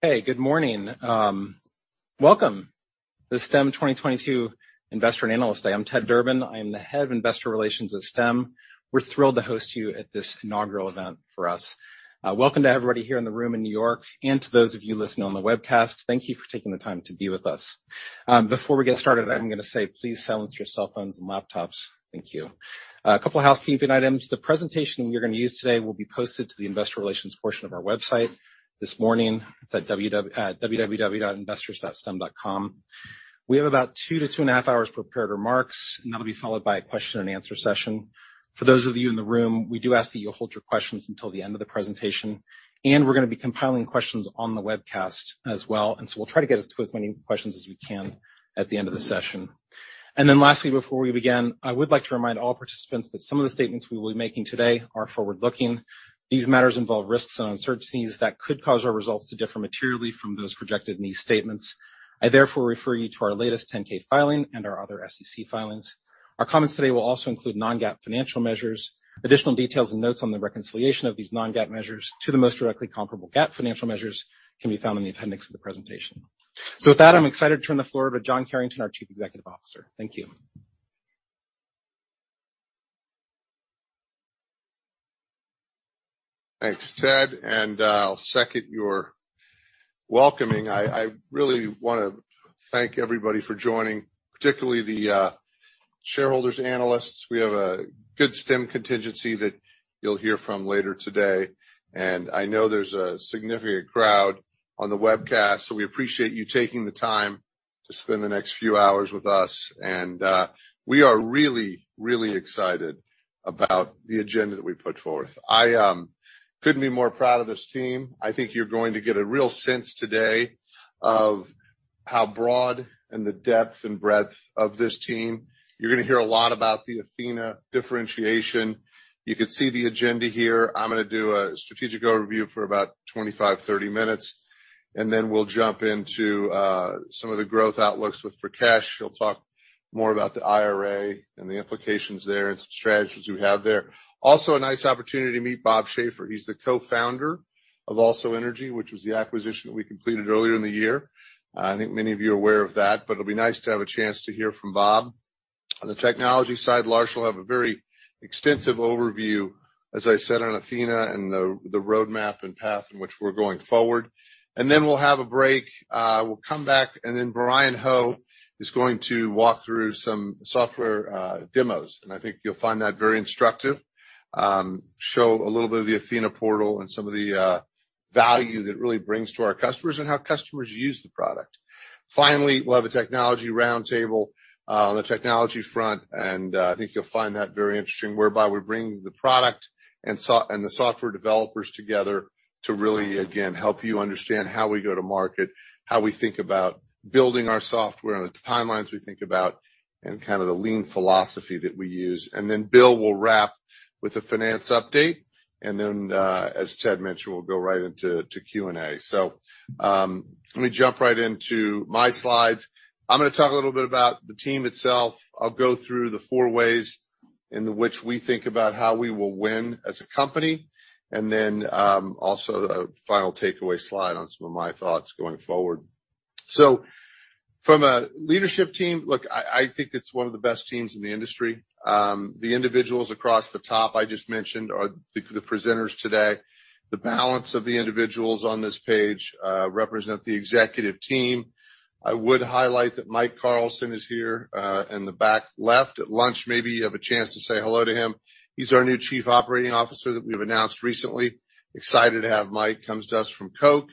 Hey, good morning. Welcome to Stem 2022 Investor and Analyst Day. I'm Ted Durbin. I'm the Head of Investor Relations at Stem. We're thrilled to host you at this inaugural event for us. Welcome to everybody here in the room in New York, and to those of you listening on the webcast, thank you for taking the time to be with us. Before we get started, I'm gonna say please silence your cell phones and laptops. Thank you. A couple housekeeping items. The presentation we're gonna use today will be posted to the investor relations portion of our website this morning. It's at www.investors.stem.com. We have about 2 to 2.5 hours prepared remarks, and that'll be followed by a question and answer session. For those of you in the room, we do ask that you hold your questions until the end of the presentation, and we're gonna be compiling questions on the webcast as well, and so we'll try to get to as many questions as we can at the end of the session. Lastly, before we begin, I would like to remind all participants that some of the statements we'll be making today are forward-looking. These matters involve risks and uncertainties that could cause our results to differ materially from those projected in these statements. I therefore refer you to our latest 10K filing and our other SEC filings. Our comments today will also include non-GAAP financial measures. Additional details and notes on the reconciliation of these non-GAAP measures to the most directly comparable GAAP financial measures can be found in the appendix of the presentation. With that, I'm excited to turn the floor over to John Carrington, our Chief Executive Officer. Thank you. Thanks, Ted. I'll second your welcome. I really wanna thank everybody for joining, particularly the shareholders, analysts. We have a good Stem contingent that you'll hear from later today, and I know there's a significant crowd on the webcast, so we appreciate you taking the time to spend the next few hours with us. We are really, really excited about the agenda that we've put forth. I couldn't be more proud of this team. I think you're going to get a real sense today of how broad and the depth and breadth of this team. You're gonna hear a lot about the Athena differentiation. You could see the agenda here. I'm gonna do a strategic overview for about 25, 30 minutes, and then we'll jump into some of the growth outlooks with Prakesh. He'll talk more about the IRA and the implications there and some strategies we have there. Also, a nice opportunity to meet Bob Schaefer. He's the co-founder of AlsoEnergy, which was the acquisition that we completed earlier in the year. I think many of you are aware of that, but it'll be nice to have a chance to hear from Bob. On the technology side, Larsh will have a very extensive overview, as I said, on Athena and the roadmap and path in which we're going forward. Then we'll have a break. We'll come back, and then Bryan Ho is going to walk through some software demos, and I think you'll find that very instructive. Show a little bit of the Athena portal and some of the value that really brings to our customers and how customers use the product. Finally, we'll have a technology roundtable on the technology front, and I think you'll find that very interesting, whereby we bring the product and the software developers together to really, again, help you understand how we go to market, how we think about building our software and the timelines we think about, and kinda the lean philosophy that we use. Then Bill will wrap with a finance update. Then, as Ted mentioned, we'll go right into Q&A. Let me jump right into my slides. I'm gonna talk a little bit about the team itself. I'll go through the 4 ways in which we think about how we will win as a company, and then also a final takeaway slide on some of my thoughts going forward. From a leadership team, look, I think it's one of the best teams in the industry. The individuals across the top I just mentioned are the presenters today. The balance of the individuals on this page represent the executive team. I would highlight that Mike Carlson is here in the back left. At lunch, maybe you have a chance to say hello to him. He's our new Chief Operating Officer that we've announced recently. Excited to have Mike. Comes to us from Coke,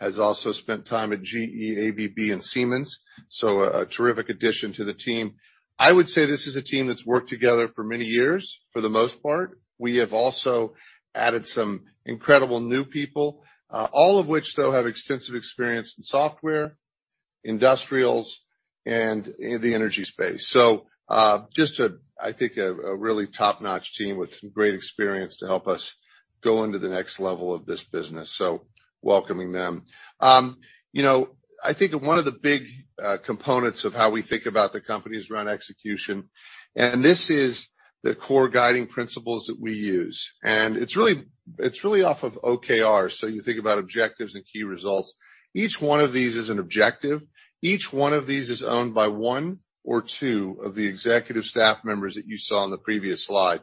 has also spent time at GE, ABB, and Siemens, so a terrific addition to the team. I would say this is a team that's worked together for many years for the most part. We have also added some incredible new people, all of which, though, have extensive experience in software, industrials, and in the energy space. I think a really top-notch team with some great experience to help us go into the next level of this business, welcoming them. You know, I think one of the big components of how we think about the company is around execution, and this is the core guiding principles that we use. It's really off of OKR, so you think about objectives and key results. Each one of these is an objective. Each one of these is owned by 1 or 2 of the executive staff members that you saw on the previous slide.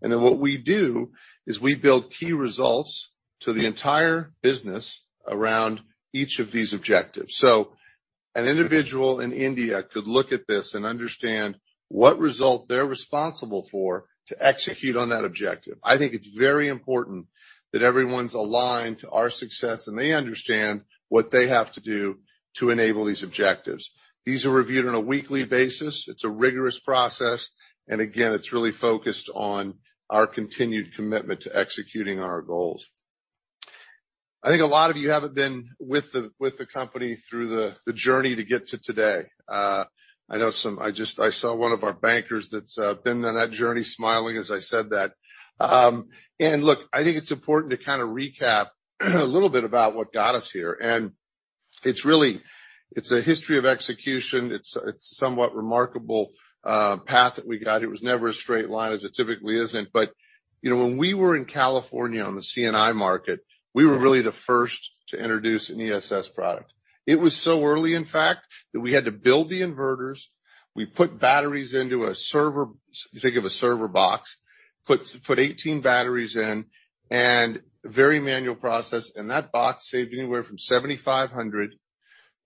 What we do is we build key results to the entire business around each of these objectives. An individual in India could look at this and understand what result they're responsible for to execute on that objective. I think it's very important that everyone's aligned to our success, and they understand what they have to do to enable these objectives. These are reviewed on a weekly basis. It's a rigorous process, and again, it's really focused on our continued commitment to executing our goals. I think a lot of you haven't been with the company through the journey to get to today. I know some. I saw one of our bankers that's been on that journey smiling as I said that. Look, I think it's important to kinda recap a little bit about what got us here. It's a history of execution. It's a somewhat remarkable path that we got. It was never a straight line as it typically isn't. You know, when we were in California on the C&I market, we were really the first to introduce an ESS product. It was so early, in fact, that we had to build the inverters. We put batteries into a server. If you think of a server box, put 18 batteries in and very manual process. That box saved anywhere from $7,500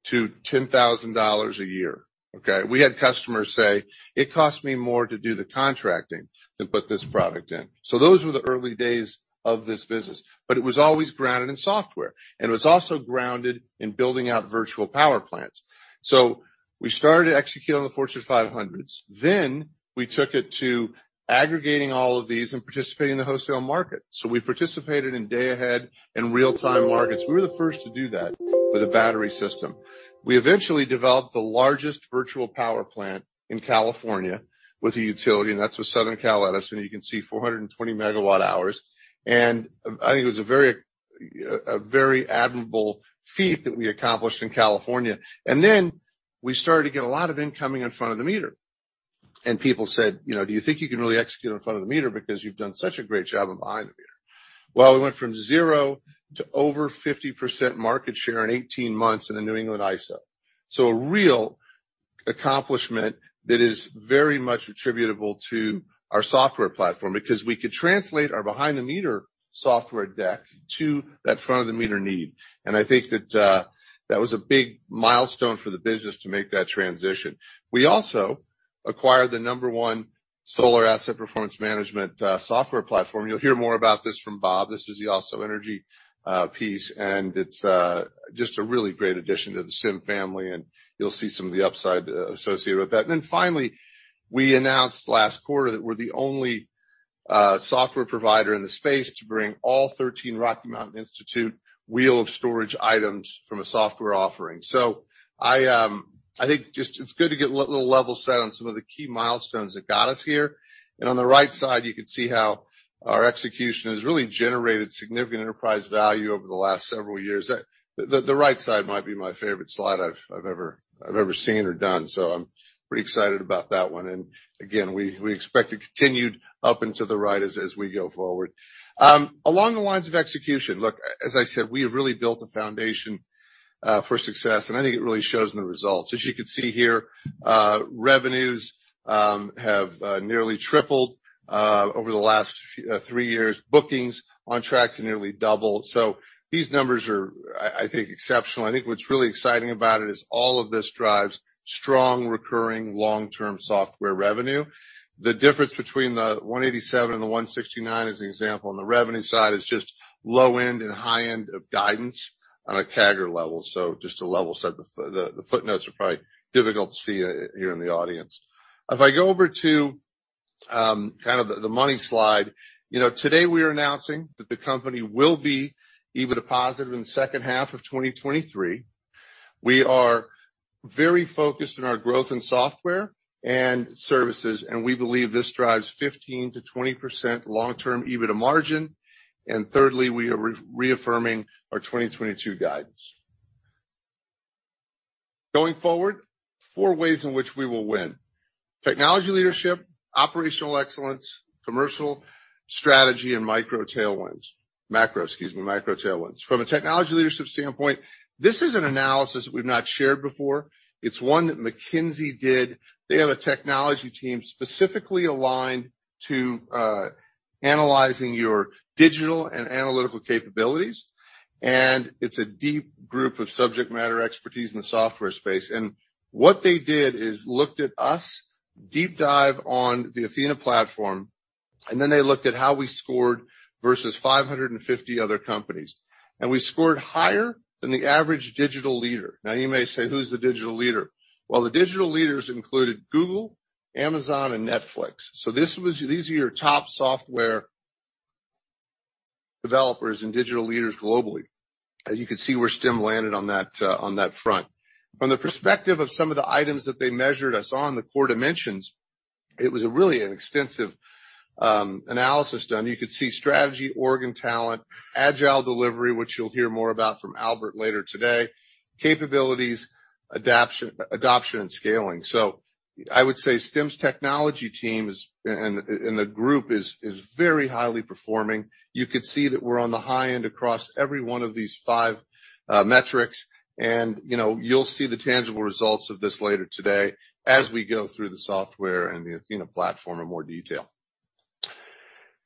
to $10,000 a year. Okay? We had customers say, "It costs me more to do the contracting than put this product in." Those were the early days of this business, but it was always grounded in software, and it was also grounded in building out virtual power plants. We started to execute on the Fortune 500s. We took it to aggregating all of these and participating in the wholesale market. We participated in day-ahead and real-time markets. We were the first to do that with a battery system. We eventually developed the largest virtual power plant in California with a utility, and that's with Southern California Edison. You can see 420 MWh. I think it was a very admirable feat that we accomplished in California. Then we started to get a lot of incoming in front of the meter, and people said, you know, "Do you think you can really execute on front of the meter because you've done such a great job on behind the meter?" Well, we went from 0% to over 50% market share in 18 months in the ISO New England. A real accomplishment that is very much attributable to our software platform because we could translate our behind-the-meter software deck to that front-of-the-meter need. I think that was a big milestone for the business to make that transition. We also acquired the number 1 solar asset performance management software platform. You'll hear more about this from Bob. This is the AlsoEnergy piece, and it's just a really great addition to the Stem family, and you'll see some of the upside associated with that. Then finally, we announced last quarter that we're the only software provider in the space to bring all 13 Rocky Mountain Institute value streams as a software offering. I think it's good to get a little level set on some of the key milestones that got us here. On the right side, you can see how our execution has really generated significant enterprise value over the last several years. The right side might be my favorite slide I've ever seen or done, so I'm pretty excited about that one. Again, we expect a continued up and to the right as we go forward. Along the lines of execution, look, as I said, we have really built a foundation for success, and I think it really shows in the results. As you can see here, revenues have nearly tripled over the last 3 years. Bookings on track to nearly double. These numbers are, I think, exceptional. I think what's really exciting about it is all of this drives strong recurring long-term software revenue. The difference between the $187 and the $169 as an example on the revenue side is just low end and high end of guidance on a CAGR level. Just to level set the footnotes are probably difficult to see here in the audience. If I go over to kind of the money slide, you know, today we are announcing that the company will be EBITDA positive in the H2 of 2023. We are very focused on our growth in software and services, and we believe this drives 15% to 20% long-term EBITDA margin. Thirdly, we are reaffirming our 2022 guidance. Going forward, 4 ways in which we will win. Technology leadership, operational excellence, commercial strategy, and micro tailwinds. Macro, excuse me, macro tailwinds. From a technology leadership standpoint, this is an analysis that we've not shared before. It's 1e that McKinsey did. They have a technology team specifically aligned to analyzing your digital and analytical capabilities, and it's a deep group of subject matter expertise in the software space. What they did is looked at us, deep dive on the Athena platform, and then they looked at how we scored versus 550 other companies. We scored higher than the average digital leader. Now you may say, who's the digital leader? Well, the digital leaders included Google, Amazon, and Netflix. These are your top software developers and digital leaders globally. As you can see where Stem landed on that front. From the perspective of some of the items that they measured us on the core dimensions, it was really an extensive analysis done. You could see strategy, org, and talent, agile delivery, which you'll hear more about from Albert later today, capabilities, adaptation, adoption, and scaling. I would say Stem's technology team is and the group is very highly performing. You could see that we're on the high end across every 1 of these 5 metrics and, you know, you'll see the tangible results of this later today as we go through the software and the Athena platform in more detail.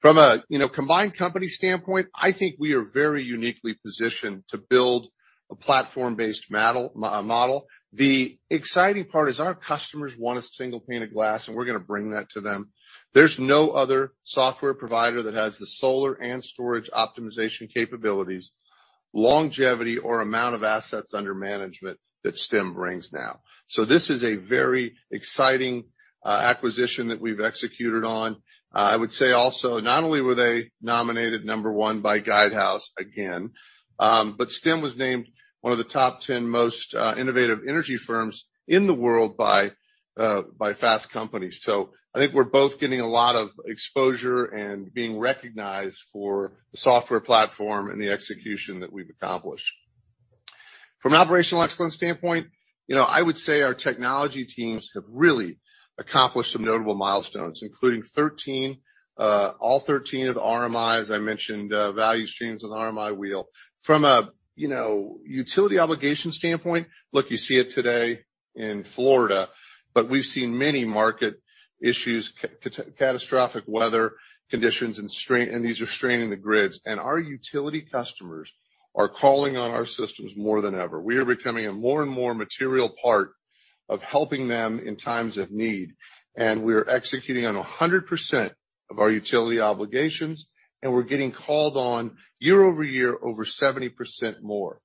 From a, you know, combined company standpoint, I think we are very uniquely positioned to build a platform-based model. The exciting part is our customers want a single pane of glass, and we're gonna bring that to them. There's no other software provider that has the solar and storage optimization capabilities, longevity or amount of assets under management that Stem brings now. This is a very exciting acquisition that we've executed on. I would say also, not only were they nominated number 1 by Guidehouse again, but STEM was named 1 of the top 10 most innovative energy firms in the world by Fast Company. I think we're both getting a lot of exposure and being recognized for the software platform and the execution that we've accomplished. From an operational excellence standpoint, you know, I would say our technology teams have really accomplished some notable milestones, including 13, all 13 of RMI, as I mentioned, value streams on the RMI wheel. From a, you know, utility obligation standpoint, look, you see it today in Florida, but we've seen many market issues, catastrophic weather conditions, and strain, and these are straining the grids. Our utility customers are calling on our systems more than ever. We are becoming a more and more material part of helping them in times of need, and we're executing on 100% of our utility obligations, and we're getting called on year-over-year over 70% more.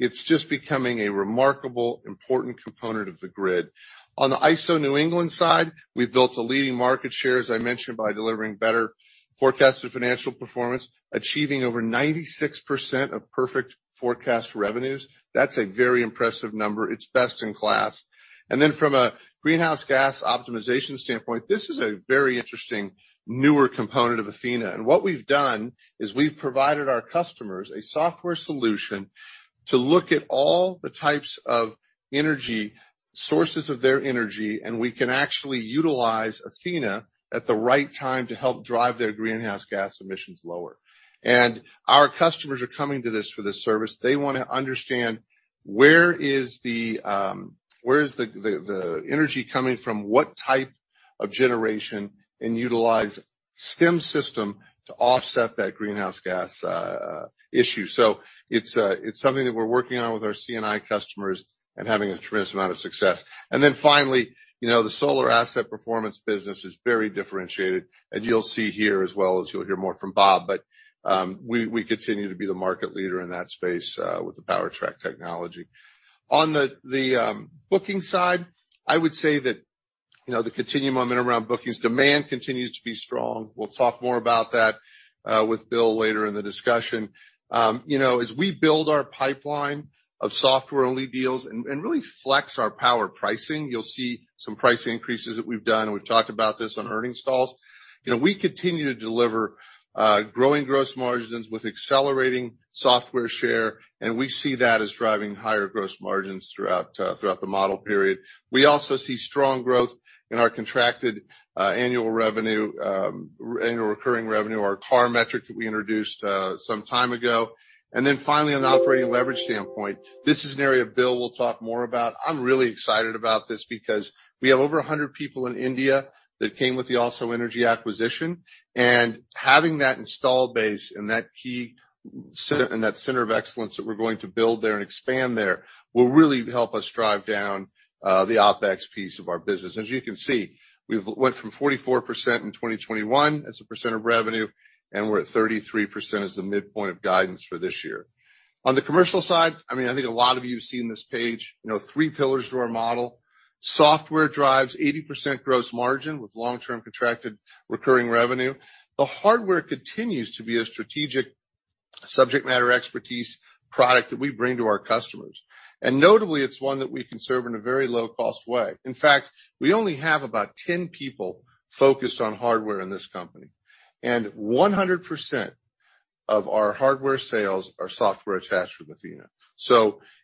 It's just becoming a remarkable, important component of the grid. On the ISO New England side, we've built a leading market share, as I mentioned, by delivering better forecasted financial performance, achieving over 96% of perfect forecast revenues. That's a very impressive number. It's best in class. Then from a greenhouse gas optimization standpoint, this is a very interesting newer component of Athena. What we've done is we've provided our customers a software solution to look at all the types of energy, sources of their energy, and we can actually utilize Athena at the right time to help drive their greenhouse gas emissions lower. Our customers are coming to this for this service. They wanna understand where the energy is coming from, what type of generation, and utilize Stem system to offset that greenhouse gas issue. It's something that we're working on with our C&I customers and having a tremendous amount of success. Then finally, you know, the solar asset performance business is very differentiated. You'll see here as well as you'll hear more from Bob, but we continue to be the market leader in that space with the PowerTrack technology. On the booking side, I would say that, you know, the continued momentum around bookings, demand continues to be strong. We'll talk more about that with Bill later in the discussion. You know, as we build our pipeline of software-only deals and really flex our power pricing, you'll see some price increases that we've done, and we've talked about this on earnings calls. You know, we continue to deliver growing gross margins with accelerating software share, and we see that as driving higher gross margins throughout the model period. We also see strong growth in our contracted annual revenue, annual recurring revenue, our CARR metric that we introduced some time ago. Then finally, on the operating leverage standpoint, this is an area Bill will talk more about. I'm really excited about this because we have over 100 people in India that came with the AlsoEnergy acquisition. Having that installed base and that center of excellence that we're going to build there and expand there will really help us drive down the OpEx piece of our business. As you can see, we've went from 44% in 2021 as a percent of revenue, and we're at 33% as the midpoint of guidance for this year. On the commercial side, I mean, I think a lot of you have seen this page. You know, 3 pillars to our model. Software drives 80% gross margin with long-term contracted recurring revenue. The hardware continues to be a strategic subject matter expertise product that we bring to our customers. Notably, it's 1 that we can serve in a very low-cost way. In fact, we only have about 10 people focused on hardware in this company, and 100% of our hardware sales are software attached with Athena.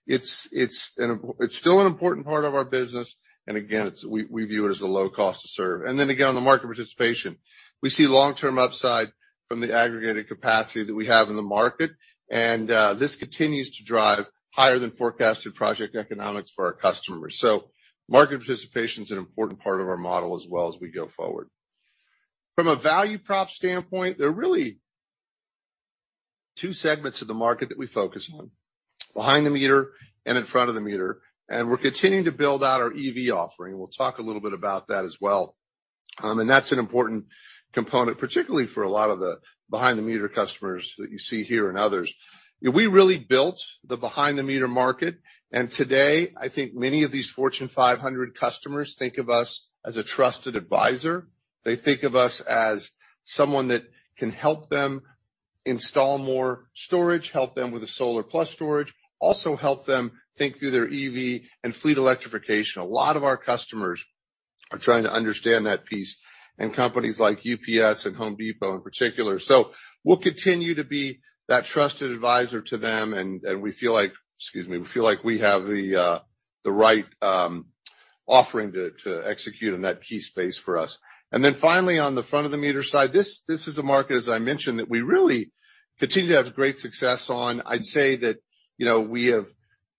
It's an important part of our business, and again, we view it as a low cost to serve. Again, on the market participation, we see long-term upside from the aggregated capacity that we have in the market, and this continues to drive higher than forecasted project economics for our customers. Market participation is an important part of our model as we go forward. From a value prop standpoint, there are really 2 segments of the market that we focus on, behind the meter and in front of the meter, and we're continuing to build out our EV offering. We'll talk a little bit about that as well. That's an important component, particularly for a lot of the behind-the-meter customers that you see here and others. We really built the behind-the-meter market. Today, I think many of these Fortune 500 customers think of us as a trusted advisor. They think of us as someone that can help them install more storage, help them with the solar plus storage, also help them think through their EV and fleet electrification. A lot of our customers are trying to understand that piece in companies like UPS and Home Depot in particular. We'll continue to be that trusted advisor to them and we feel like we have the right offering to execute in that key space for us. Finally, on the front-of-the-meter side, this is a market, as I mentioned, that we really continue to have great success on. I'd say that, you know, we have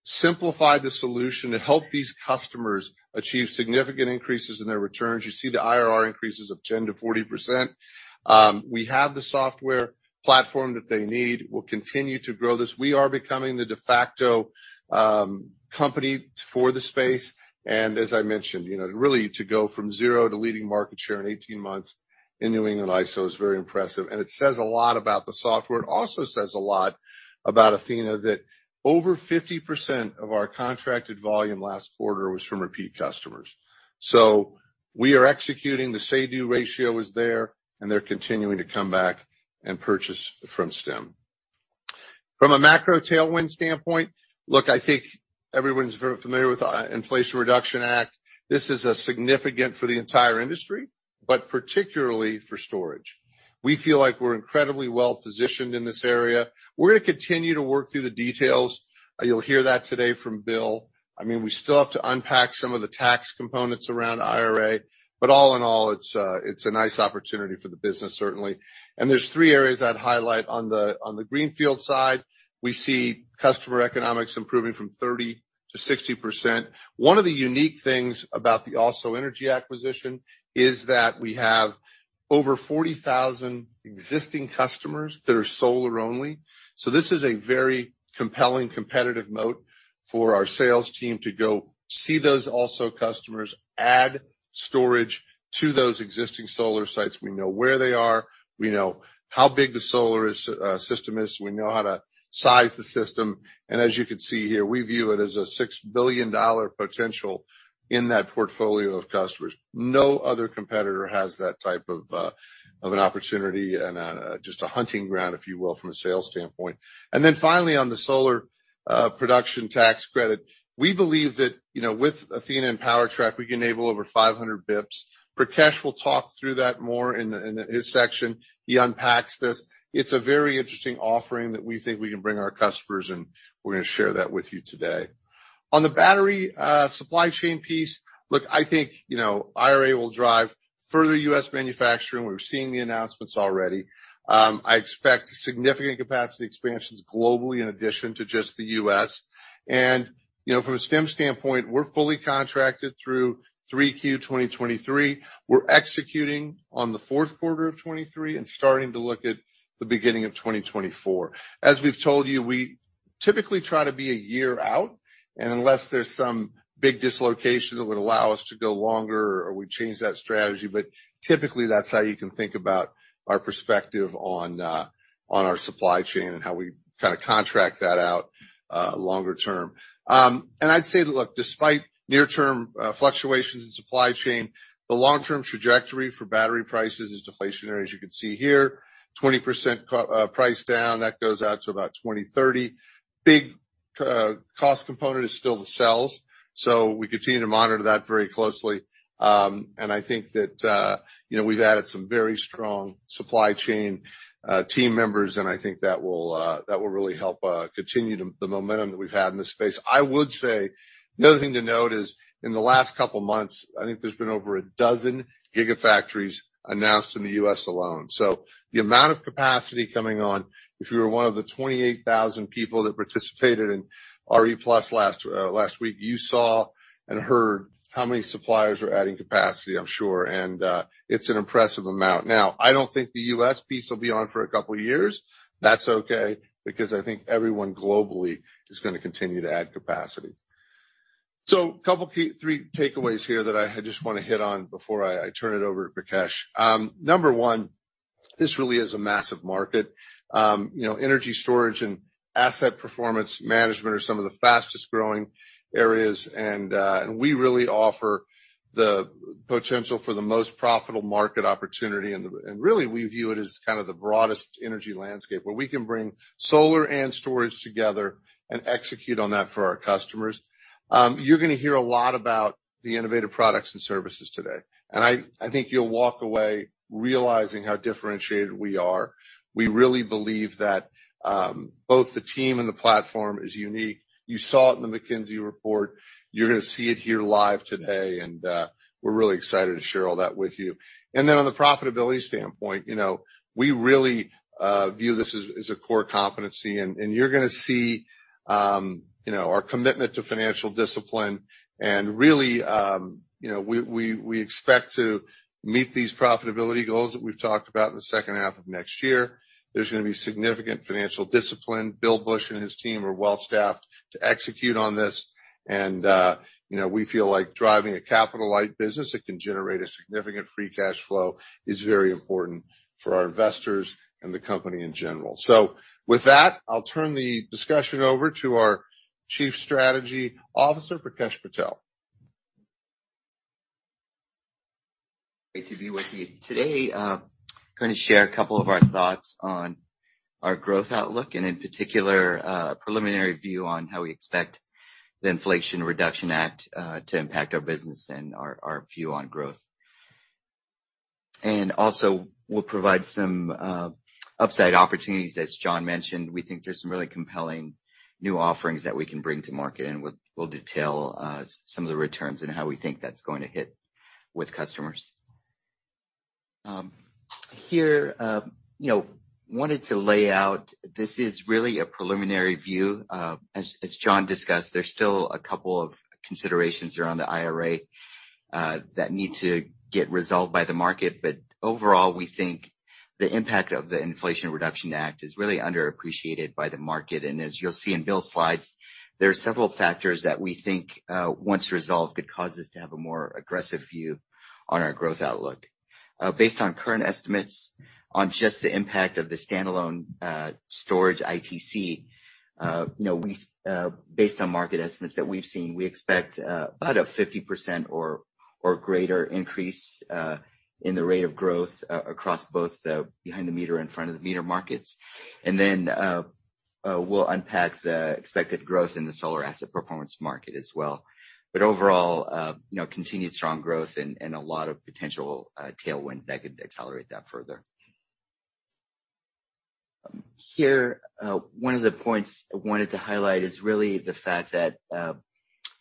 simplified the solution to help these customers achieve significant increases in their returns. You see the IRR increases of 10% to 40%. We have the software platform that they need. We'll continue to grow this. We are becoming the de facto company for the space. As I mentioned, you know, really to go from 0 to leading market share in 18 months in ISO New England is very impressive. It says a lot about the software. It also says a lot about Athena that over 50% of our contracted volume last quarter was from repeat customers. We are executing. The say-do ratio is there, and they're continuing to come back and purchase from Stem. From a macro tailwind standpoint, look, I think everyone's very familiar with Inflation Reduction Act. This is significant for the entire industry, but particularly for storage. We feel like we're incredibly well-positioned in this area. We're gonna continue to work through the details. You'll hear that today from Bill. I mean, we still have to unpack some of the tax components around IRA, but all in all, it's a nice opportunity for the business, certainly. There's 3 areas I'd highlight. On the greenfield side, we see customer economics improving from 30% to 60%. One of the unique things about the AlsoEnergy acquisition is that we have over 40,000 existing customers that are solar only. This is a very compelling competitive moat for our sales team to go see those Also customers, add storage to those existing solar sites. We know where they are, we know how big the solar system is, we know how to size the system. As you can see here, we view it as a $6 billion potential in that portfolio of customers. No other competitor has that type of an opportunity and just a hunting ground, if you will, from a sales standpoint. Then finally, on the solar production tax credit, we believe that, you know, with Athena and PowerTrack, we enable over 500 basis points. Prakesh will talk through that more in his section. He unpacks this. It's a very interesting offering that we think we can bring our customers, and we're gonna share that with you today. On the battery supply chain piece. Look, I think, you know, IRA will drive further U.S. manufacturing. We're seeing the announcements already. I expect significant capacity expansions globally in addition to just the U.S. You know, from a Stem standpoint, we're fully contracted through 3Q 2023. We're executing on the Q4 of 2023 and starting to look at the beginning of 2024. As we've told you, we typically try to be a year out, and unless there's some big dislocation that would allow us to go longer or we change that strategy. Typically, that's how you can think about our perspective on our supply chain and how we kinda contract that out longer term. I'd say that look, despite near-term fluctuations in supply chain, the long-term trajectory for battery prices is deflationary, as you can see here. 20% price down, that goes out to about 2030. Big cost component is still the cells, so we continue to monitor that very closely. I think that, you know, we've added some very strong supply chain team members, and I think that will really help continue the momentum that we've had in this space. I would say another thing to note is, in the last couple months, I think there's been over a dozen gigafactories announced in the U.S. alone. The amount of capacity coming on, if you were one of the 28,000 people that participated in RE+ last week, you saw and heard how many suppliers are adding capacity, I'm sure, and it's an impressive amount. Now, I don't think the U.S. piece will be on for a couple of years. That's okay, because I think everyone globally is gonna continue to add capacity. 3 takeaways here that I just wanna hit on before I turn it over to Prakesh. Number 1, this really is a massive market. You know, energy storage and asset performance management are some of the fastest-growing areas, and we really offer the potential for the most profitable market opportunity. Really, we view it as kind of the broadest energy landscape, where we can bring solar and storage together and execute on that for our customers. You're gonna hear a lot about the innovative products and services today, and I think you'll walk away realizing how differentiated we are. We really believe that both the team and the platform is unique. You saw it in the McKinsey report. You're gonna see it here live today, and we're really excited to share all that with you. Then on the profitability standpoint, you know, we really view this as a core competency, and you're gonna see, you know, our commitment to financial discipline and really, you know, we expect to meet these profitability goals that we've talked about in the H2 of next year. There's gonna be significant financial discipline. Bill Bush and his team are well-staffed to execute on this. You know, we feel like driving a capital-light business that can generate a significant free cash flow is very important for our investors and the company in general. With that, I'll turn the discussion over to our Chief Strategy Officer, Prakash Patel. Great to be with you today. Gonna share a couple of our thoughts on our growth outlook and, in particular, a preliminary view on how we expect the Inflation Reduction Act to impact our business and our view on growth. We'll provide some upside opportunities as John mentioned. We think there's some really compelling new offerings that we can bring to market, and we'll detail some of the returns and how we think that's going to hit with customers. You know, wanted to lay out. This is really a preliminary view. As John discussed, there's still a couple of considerations around the IRA that need to get resolved by the market. Overall, we think the impact of the Inflation Reduction Act is really underappreciated by the market. As you'll see in Bill's slides, there are several factors that we think once resolved could cause us to have a more aggressive view on our growth outlook. Based on current estimates on just the impact of the standalone storage ITC, you know, based on market estimates that we've seen, we expect about a 50% or greater increase in the rate of growth across both the behind the meter and in front of the meter markets. Then we'll unpack the expected growth in the solar asset performance market as well. Overall, you know, continued strong growth and a lot of potential tailwind that could accelerate that further. Here, one of the points I wanted to highlight is really the fact that,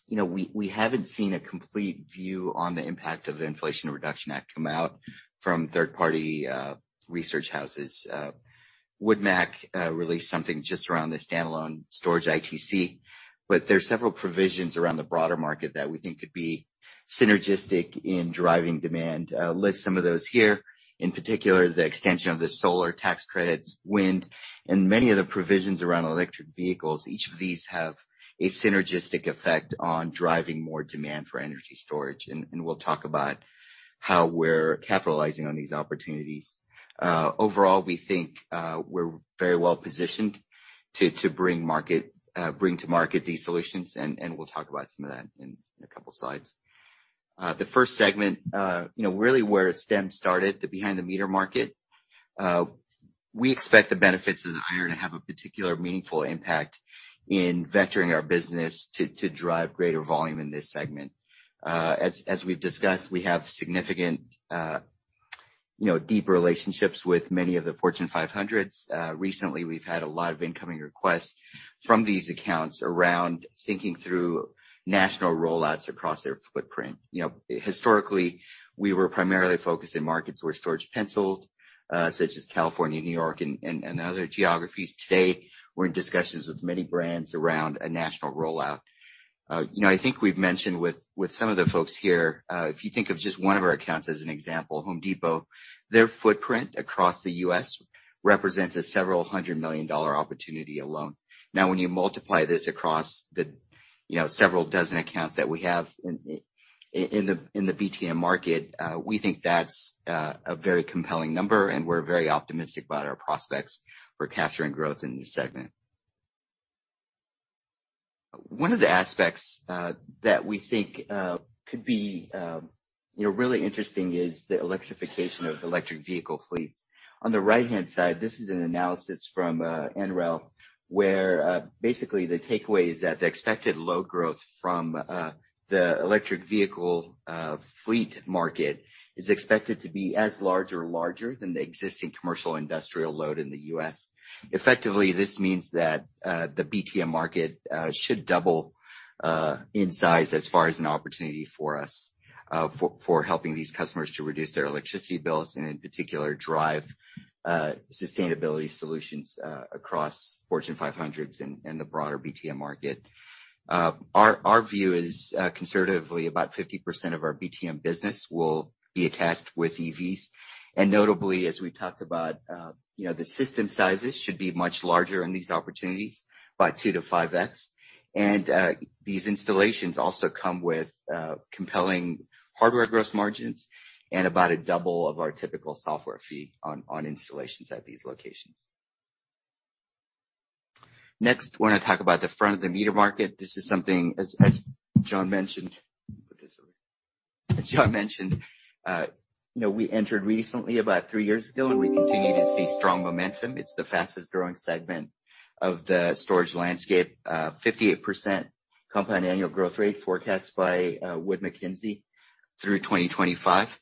you know, we haven't seen a complete view on the impact of the Inflation Reduction Act come out from third-party research houses. WoodMac released something just around the standalone storage ITC, but there are several provisions around the broader market that we think could be synergistic in driving demand. I'll list some of those here. In particular, the extension of the solar tax credits, wind, and many of the provisions around electric vehicles. Each of these have a synergistic effect on driving more demand for energy storage, and we'll talk about how we're capitalizing on these opportunities. Overall, we think we're very well-positioned to bring to market these solutions, and we'll talk about some of that in a couple slides. The first segment, you know, really where Stem started, the behind the meter market. We expect the benefits of the IRA to have a particularly meaningful impact in expanding our business to drive greater volume in this segment. As we've discussed, we have significant, you know, deep relationships with many of the Fortune 500s. Recently we've had a lot of incoming requests from these accounts around thinking through national rollouts across their footprint. You know, historically, we were primarily focused in markets where storage penciled, such as California, New York, and other geographies. Today, we're in discussions with many brands around a national rollout. You know, I think we've mentioned with some of the folks here, if you think of just one of our accounts as an example, Home Depot, their footprint across the U.S. represents a several hundred million dollar opportunity alone. Now, when you multiply this across the, you know, several dozen accounts that we have in the BTM market, we think that's a very compelling number, and we're very optimistic about our prospects for capturing growth in this segment. One of the aspects that we think could be, you know, really interesting is the electrification of electric vehicle fleets. On the right-hand side, this is an analysis from NREL, where basically the takeaway is that the expected load growth from the electric vehicle fleet market is expected to be as large or larger than the existing commercial and industrial load in the US. Effectively, this means that the BTM market should double in size as far as an opportunity for us for helping these customers to reduce their electricity bills, and in particular, drive sustainability solutions across Fortune 500s and the broader BTM market. Our view is conservatively about 50% of our BTM business will be attached with EVs. Notably, as we talked about, you know, the system sizes should be much larger in these opportunities by 2x to 5x. These installations also come with compelling hardware gross margins and about a double of our typical software fee on installations at these locations. Next, wanna talk about the front of the meter market. This is something as John mentioned. Put this over here. As John mentioned, you know, we entered recently about 3 years ago, and we continue to see strong momentum. It's the fastest-growing segment of the storage landscape. 58% compound annual growth rate forecast by Wood Mackenzie through 2025.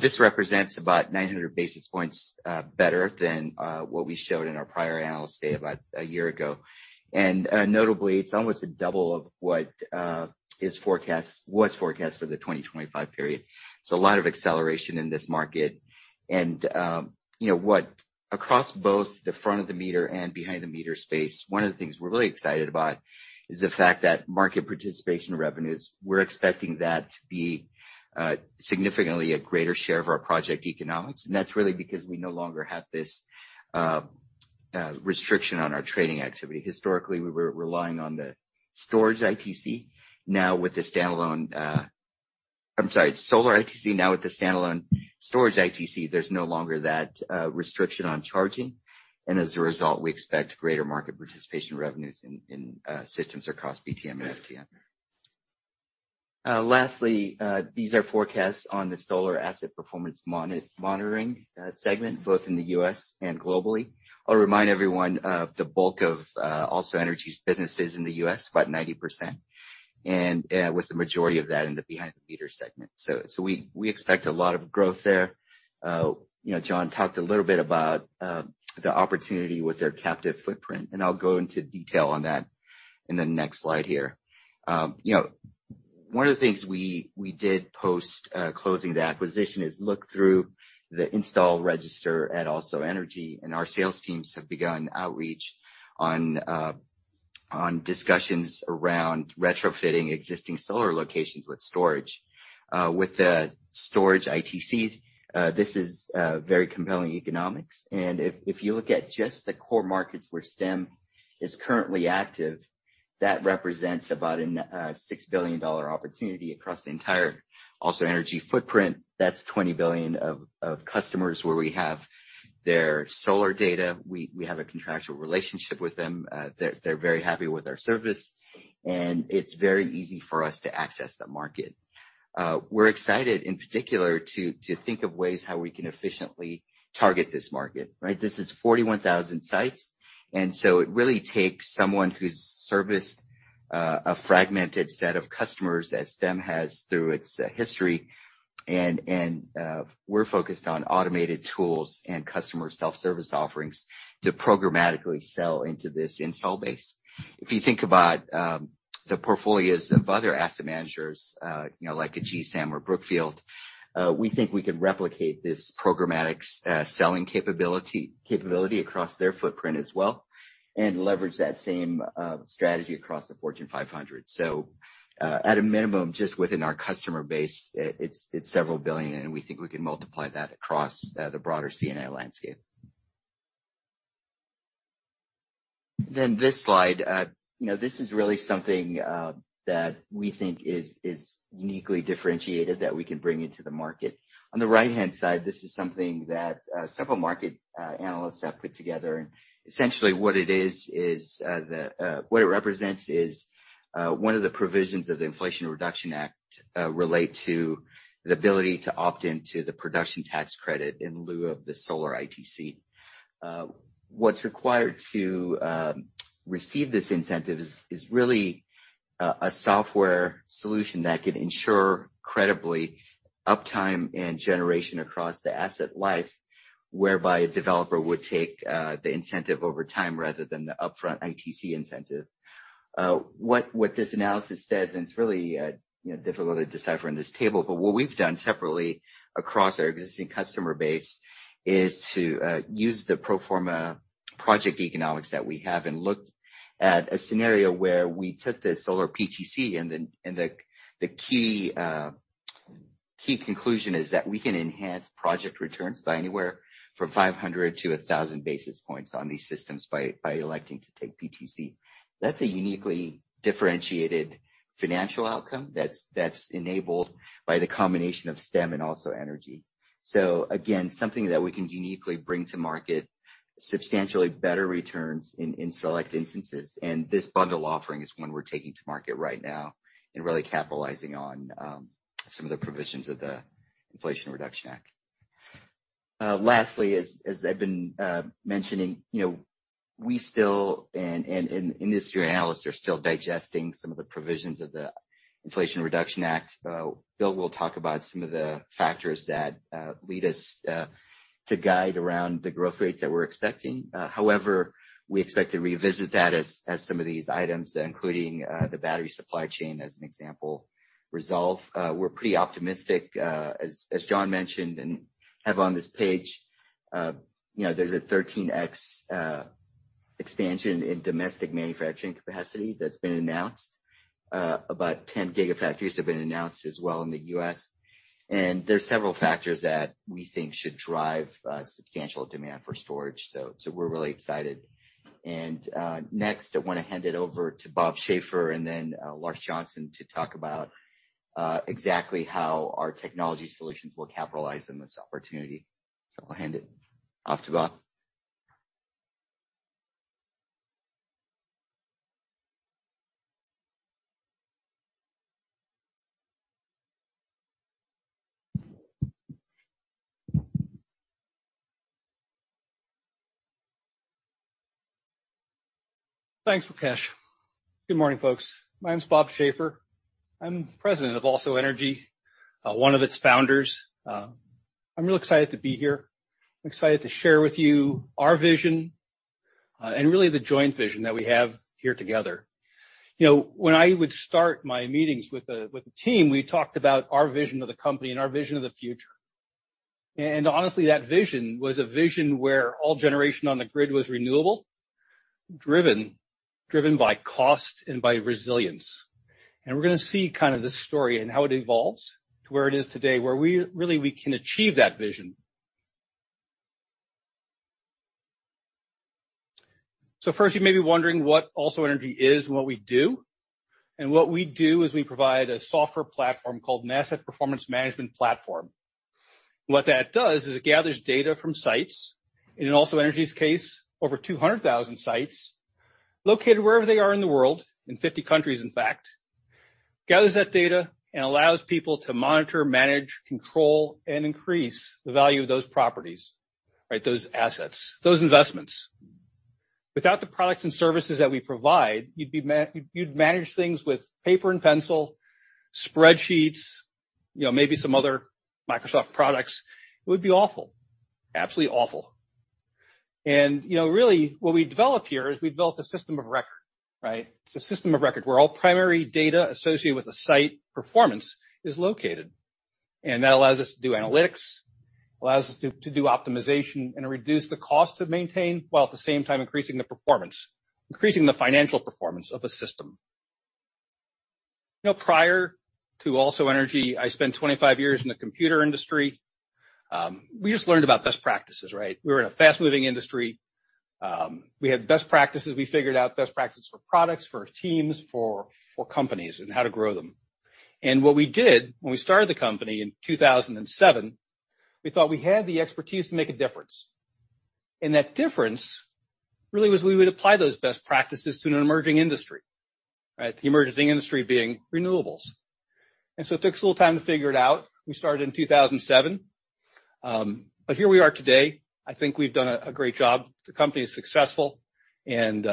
This represents about 900 basis points better than what we showed in our prior analysis day about a year ago. Notably, it's almost a double of what was forecast for the 2025 period. A lot of acceleration in this market. You know what? Across both the front of the meter and behind the meter space, one of the things we're really excited about is the fact that market participation revenues, we're expecting that to be significantly a greater share of our project economics. That's really because we no longer have this restriction on our trading activity. Historically, we were relying on the storage ITC. Now with the standalone storage ITC, there's no longer that restriction on charging. As a result, we expect greater market participation revenues in systems across BTM and FTM. Lastly, these are forecasts on the solar asset performance monitoring segment, both in the U.S. and globally. I'll remind everyone of the bulk of AlsoEnergy's businesses in the U.S., about 90%, and with the majority of that in the behind the meter segment. We expect a lot of growth there. You know, John talked a little bit about the opportunity with their captive footprint, and I'll go into detail on that in the next slide here. You know, one of the things we did post closing the acquisition is look through the install register at AlsoEnergy, and our sales teams have begun outreach on discussions around retrofitting existing solar locations with storage. With the storage ITC, this is very compelling economics. If you look at just the core markets where Stem is currently active, that represents about a $6 billion opportunity across the entire AlsoEnergy footprint. That's 20 billion-dollar customers where we have their solar data. We have a contractual relationship with them. They're very happy with our service, and it's very easy for us to access that market. We're excited, in particular, to think of ways how we can efficiently target this market, right? This is 41,000 sites, and so it really takes someone who's serviced a fragmented set of customers that Stem has through its history. We're focused on automated tools and customer self-service offerings to programmatically sell into this install base. If you think about the portfolios of other asset managers, you know, like a GSAM or Brookfield, we think we can replicate this programmatic selling capability across their footprint as well, and leverage that same strategy across the Fortune 500. At a minimum, just within our customer base, it's several billion, and we think we can multiply that across the broader C&I landscape. This slide. You know, this is really something that we think is uniquely differentiated that we can bring into the market. On the right-hand side, this is something that several market analysts have put together. Essentially, what it is is the. What it represents is one of the provisions of the Inflation Reduction Act that relate to the ability to opt into the production tax credit in lieu of the solar ITC. What's required to receive this incentive is really a software solution that can ensure credible uptime and generation across the asset life, whereby a developer would take the incentive over time rather than the upfront ITC incentive. What this analysis says, and it's really you know difficult to decipher in this table, but what we've done separately across our existing customer base is to use the pro forma project economics that we have and looked at a scenario where we took the solar PTC. The key conclusion is that we can enhance project returns by anywhere from 500 to 1,000 basis points on these systems by electing to take PTC. That's a uniquely differentiated financial outcome that's enabled by the combination of Stem and AlsoEnergy. Again, something that we can uniquely bring to market, substantially better returns in select instances. This bundle offering is one we're taking to market right now and really capitalizing on some of the provisions of the Inflation Reduction Act. Lastly, as I've been mentioning, you know, we still and industry analysts are still digesting some of the provisions of the Inflation Reduction Act. Bill will talk about some of the factors that lead us to guide around the growth rates that we're expecting. However, we expect to revisit that as some of these items, including the battery supply chain, as an example, resolve. We're pretty optimistic. As John mentioned and have on this page, you know, there's a 13x expansion in domestic manufacturing capacity that's been announced. About 10 gigafactories have been announced as well in the U.S. There's several factors that we think should drive substantial demand for storage. We're really excited. Next, I wanna hand it over to Bob Schaefer and then Larsh Johnson to talk about exactly how our technology solutions will capitalize on this opportunity. I'll hand it off to Bob. Thanks, Prakesh. Good morning, folks. My name is Bob Schaefer. I'm president of AlsoEnergy, one of its founders. I'm real excited to be here. I'm excited to share with you our vision, and really the joint vision that we have here together. You know, when I would start my meetings with the team, we talked about our vision of the company and our vision of the future. Honestly, that vision was a vision where all generation on the grid was renewable, driven by cost and by resilience. We're gonna see kinda the story and how it evolves to where it is today, where we can achieve that vision. First, you may be wondering what AlsoEnergy is and what we do. What we do is we provide a software platform called an Asset Performance Management Platform. What that does is it gathers data from sites, in AlsoEnergy's case, over 200,000 sites, located wherever they are in the world, in 50 countries, in fact, gathers that data and allows people to monitor, manage, control, and increase the value of those properties, right? Those assets, those investments. Without the products and services that we provide, you'd manage things with paper and pencil, spreadsheets, you know, maybe some other Microsoft products. It would be awful. Absolutely awful. You know, really what we developed here is we built a system of record, right? It's a system of record where all primary data associated with a site performance is located. That allows us to do analytics, allows us to do optimization and reduce the cost to maintain, while at the same time increasing the performance, increasing the financial performance of a system. You know, prior to AlsoEnergy, I spent 25 years in the computer industry. We just learned about best practices, right? We were in a fast-moving industry. We had best practices. We figured out best practices for products, for teams, for companies, and how to grow them. What we did when we started the company in 2007, we thought we had the expertise to make a difference. That difference really was we would apply those best practices to an emerging industry, right? The emerging industry being renewables. It took us a little time to figure it out. We started in 2007. Here we are today. I think we've done a great job. The company is successful and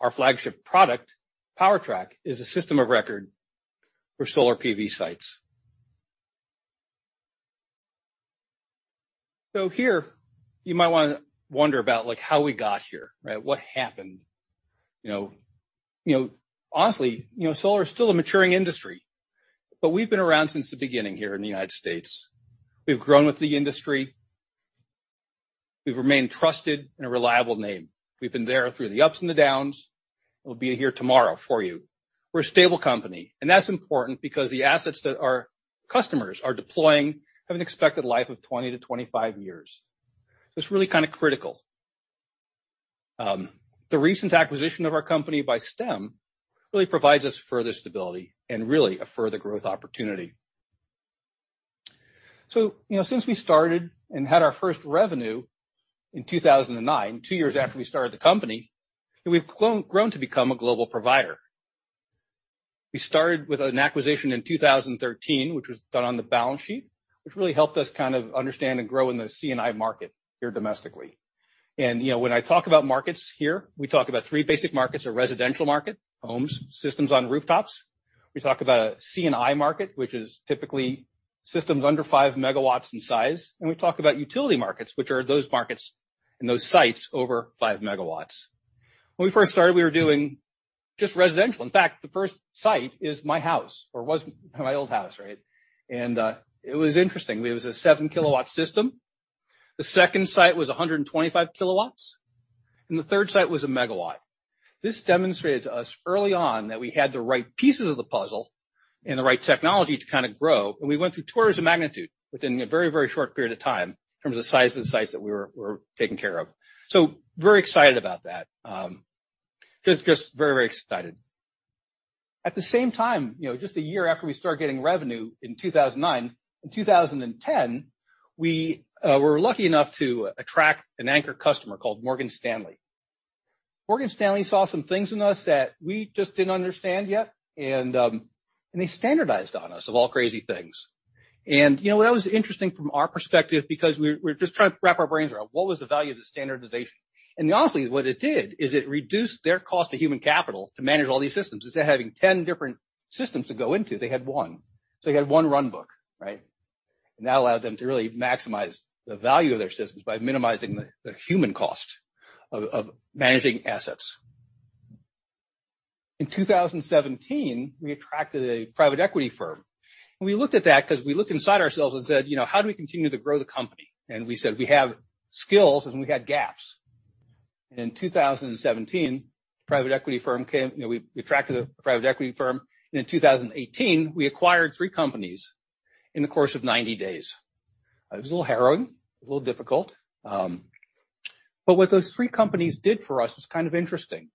our flagship product, PowerTrack, is a system of record for solar PV sites. Here you might wanna wonder about, like, how we got here, right? What happened? You know, honestly, you know, solar is still a maturing industry, but we've been around since the beginning here in the United States. We've grown with the industry. We've remained trusted and a reliable name. We've been there through the ups and the downs, and we'll be here tomorrow for you. We're a stable company, and that's important because the assets that our customers are deploying have an expected life of 20 to 25 years. It's really kinda critical. The recent acquisition of our company by Stem really provides us further stability and really a further growth opportunity. You know, since we started and had our first revenue in 2009, 2 years after we started the company, we've grown to become a global provider. We started with an acquisition in 2013, which was done on the balance sheet, which really helped us kind of understand and grow in the C&I market here domestically. You know, when I talk about markets here, we talk about 3 basic markets, a residential market, homes, systems on rooftops. We talk about a C&I market, which is typically systems under 5 MW in size. We talk about utility markets, which are those markets and those sites over 5 MW. When we first started, we were doing just residential. In fact, the first site is my house or was my old house, right? It was interesting. It was a 7 kW system. The second site was 125 kW. The third site was 1 MW. This demonstrated to us early on that we had the right pieces of the puzzle and the right technology to kinda grow. We went through orders of magnitude within a very, very short period of time in terms of the size of the sites that we were taking care of. Very excited about that. Just very, very excited. At the same time, you know, just a year after we started getting revenue in 2009, in 2010, we were lucky enough to attract an anchor customer called Morgan Stanley. Morgan Stanley saw some things in us that we just didn't understand yet, and they standardized on us of all crazy things. You know, that was interesting from our perspective because we were just trying to wrap our brains around what was the value of the standardization. Honestly, what it did is it reduced their cost of human capital to manage all these systems. Instead of having 10 different systems to go into, they had 1. They had 1 runbook, right? That allowed them to really maximize the value of their systems by minimizing the human cost of managing assets. In 2017, we attracted a private equity firm. We looked at that 'cause we looked inside ourselves and said, you know, "How do we continue to grow the company?" We said, "We have skills, and we got gaps." In 2017, private equity firm came. You know, we attracted a private equity firm. In 2018, we acquired 3 companies in the course of 90 days. It was a little harrowing, a little difficult. What those 3 companies did for us was kind of interesting.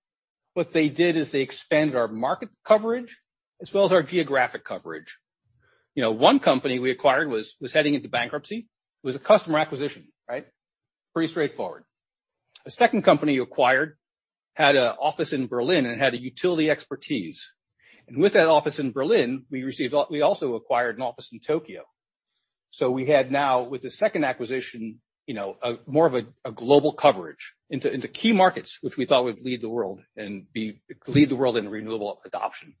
What they did is they expanded our market coverage as well as our geographic coverage. You know, 1 company we acquired was heading into bankruptcy. It was a customer acquisition, right? Pretty straightforward. A second company we acquired had an office in Berlin and had a utility expertise. With that office in Berlin, we also acquired an office in Tokyo. We had now, with the second acquisition, you know, a more of a global coverage into key markets which we thought would lead the world in renewable adoption.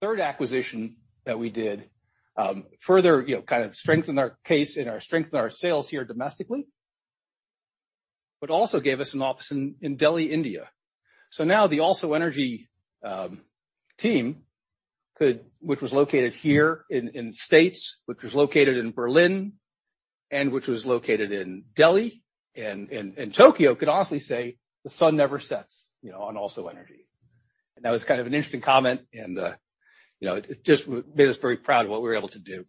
Third acquisition that we did further you know kind of strengthened our case and strengthened our sales here domestically but also gave us an office in Delhi, India. Now the AlsoEnergy team could which was located here in States which was located in Berlin and which was located in Delhi and Tokyo could honestly say the sun never sets you know on AlsoEnergy. That was kind of an interesting comment and you know it just made us very proud of what we were able to do.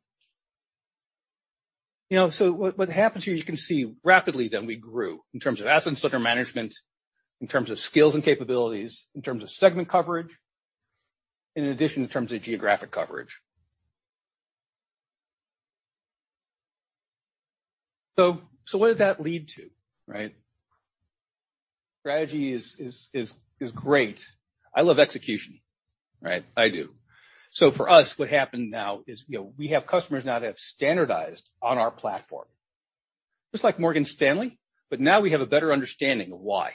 You know what happens here you can see rapidly then we grew in terms of asset under management in terms of skills and capabilities in terms of segment coverage and in addition in terms of geographic coverage. What did that lead to right? Strategy is great. I love execution, right? I do. For us, what happened now is, you know, we have customers now that have standardized on our platform, just like Morgan Stanley, but now we have a better understanding of why.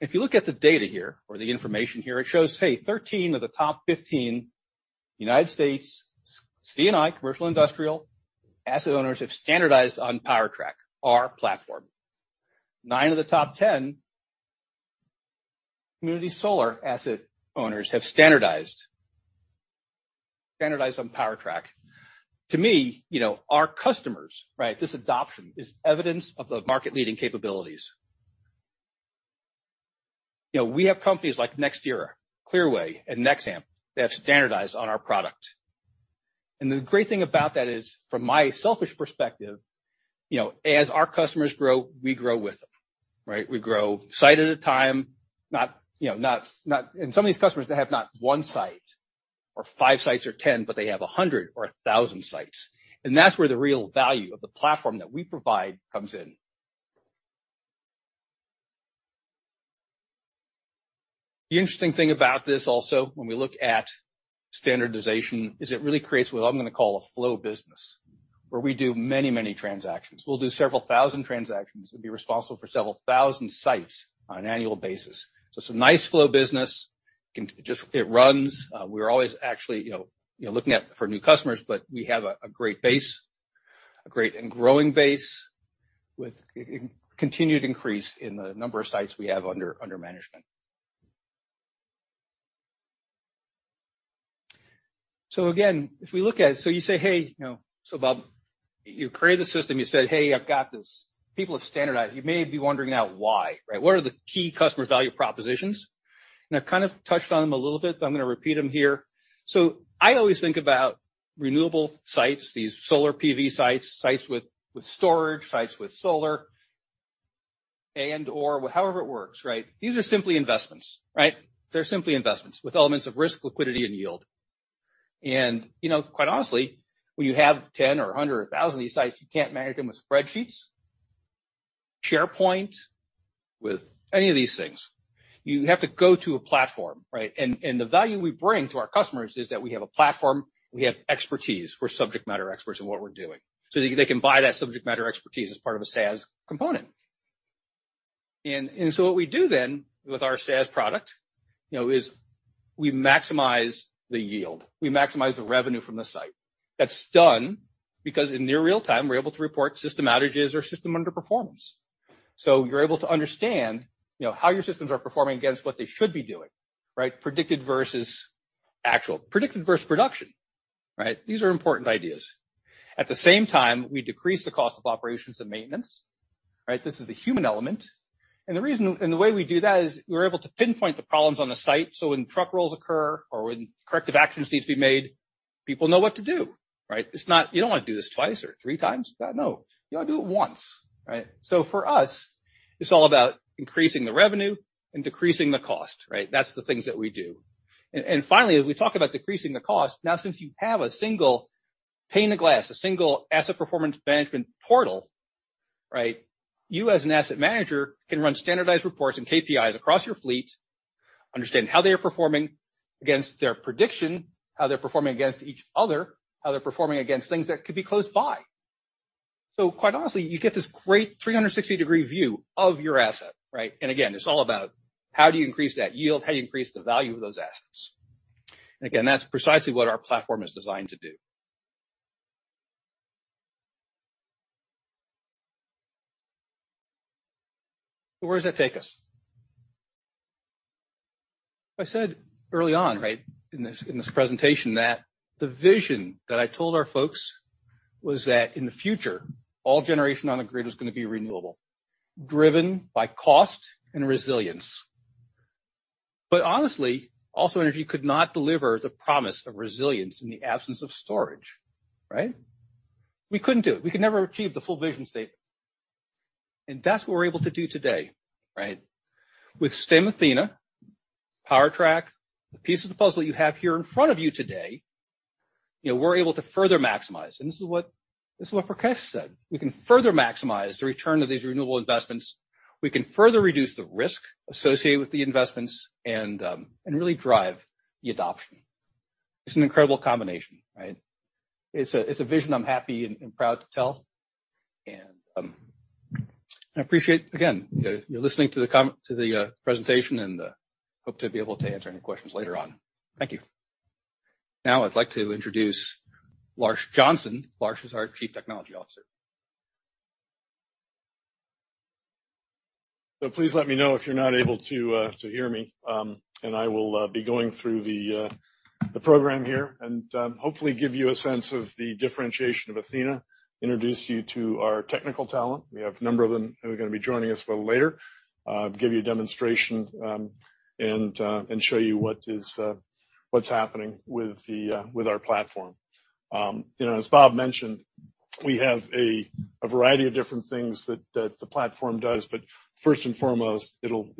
If you look at the data here or the information here, it shows, hey, 13 of the top 15 U.S. C&I commercial and industrial asset owners have standardized on PowerTrack, our platform. 9 of the top 10 community solar asset owners have standardized on PowerTrack. To me, you know, our customers, right? This adoption is evidence of the market-leading capabilities. You know, we have companies like NextEra, Clearway and Nexamp that have standardized on our product. The great thing about that is, from my selfish perspective, you know, as our customers grow, we grow with them. Right. We grow site at a time. Some of these customers, they have not 1 site or 5 sites or 10, but they have 100 or 1,000 sites. That's where the real value of the platform that we provide comes in. The interesting thing about this also, when we look at standardization, is it really creates what I'm gonna call a flow business, where we do many, many transactions. We'll do several thousand transactions and be responsible for several thousand sites on an annual basis. It's a nice flow business. It runs. We're always actually, you know, looking for new customers, but we have a great base, a great and growing base with a continued increase in the number of sites we have under management. Again, if we look at it, you say, "Hey, you know, so Bob, you created the system," you said, "Hey, I've got this." People have standardized. You may be wondering now why, right? What are the key customer value propositions? I kind of touched on them a little bit, but I'm gonna repeat them here. I always think about renewable sites, these solar PV sites with storage, sites with solar and/or however it works, right? These are simply investments, right? They're simply investments with elements of risk, liquidity and yield. You know, quite honestly, when you have 10 or 100 or 1,000 of these sites, you can't manage them with spreadsheets, SharePoint, with any of these things. You have to go to a platform, right? The value we bring to our customers is that we have a platform, we have expertise. We're subject matter experts in what we're doing. They can buy that subject matter expertise as part of a SaaS component. What we do then with our SaaS product, you know, is we maximize the yield, we maximize the revenue from the site. That's done because in near real-time, we're able to report system outages or system underperformance. You're able to understand, you know, how your systems are performing against what they should be doing, right? Predicted versus actual. Predicted versus production, right? These are important ideas. At the same time, we decrease the cost of operations and maintenance, right? This is the human element. The reason and the way we do that is we're able to pinpoint the problems on the site, so when truck rolls occur or when corrective actions need to be made, people know what to do, right? You don't want to do this twice or 3x. You want to do it once, right? For us, it's all about increasing the revenue and decreasing the cost, right? That's the things that we do. Finally, as we talk about decreasing the cost, now, since you have a single pane of glass, a single asset performance management portal, right, you as an asset manager can run standardized reports and KPIs across your fleet, understand how they are performing against their prediction, how they're performing against each other, how they're performing against things that could be close by. Quite honestly, you get this great 360-degree view of your asset, right? Again, it's all about how do you increase that yield? How do you increase the value of those assets? Again, that's precisely what our platform is designed to do. Where does that take us? I said early on, right, in this presentation that the vision that I told our folks was that in the future, all generation on the grid was gonna be renewable, driven by cost and resilience. Honestly, AlsoEnergy could not deliver the promise of resilience in the absence of storage, right? We couldn't do it. We could never achieve the full vision statement. That's what we're able to do today, right? With Stem Athena, PowerTrack, the piece of the puzzle you have here in front of you today, you know, we're able to further maximize. This is what Rakesh said. We can further maximize the return of these renewable investments. We can further reduce the risk associated with the investments and really drive the adoption. It's an incredible combination, right? It's a vision I'm happy and proud to tell. I appreciate, again, you listening to the presentation and hope to be able to answer any questions later on. Thank you. Now I'd like to introduce Larsh Johnson. Larsh is our Chief Technology Officer. Please let me know if you're not able to hear me. I will be going through the program here and hopefully give you a sense of the differentiation of Athena, introduce you to our technical talent. We have a number of them who are gonna be joining us a little later. Give you a demonstration and show you what's happening with our platform. You know, as Bob mentioned, we have a variety of different things that the platform does. First and foremost, it'll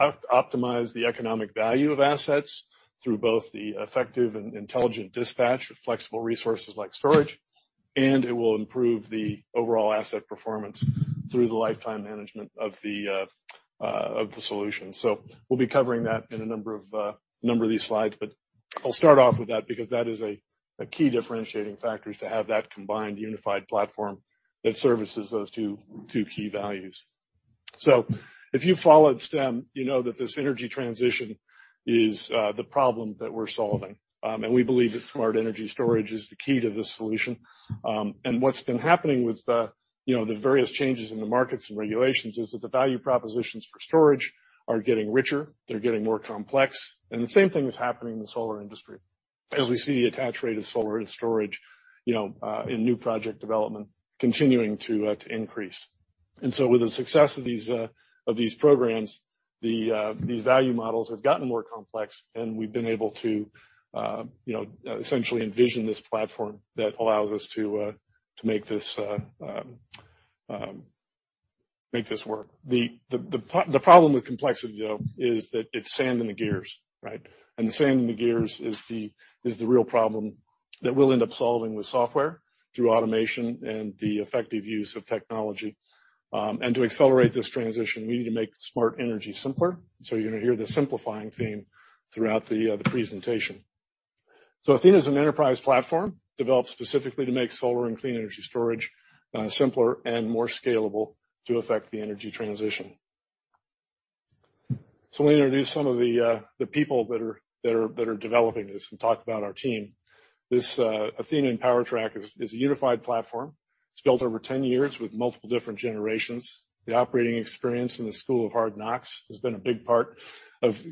optimize the economic value of assets through both the effective and intelligent dispatch of flexible resources like storage, and it will improve the overall asset performance through the lifetime management of the solution. We'll be covering that in a number of these slides. I'll start off with that because that is a key differentiating factor, is to have that combined unified platform that services those 2 key values. If you followed Stem, you know that this energy transition is the problem that we're solving. We believe that smart energy storage is the key to this solution. What's been happening with the you know, the various changes in the markets and regulations is that the value propositions for storage are getting richer, they're getting more complex. The same thing is happening in the solar industry as we see the attach rate of solar and storage you know in new project development continuing to increase. With the success of these programs, these value models have gotten more complex and we've been able to, you know, essentially envision this platform that allows us to make this work. The problem with complexity, though, is that it's sand in the gears, right? The sand in the gears is the real problem that we'll end up solving with software through automation and the effective use of technology. To accelerate this transition, we need to make smart energy simpler. You're gonna hear the simplifying theme throughout the presentation. Athena is an enterprise platform developed specifically to make solar and clean energy storage simpler and more scalable to affect the energy transition. Let me introduce some of the people that are developing this and talk about our team. This Athena and PowerTrack is a unified platform. It's built over 10 years with multiple different generations. The operating experience in the school of hard knocks has been a big part of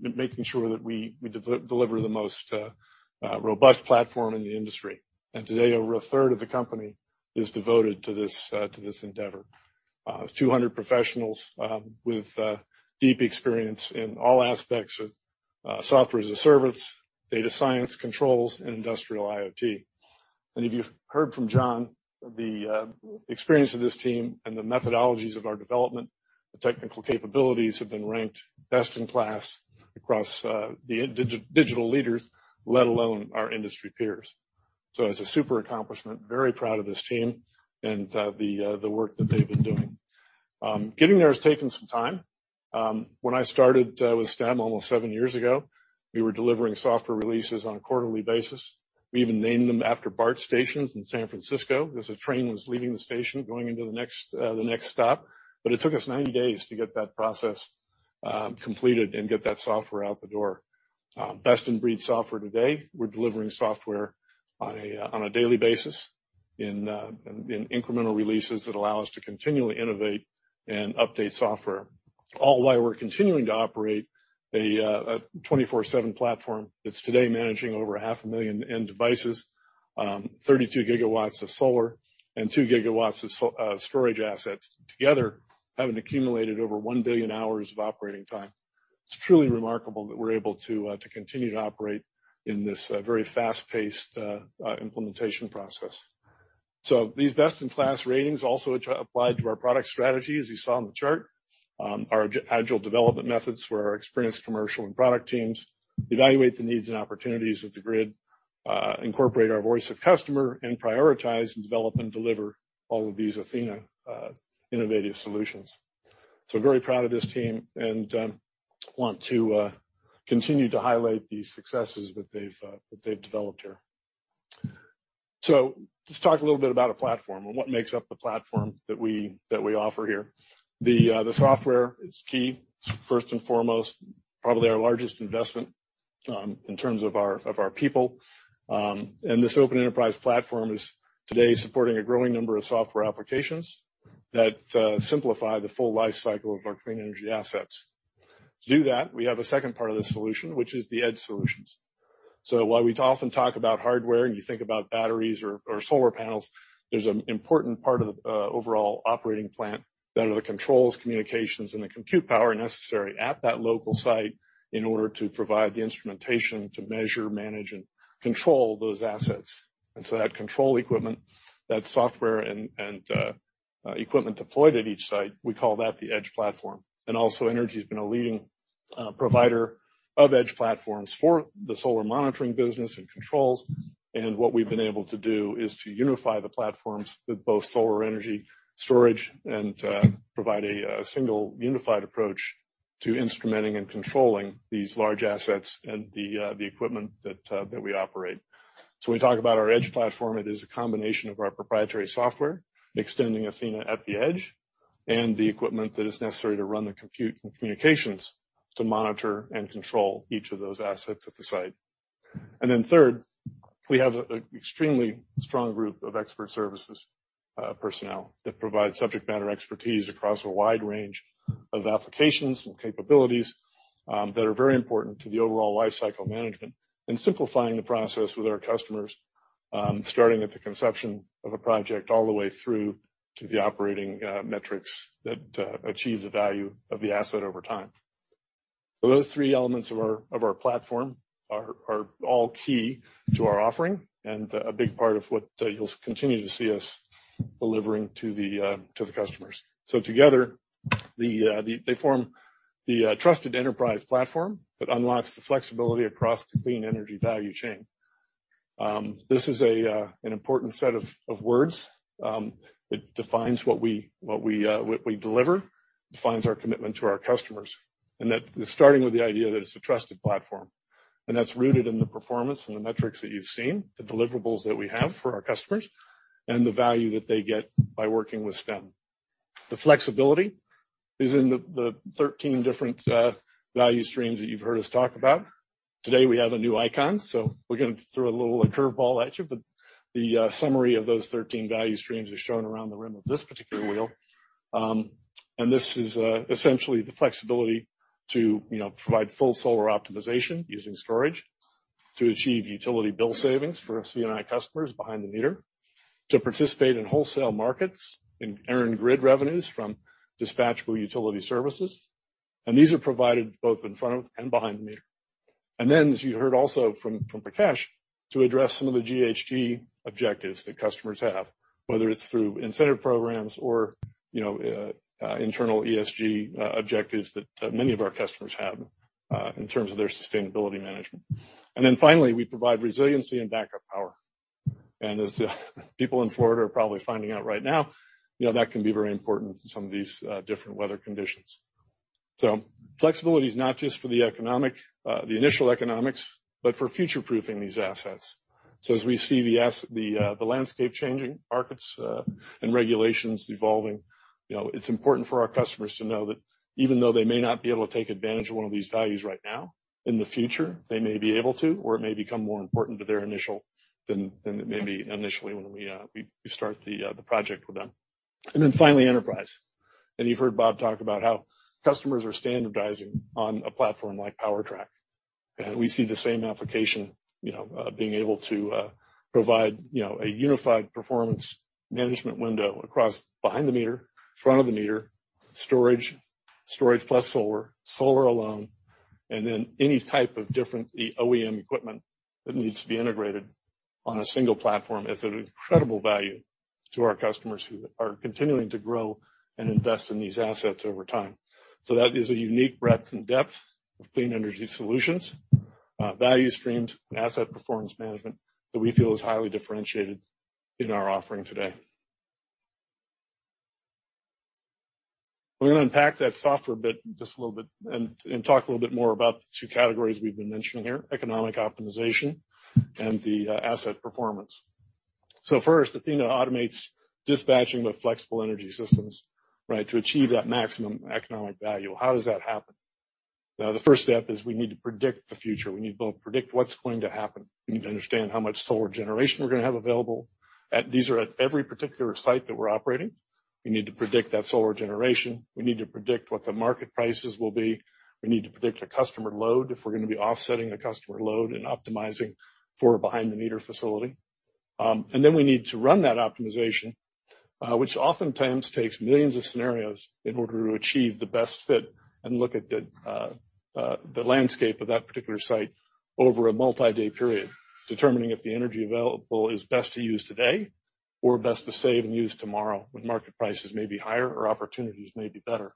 making sure that we deliver the most robust platform in the industry. Today, over a third of the company is devoted to this endeavor. 200 professionals with deep experience in all aspects of software as a service, data science controls, and industrial IoT. If you've heard from John, the experience of this team and the methodologies of our development, the technical capabilities have been ranked best in class across the digital leaders, let alone our industry peers. It's a super accomplishment, very proud of this team and the work that they've been doing. Getting there has taken some time. When I started with Stem almost 7 years ago, we were delivering software releases on a quarterly basis. We even named them after BART stations in San Francisco, as a train was leaving the station going into the next stop. It took us 90 days to get that process completed and get that software out the door. Best-in-breed software today, we're delivering software on a daily basis in incremental releases that allow us to continually innovate and update software, all while we're continuing to operate a 24/7 platform that's today managing over 500,000 end devices, 32 GW of solar and 2 GW of storage assets together, having accumulated over 1 billion hours of operating time. It's truly remarkable that we're able to continue to operate in this very fast-paced implementation process. These best-in-class ratings also apply to our product strategy, as you saw on the chart. Our agile development methods where our experienced commercial and product teams evaluate the needs and opportunities with the grid, incorporate our voice of customer and prioritize and develop and deliver all of these Athena innovative solutions. Very proud of this team and want to continue to highlight the successes that they've developed here. Let's talk a little bit about our platform and what makes up the platform that we offer here. The software is key. It's first and foremost probably our largest investment in terms of our people. This open enterprise platform is today supporting a growing number of software applications that simplify the full life cycle of our clean energy assets. To do that, we have a second part of the solution, which is the edge solutions. While we often talk about hardware and you think about batteries or solar panels, there's an important part of the overall operating plant that are the controls, communications, and the compute power necessary at that local site in order to provide the instrumentation to measure, manage, and control those assets. That control equipment, that software and equipment deployed at each site, we call that the Edge platform. AlsoEnergy has been a leading provider of Edge platforms for the solar monitoring business and controls. What we've been able to do is to unify the platforms with both solar and energy storage and provide a single unified approach to instrumenting and controlling these large assets and the equipment that we operate. When we talk about our Edge platform, it is a combination of our proprietary software extending Athena at the edge and the equipment that is necessary to run the compute and communications to monitor and control each of those assets at the site. Third, we have an extremely strong group of expert services personnel that provide subject matter expertise across a wide range of applications and capabilities that are very important to the overall lifecycle management and simplifying the process with our customers, starting at the conception of a project all the way through to the operating metrics that achieve the value of the asset over time. Those 3 elements of our platform are all key to our offering and a big part of what you'll continue to see us delivering to the customers. Together, they form the trusted enterprise platform that unlocks the flexibility across the clean energy value chain. This is an important set of words. It defines what we deliver. It defines our commitment to our customers. That is starting with the idea that it's a trusted platform. That's rooted in the performance and the metrics that you've seen, the deliverables that we have for our customers, and the value that they get by working with Stem. The flexibility is in the 13 different value streams that you've heard us talk about. Today, we have a new icon, so we're gonna throw a little curveball at you, but the summary of those 13 value streams is shown around the rim of this particular wheel. This is essentially the flexibility to, you know, provide full solar optimization using storage to achieve utility bill savings for C&I customers behind the meter, to participate in wholesale markets and earn grid revenues from dispatchable utility services. These are provided both in front of and behind the meter. As you heard also from Prakesh, to address some of the GHG objectives that customers have, whether it's through incentive programs or, you know, internal ESG objectives that many of our customers have in terms of their sustainability management. Finally, we provide resiliency and backup power. As the people in Florida are probably finding out right now, you know, that can be very important in some of these different weather conditions. Flexibility is not just for the initial economics, but for future-proofing these assets. As we see the landscape changing, markets and regulations evolving, you know, it's important for our customers to know that even though they may not be able to take advantage of one of these values right now, in the future, they may be able to, or it may become more important to their initial than it may be initially when we start the project with them. Then finally, enterprise. You've heard Bob talk about how customers are standardizing on a platform like PowerTrack. We see the same application, you know, being able to provide, you know, a unified performance management window across behind the meter, front of the meter, storage plus solar alone, and then any type of different OEM equipment that needs to be integrated on a single platform is an incredible value to our customers who are continuing to grow and invest in these assets over time. That is a unique breadth and depth of clean energy solutions, value streams, and asset performance management that we feel is highly differentiated in our offering today. We're gonna unpack that software a bit, just a little bit and talk a little bit more about the 2 categories we've been mentioning here, economic optimization and the asset performance. First, Athena automates dispatching with flexible energy systems, right, to achieve that maximum economic value. How does that happen? Now, the first step is we need to predict the future. We need to both predict what's going to happen. We need to understand how much solar generation we're gonna have available. These are at every particular site that we're operating. We need to predict that solar generation. We need to predict what the market prices will be. We need to predict a customer load if we're gonna be offsetting a customer load and optimizing for a behind-the-meter facility. We need to run that optimization, which oftentimes takes millions of scenarios in order to achieve the best fit and look at the landscape of that particular site over a multi-day period, determining if the energy available is best to use today or best to save and use tomorrow when market prices may be higher or opportunities may be better.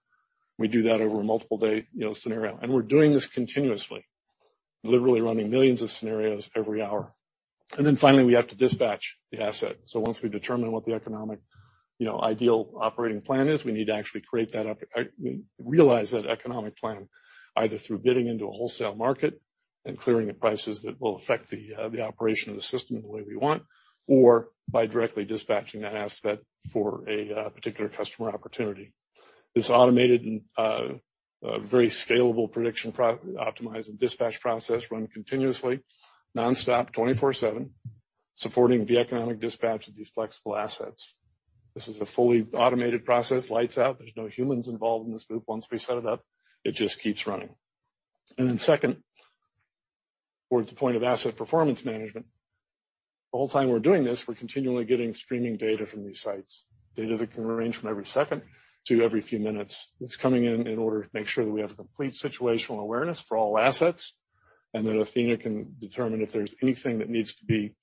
We do that over a multiple day, you know, scenario. We're doing this continuously, literally running millions of scenarios every hour. Finally, we have to dispatch the asset. Once we determine what the economic, you know, ideal operating plan is, we need to actually create that realize that economic plan either through bidding into a wholesale market and clearing at prices that will affect the operation of the system the way we want or by directly dispatching that asset for a particular customer opportunity. This automated and very scalable prediction optimize and dispatch process run continuously, nonstop, 24/7, supporting the economic dispatch of these flexible assets. This is a fully automated process, lights out. There's no humans involved in this loop. Once we set it up, it just keeps running. Second, towards the point of asset performance management, the whole time we're doing this, we're continually getting streaming data from these sites. Data that can range from every second to every few minutes. It's coming in order to make sure that we have complete situational awareness for all assets, and that Athena can determine if there's anything that needs to be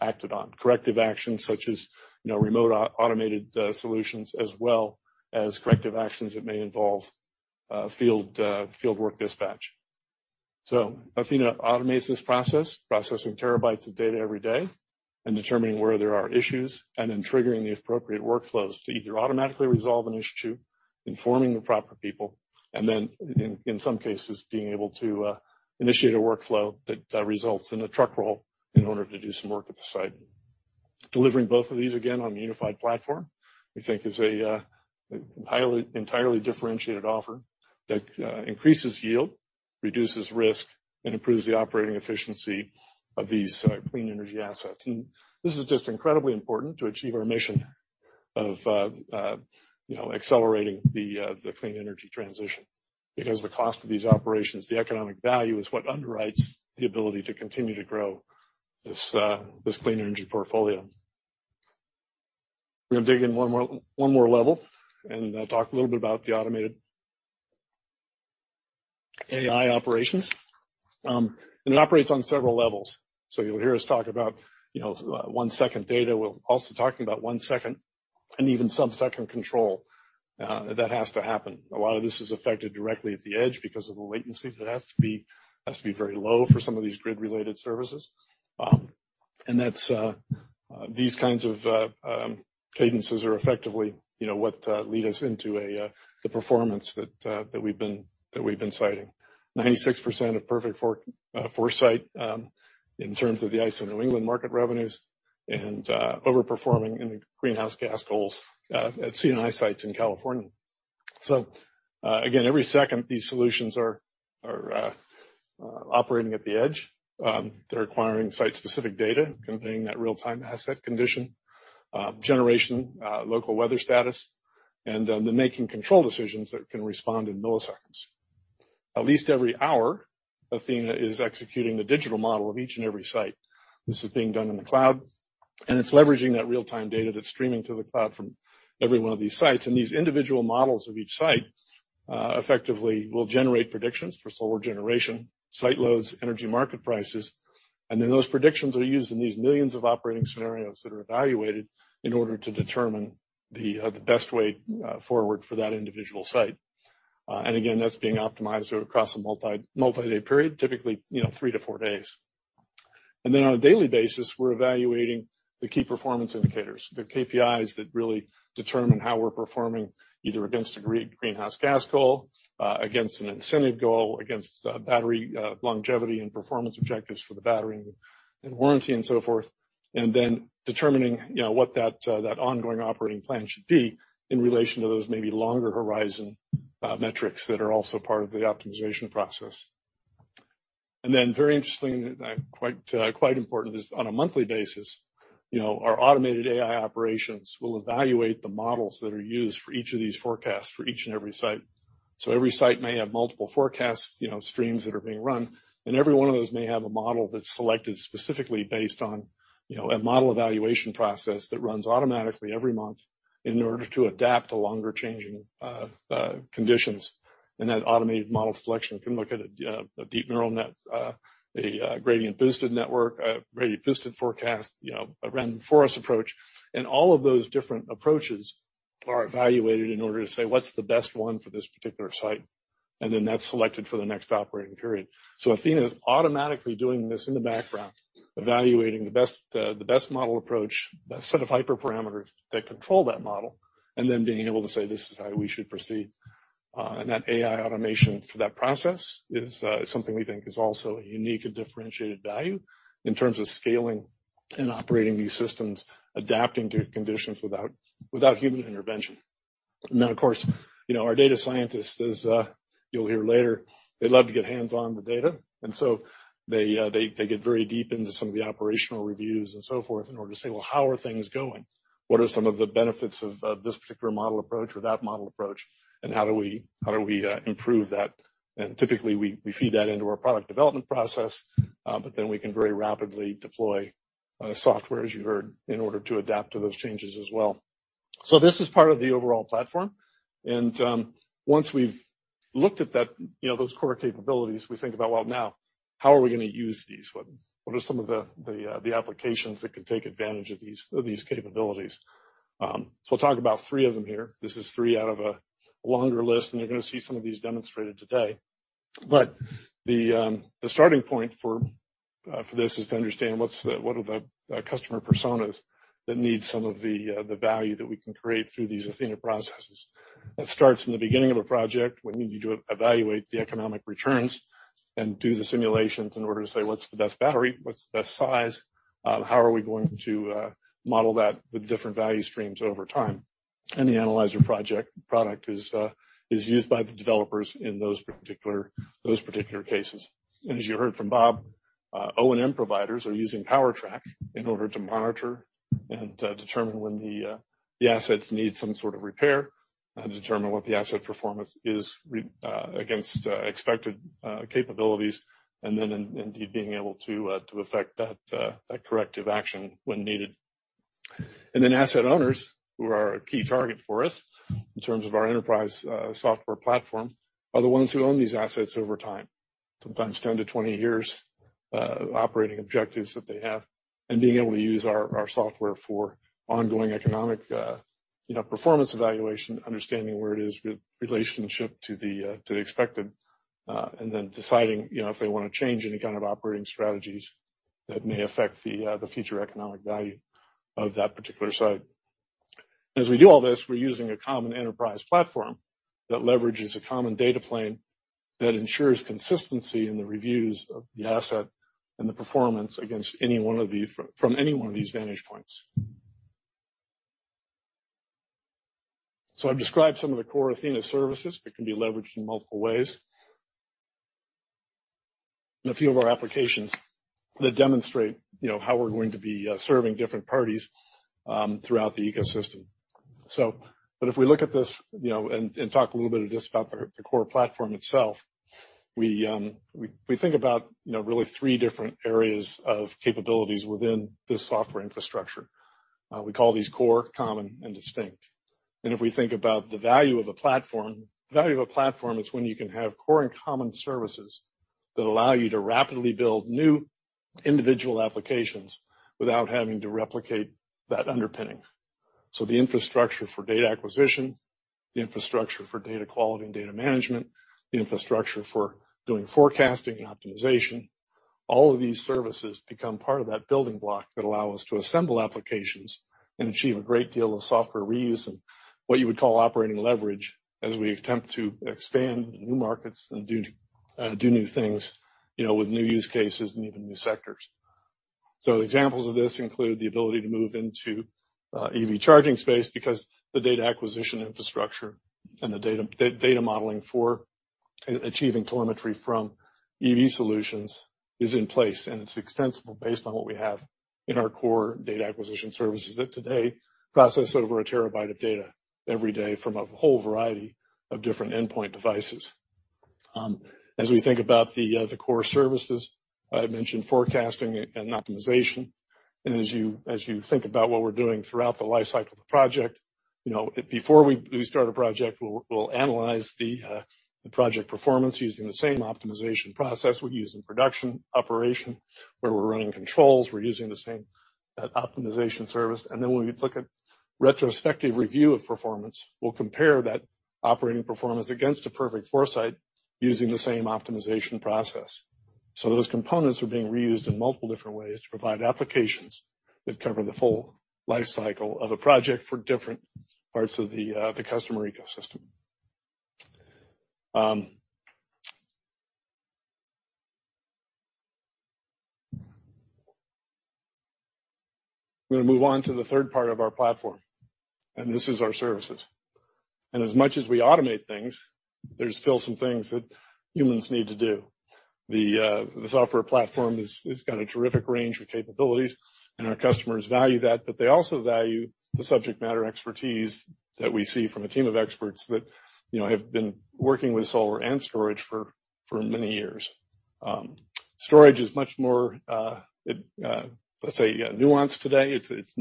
acted on. Corrective actions such as, you know, remote automated solutions as well as corrective actions that may involve field work dispatch. Athena automates this process, processing terabytes of data every day and determining where there are issues, and then triggering the appropriate workflows to either automatically resolve an issue, informing the proper people, and then in some cases, being able to initiate a workflow that results in a truck roll in order to do some work at the site. Delivering both of these again on a unified platform, we think is a entirely differentiated offer that increases yield, reduces risk, and improves the operating efficiency of these clean energy assets. This is just incredibly important to achieve our mission of you know accelerating the clean energy transition. Because the cost of these operations, the economic value, is what underwrites the ability to continue to grow this clean energy portfolio. We're gonna dig in 1 more level and talk a little bit about the automated AI operations. It operates on several levels. You'll hear us talk about you know 1-second data. We're also talking about 1-second and even sub-second control that has to happen. A lot of this is affected directly at the edge because of the latency that has to be very low for some of these grid-related services. That's these kinds of cadences are effectively, you know, what lead us into the performance that we've been citing. 96% perfect foresight in terms of the ISO New England market revenues and overperforming in the greenhouse gas goals at C&I sites in California. Again, every second, these solutions are operating at the edge. They're acquiring site-specific data, conveying that real-time asset condition, generation, local weather status, and they're making control decisions that can respond in ms. At least every hour, Athena is executing the digital model of each and every site. This is being done in the cloud. It's leveraging that real-time data that's streaming to the cloud from every one of these sites. These individual models of each site effectively will generate predictions for solar generation, site loads, energy market prices. Then those predictions are used in these millions of operating scenarios that are evaluated in order to determine the best way forward for that individual site. Again, that's being optimized across a multi-day period, typically, you know, 3 to 4 days. On a daily basis, we're evaluating the key performance indicators, the KPIs that really determine how we're performing either against a greenhouse gas goal, against an incentive goal, against battery longevity and performance objectives for the battery and warranty and so forth, and then determining, you know, what that ongoing operating plan should be in relation to those maybe longer horizon metrics that are also part of the optimization process. Very interestingly, quite important is on a monthly basis, you know, our automated AI operations will evaluate the models that are used for each of these forecasts for each and every site. Every site may have multiple forecasts, you know, streams that are being run, and every one of those may have a model that's selected specifically based on, you know, a model evaluation process that runs automatically every month in order to adapt to longer-changing conditions. That automated model selection can look at a deep neural net, a gradient boosted network, a gradient boosted forecast, you know, a random forest approach. All of those different approaches are evaluated in order to say what's the best one for this particular site. Then that's selected for the next operating period. Athena is automatically doing this in the background, evaluating the best model approach, the set of hyperparameters that control that model, and then being able to say, "This is how we should proceed." That AI automation for that process is something we think is also a unique and differentiated value in terms of scaling and operating these systems, adapting to conditions without human intervention. Of course, you know, our data scientists, as you'll hear later, they love to get hands-on with data, and so they get very deep into some of the operational reviews and so forth in order to say, "Well, how are things going? What are some of the benefits of this particular model approach or that model approach, and how do we improve that?" Typically, we feed that into our product development process, but then we can very rapidly deploy software, as you heard, in order to adapt to those changes as well. This is part of the overall platform. Once we've looked at that, you know, those core capabilities, we think about, well, now, how are we gonna use these? What are some of the applications that can take advantage of these capabilities? We'll talk about 3 of them here. This is 3 out of a longer list, and you're gonna see some of these demonstrated today. The starting point for this is to understand what's the What are the customer personas that need some of the value that we can create through these Athena processes? That starts in the beginning of a project when we need to evaluate the economic returns and do the simulations in order to say, "What's the best battery? What's the best size? How are we going to model that with different value streams over time?" The Analyzer product is used by the developers in those particular cases. As you heard from Bob, O&M providers are using PowerTrack in order to monitor and determine when the assets need some sort of repair and determine what the asset performance is against expected capabilities, and then indeed being able to affect that corrective action when needed. Asset owners, who are a key target for us in terms of our enterprise software platform, are the ones who own these assets over time, sometimes 10 to 20 years, operating objectives that they have and being able to use our software for ongoing economic, you know, performance evaluation, understanding where it is relationship to the expected, and then deciding, you know, if they wanna change any kind of operating strategies that may affect the future economic value of that particular site. As we do all this, we're using a common enterprise platform that leverages a common data plane that ensures consistency in the reviews of the asset and the performance against any one of these vantage points from any one of these vantage points. I've described some of the core Athena services that can be leveraged in multiple ways and a few of our applications that demonstrate, you know, how we're going to be serving different parties throughout the ecosystem. If we look at this, you know, and talk a little bit just about the core platform itself, we think about really 3 different areas of capabilities within this software infrastructure. We call these core, common, and distinct. If we think about the value of a platform, the value of a platform is when you can have core and common services that allow you to rapidly build new individual applications without having to replicate that underpinning. The infrastructure for data acquisition, the infrastructure for data quality and data management, the infrastructure for doing forecasting and optimization, all of these services become part of that building block that allow us to assemble applications and achieve a great deal of software reuse and what you would call operating leverage as we attempt to expand into new markets and do new things, you know, with new use cases and even new sectors. Examples of this include the ability to move into EV charging space because the data acquisition infrastructure and the data modeling for achieving telemetry from EV solutions is in place, and it's extensible based on what we have in our core data acquisition services that today process over a terabyte of data every day from a whole variety of different endpoint devices. As we think about the core services, I had mentioned forecasting and optimization. As you think about what we're doing throughout the life cycle of the project, you know, before we start a project, we'll analyze the project performance using the same optimization process we use in production operation, where we're running controls, we're using the same optimization service. When we look at retrospective review of performance, we'll compare that operating performance against a perfect foresight using the same optimization process. Those components are being reused in multiple different ways to provide applications that cover the full life cycle of a project for different parts of the customer ecosystem. We're gonna move on to the third part of our platform, and this is our services. As much as we automate things, there's still some things that humans need to do. The software platform it's got a terrific range of capabilities, and our customers value that, but they also value the subject matter expertise that we see from a team of experts that, you know, have been working with solar and storage for many years. Storage is much more, let's say, nuanced today. It's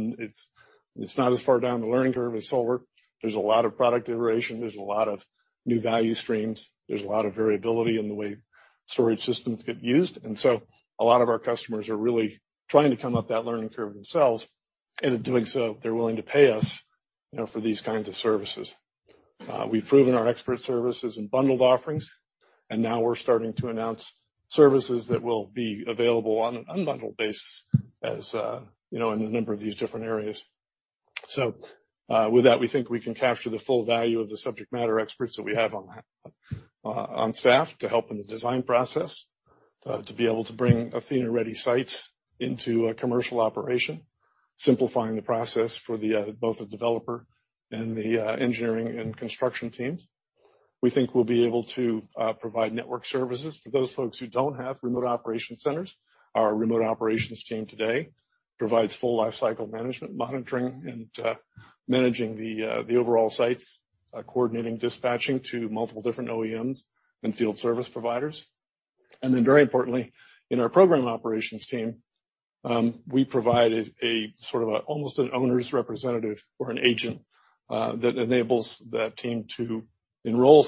not as far down the learning curve as solar. There's a lot of product iteration, there's a lot of new value streams, there's a lot of variability in the way storage systems get used. A lot of our customers are really trying to come up that learning curve themselves, and in doing so, they're willing to pay us, you know, for these kinds of services. We've proven our expert services and bundled offerings, and now we're starting to announce services that will be available on an unbundled basis as, you know, in a number of these different areas. With that, we think we can capture the full value of the subject matter experts that we have on staff to help in the design process, to be able to bring Athena-ready sites into a commercial operation, simplifying the process for both the developer and the engineering and construction teams. We think we'll be able to provide network services for those folks who don't have remote operation centers. Our remote operations team today provides full life cycle management, monitoring, and managing the overall sites, coordinating dispatching to multiple different OEMs and field service providers. Very importantly, in our program operations team, we provide a sort of almost an owner's representative or an agent that enables that team to enroll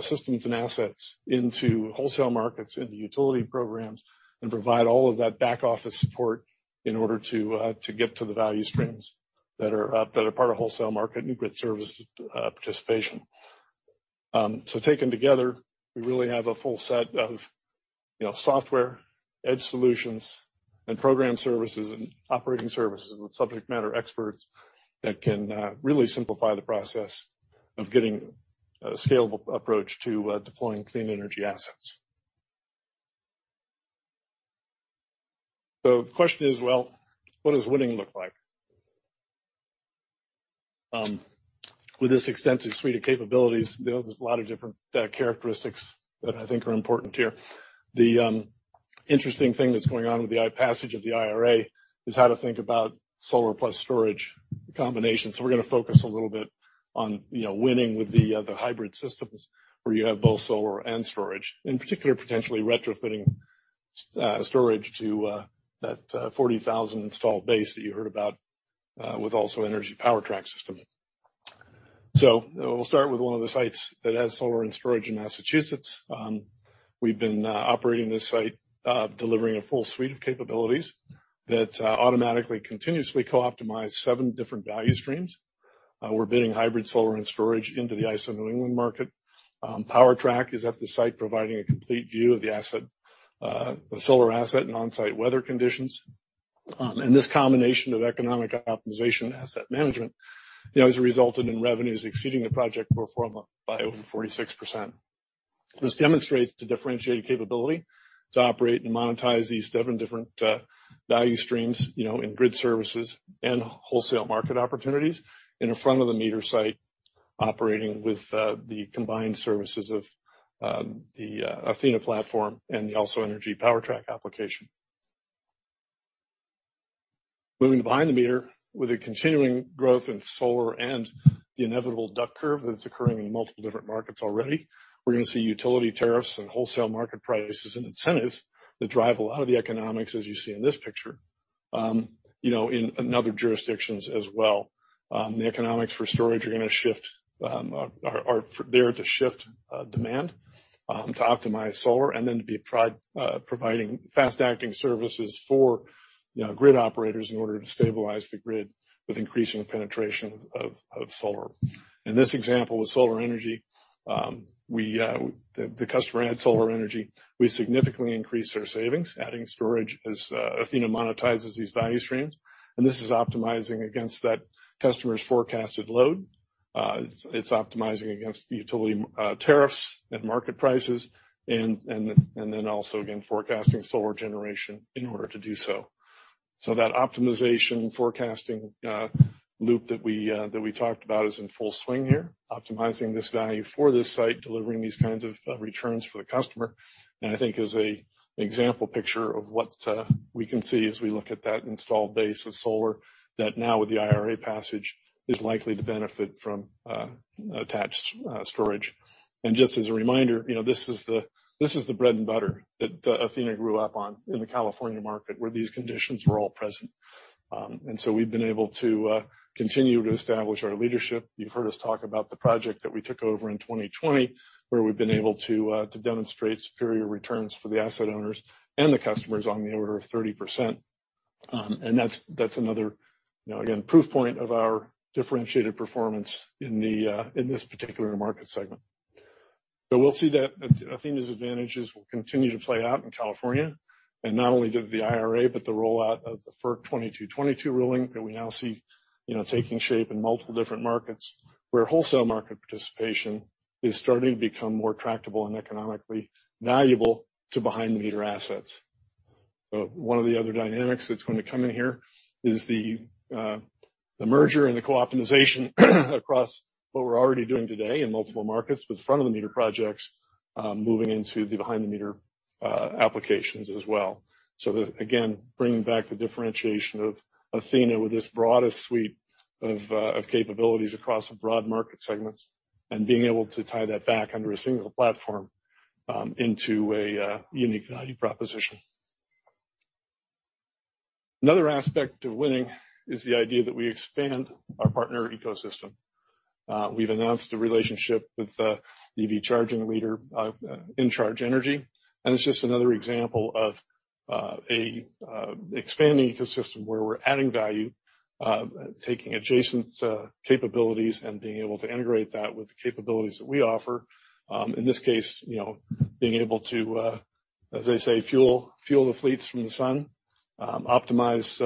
systems and assets into wholesale markets, into utility programs, and provide all of that back office support in order to get to the value streams that are part of wholesale market and grid service participation. Taken together, we really have a full set of, you know, software, edge solutions, and program services and operating services with subject matter experts that can really simplify the process of getting a scalable approach to deploying clean energy assets. The question is, well, what does winning look like? With this extensive suite of capabilities, there was a lot of different characteristics that I think are important here. The interesting thing that's going on with the passage of the IRA is how to think about solar plus storage combination. We're gonna focus a little bit on, you know, winning with the hybrid systems where you have both solar and storage. In particular, potentially retrofitting storage to that 40,000 installed base that you heard about with AlsoEnergy PowerTrack system. We'll start with one of the sites that has solar and storage in Massachusetts. We've been operating this site delivering a full suite of capabilities that automatically, continuously co-optimize 7 different value streams. We're bidding hybrid solar and storage into the ISO New England market. PowerTrack is at the site providing a complete view of the asset, the solar asset and on-site weather conditions. This combination of economic optimization asset management, you know, has resulted in revenues exceeding the project pro forma by over 46%. This demonstrates the differentiated capability to operate and monetize these 7 different value streams, you know, in grid services and wholesale market opportunities in a front-of-the-meter site operating with the combined services of the Athena platform and the AlsoEnergy PowerTrack application. Moving behind the meter with a continuing growth in solar and the inevitable duck curve that's occurring in multiple different markets already, we're gonna see utility tariffs and wholesale market prices and incentives that drive a lot of the economics, as you see in this picture, you know, in other jurisdictions as well. The economics for storage are gonna shift demand to optimize solar, and then to be providing fast-acting services for, you know, grid operators in order to stabilize the grid with increasing penetration of solar. In this example with solar energy, the customer had solar energy. We significantly increased their savings, adding storage as Athena monetizes these value streams, and this is optimizing against that customer's forecasted load. It's optimizing against utility tariffs and market prices and then also again, forecasting solar generation in order to do so. That optimization forecasting loop that we talked about is in full swing here, optimizing this value for this site, delivering these kinds of returns for the customer. I think as an example picture of what we can see as we look at that installed base of solar that now with the IRA passage is likely to benefit from attached storage. Just as a reminder, you know, this is the bread and butter that Athena grew up on in the California market where these conditions were all present. We've been able to continue to establish our leadership. You've heard us talk about the project that we took over in 2020, where we've been able to demonstrate superior returns for the asset owners and the customers on the order of 30%. That's another, you know, again, proof point of our differentiated performance in this particular market segment. We'll see that Athena's advantages will continue to play out in California. Not only the IRA, but the rollout of the FERC Order No. 2222 ruling that we now see, you know, taking shape in multiple different markets where wholesale market participation is starting to become more tractable and economically valuable to behind the meter assets. One of the other dynamics that's going to come in here is the merger and the co-optimization across what we're already doing today in multiple markets with front of the meter projects moving into the behind the meter applications as well. Again, bringing back the differentiation of Athena with this broader suite of capabilities across a broad market segments, and being able to tie that back under a single platform into a unique value proposition. Another aspect of winning is the idea that we expand our partner ecosystem. We've announced a relationship with EV charging leader InCharge Energy, and it's just another example of a expanding ecosystem where we're adding value, taking adjacent capabilities and being able to integrate that with the capabilities that we offer. In this case, you know, being able to, as they say, fuel the fleets from the sun, optimize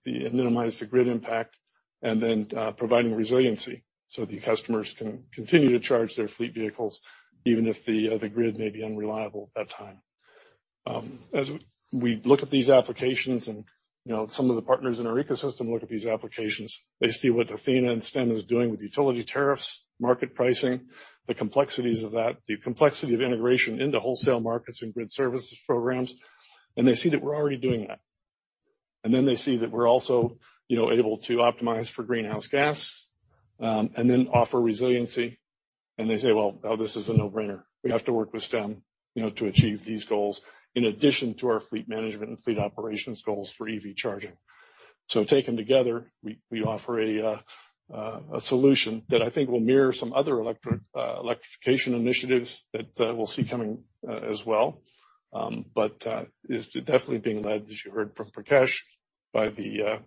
minimize the grid impact and then providing resiliency so the customers can continue to charge their fleet vehicles even if the grid may be unreliable at that time. As we look at these applications and, you know, some of the partners in our ecosystem look at these applications, they see what Athena and Stem is doing with utility tariffs, market pricing, the complexities of that, the complexity of integration into wholesale markets and grid services programs, and they see that we're already doing that. Then they see that we're also, you know, able to optimize for greenhouse gas and then offer resiliency. They say, "Well, this is a no-brainer. We have to work with Stem, you know, to achieve these goals in addition to our fleet management and fleet operations goals for EV charging." Taken together, we offer a solution that I think will mirror some other electrification initiatives that we'll see coming as well. It is definitely being led, as you heard from Prakesh, by the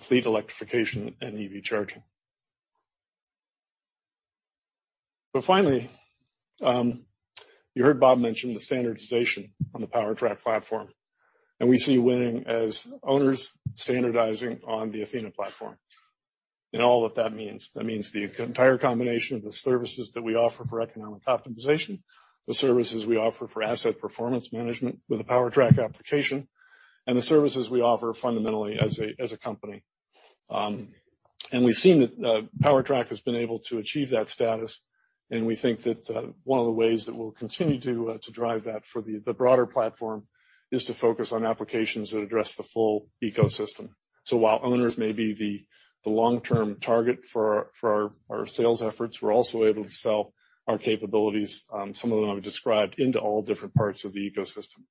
fleet electrification and EV charging. Finally, you heard Bob mention the standardization on the PowerTrack platform, and we see winning as owners standardizing on the Athena platform. All of that means the entire combination of the services that we offer for economic optimization, the services we offer for asset performance management with the PowerTrack application, and the services we offer fundamentally as a company. We've seen that PowerTrack has been able to achieve that status, and we think that one of the ways that we'll continue to drive that for the broader platform is to focus on applications that address the full ecosystem. While owners may be the long-term target for our sales efforts, we're also able to sell our capabilities, some of them I've described, into all different parts of the ecosystem.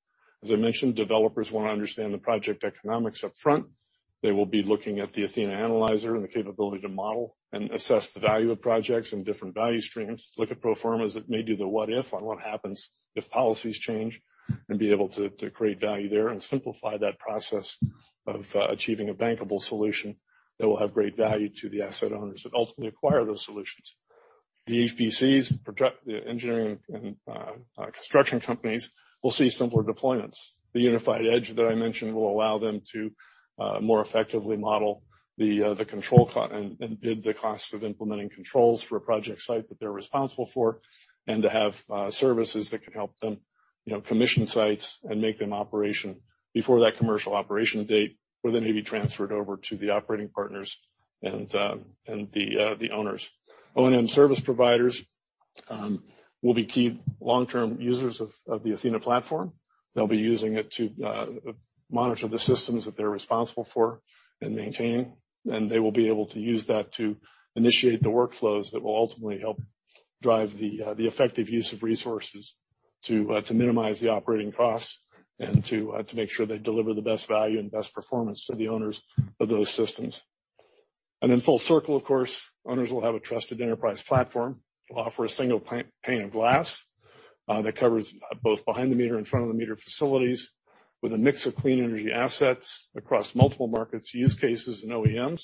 As I mentioned, developers wanna understand the project economics up front. They will be looking at the Athena Analyzer and the capability to model and assess the value of projects and different value streams, look at pro formas that may do the what if on what happens if policies change, and be able to create value there and simplify that process of achieving a bankable solution that will have great value to the asset owners that ultimately acquire those solutions. The EPCs, the engineering and construction companies, will see simpler deployments. The unified edge that I mentioned will allow them to more effectively model the control and bid the cost of implementing controls for a project site that they're responsible for, and to have services that can help them, you know, commission sites and make them operational before that commercial operation date, where they may be transferred over to the operating partners and the owners. O&M service providers will be key long-term users of the Athena platform. They'll be using it to monitor the systems that they're responsible for and maintaining, and they will be able to use that to initiate the workflows that will ultimately help drive the effective use of resources to minimize the operating costs and to make sure they deliver the best value and best performance to the owners of those systems. In full circle, of course, owners will have a trusted enterprise platform. It'll offer a single pane of glass that covers both behind the meter and front of the meter facilities with a mix of clean energy assets across multiple markets, use cases, and OEMs,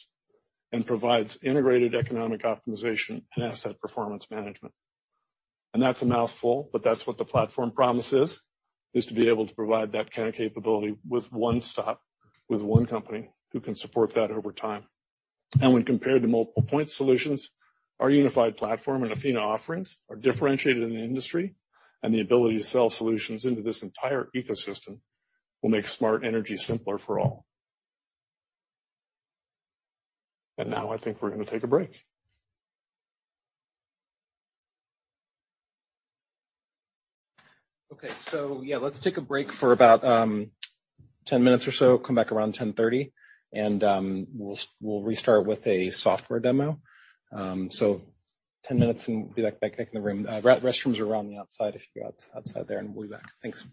and provides integrated economic optimization and asset performance management. That's a mouthful, but that's what the platform promise is to be able to provide that kind of capability with 1 stop, with 1 company who can support that over time. When compared to multiple point solutions, our unified platform and Athena offerings are differentiated in the industry, and the ability to sell solutions into this entire ecosystem will make smart energy simpler for all. Now I think we're gonna take a break. Okay. Let's take a break for about 10 minutes or so. Come back around 10:30, and we'll restart with a software demo. 10 minutes and be back in the room. Restrooms are around the outside if you go outside there, and we'll be back. Thanks.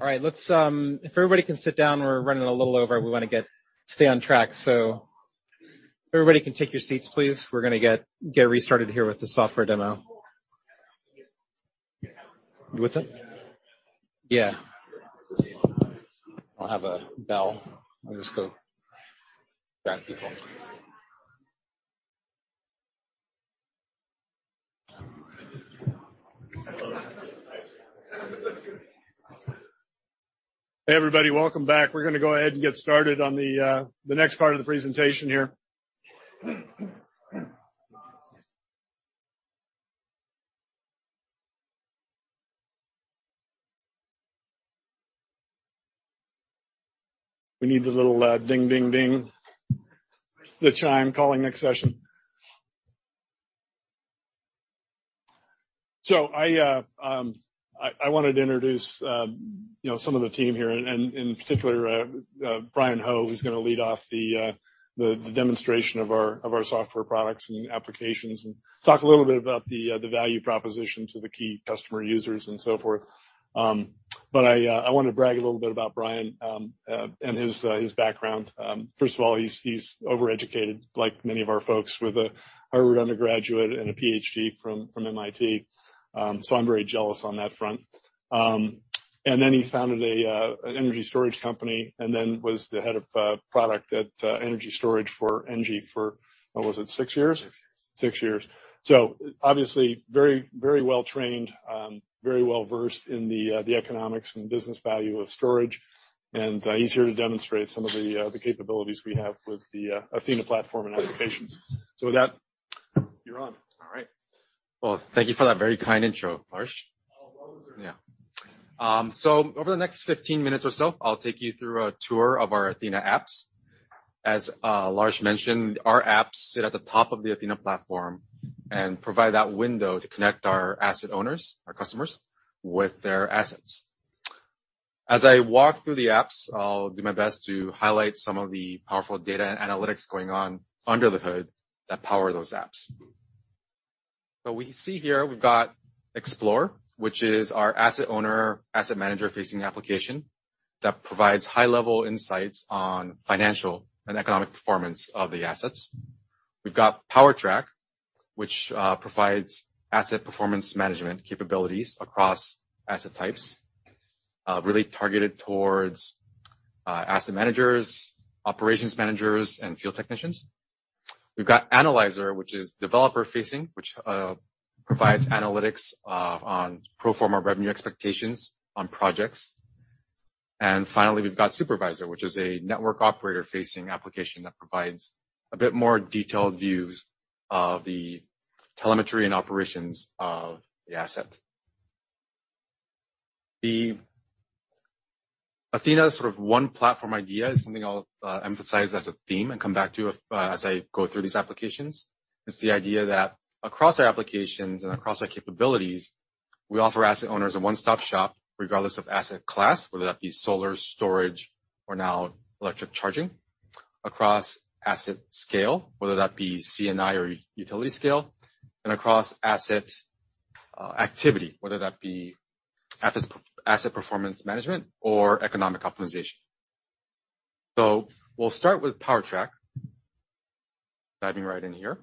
All right, let's. If everybody can sit down, we're running a little over. We wanna stay on track. If everybody can take your seats, please, we're gonna get restarted here with the software demo. What's that? I'll have a bell. I'll just go grab people. Hey, everybody. Welcome back. We're gonna go ahead and get started on the next part of the presentation here. We need the little ding, ding. The chime calling next session. I wanted to introduce you know some of the team here, and in particular Bryan Ho, who's gonna lead off the demonstration of our software products and applications and talk a little bit about the value proposition to the key customer users and so forth. I wanna brag a little bit about Bryan and his background. First of all, he's over-educated, like many of our folks, with a Harvard undergraduate and a PhD from MIT. I'm very jealous on that front. Then he founded an energy storage company and then was the head of product at energy storage for NRG for, what was it? 6 years? 6 years. 6 years. Obviously very, very well trained, very well versed in the economics and business value of storage, and he's here to demonstrate some of the capabilities we have with the Athena platform and applications. With that, you're on. All right. Well, thank you for that very kind intro, Larsh. Oh, well deserved. Over the next 15 minutes or so, I'll take you through a tour of our Athena apps. As Larsh mentioned, our apps sit at the top of the Athena platform and provide that window to connect our asset owners, our customers, with their assets. As I walk through the apps, I'll do my best to highlight some of the powerful data and analytics going on under the hood that power those apps. We see here we've got Explorer, which is our asset owner, asset manager facing application that provides high-level insights on financial and economic performance of the assets. We've got PowerTrack, which provides asset performance management capabilities across asset types, really targeted towards asset managers, operations managers, and field technicians. We've got Analyzer, which is developer-facing, which provides analytics on pro forma revenue expectations on projects. Finally, we've got Supervisor, which is a network operator-facing application that provides a bit more detailed views of the telemetry and operations of the asset. The Athena sort of 1 platform idea is something I'll emphasize as a theme and come back to as I go through these applications. It's the idea that across our applications and across our capabilities, we offer asset owners a one-stop-shop regardless of asset class, whether that be solar, storage, or now electric charging. Across asset scale, whether that be C&I or utility scale, and across asset activity, whether that be asset performance management or economic optimization. We'll start with PowerTrack. Diving right in here.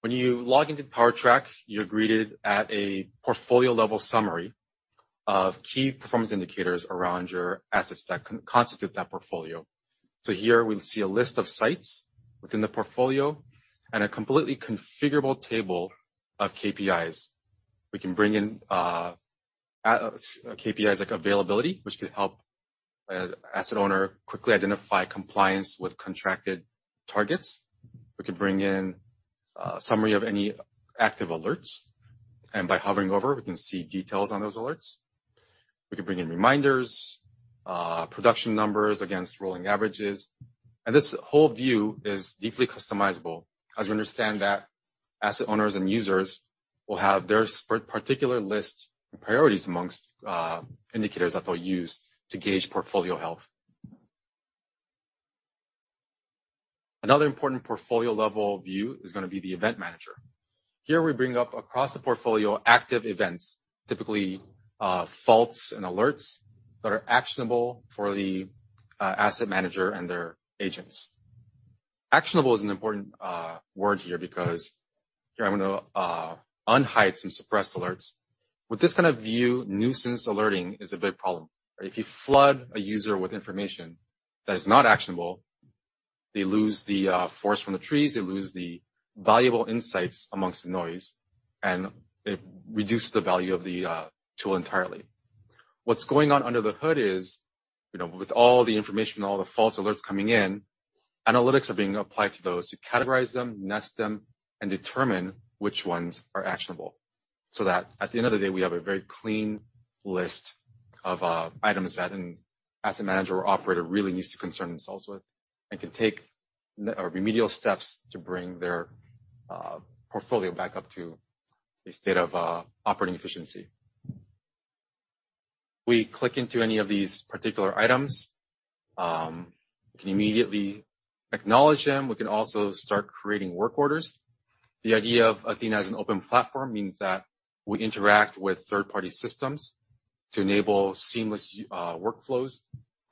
When you log into PowerTrack, you're greeted at a portfolio-level summary of key performance indicators around your assets that constitute that portfolio. Here we see a list of sites within the portfolio and a completely configurable table of KPIs. We can bring in KPIs like availability, which could help an asset owner quickly identify compliance with contracted targets. We can bring in a summary of any active alerts, and by hovering over, we can see details on those alerts. We can bring in reminders, production numbers against rolling averages. This whole view is deeply customizable as we understand that asset owners and users will have their particular list and priorities amongst indicators that they'll use to gauge portfolio health. Another important portfolio-level view is gonna be the event manager. Here we bring up across the portfolio active events, typically faults and alerts that are actionable for the asset manager and their agents. Actionable is an important word here because here I'm going to unhide some suppressed alerts. With this kind of view, nuisance alerting is a big problem. If you flood a user with information that is not actionable, they lose the forest from the trees, they lose the valuable insights among the noise, and it reduces the value of the tool entirely. What's going on under the hood is, you know, with all the information, all the false alerts coming in, analytics are being applied to those to categorize them, nest them, and determine which ones are actionable. That at the end of the day, we have a very clean list of items that an asset manager or operator really needs to concern themselves with and can take the remedial steps to bring their portfolio back up to a state of operating efficiency. We click into any of these particular items, we can immediately acknowledge them. We can also start creating work orders. The idea of Athena as an open platform means that we interact with third-party systems to enable seamless workflows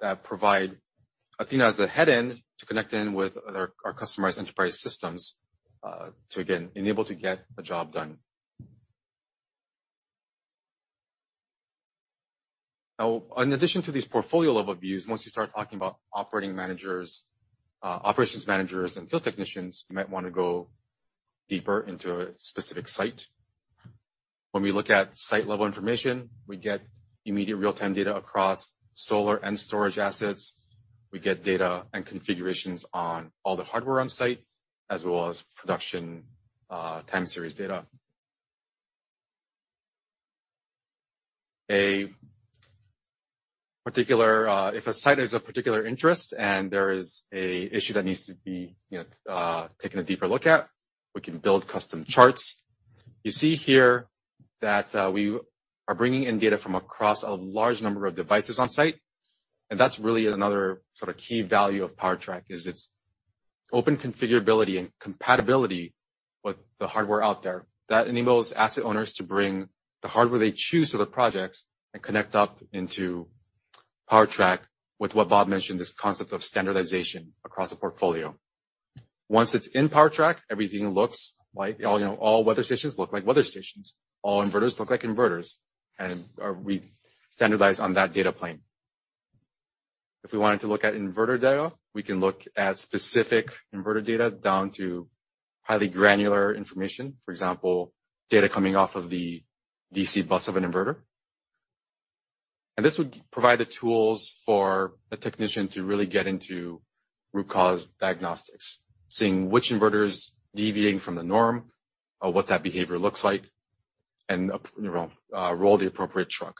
that provide Athena as a headend to connect in with our customized enterprise systems to again enable to get a job done. Now, in addition to these portfolio-level views, once you start talking about operating managers, operations managers and field technicians, you might wanna go deeper into a specific site. When we look at site-level information, we get immediate real-time data across solar and storage assets. We get data and configurations on all the hardware on site, as well as production, time series data. If a site is of particular interest and there is an issue that needs to be, you know, taken a deeper look at, we can build custom charts. You see here that we are bringing in data from across a large number of devices on site, and that's really another sort of key value of PowerTrack, is its open configurability and compatibility with the hardware out there. That enables asset owners to bring the hardware they choose to the projects and connect up into PowerTrack with what Bob mentioned, this concept of standardization across a portfolio. Once it's in PowerTrack, everything looks like all, you know, all weather stations look like weather stations. All inverters look like inverters. We standardize on that data plane. If we wanted to look at inverter data, we can look at specific inverter data down to highly granular information. For example, data coming off of the DC bus of an inverter. This would provide the tools for a technician to really get into root cause diagnostics, seeing which inverter is deviating from the norm or what that behavior looks like, and, you know, roll the appropriate truck.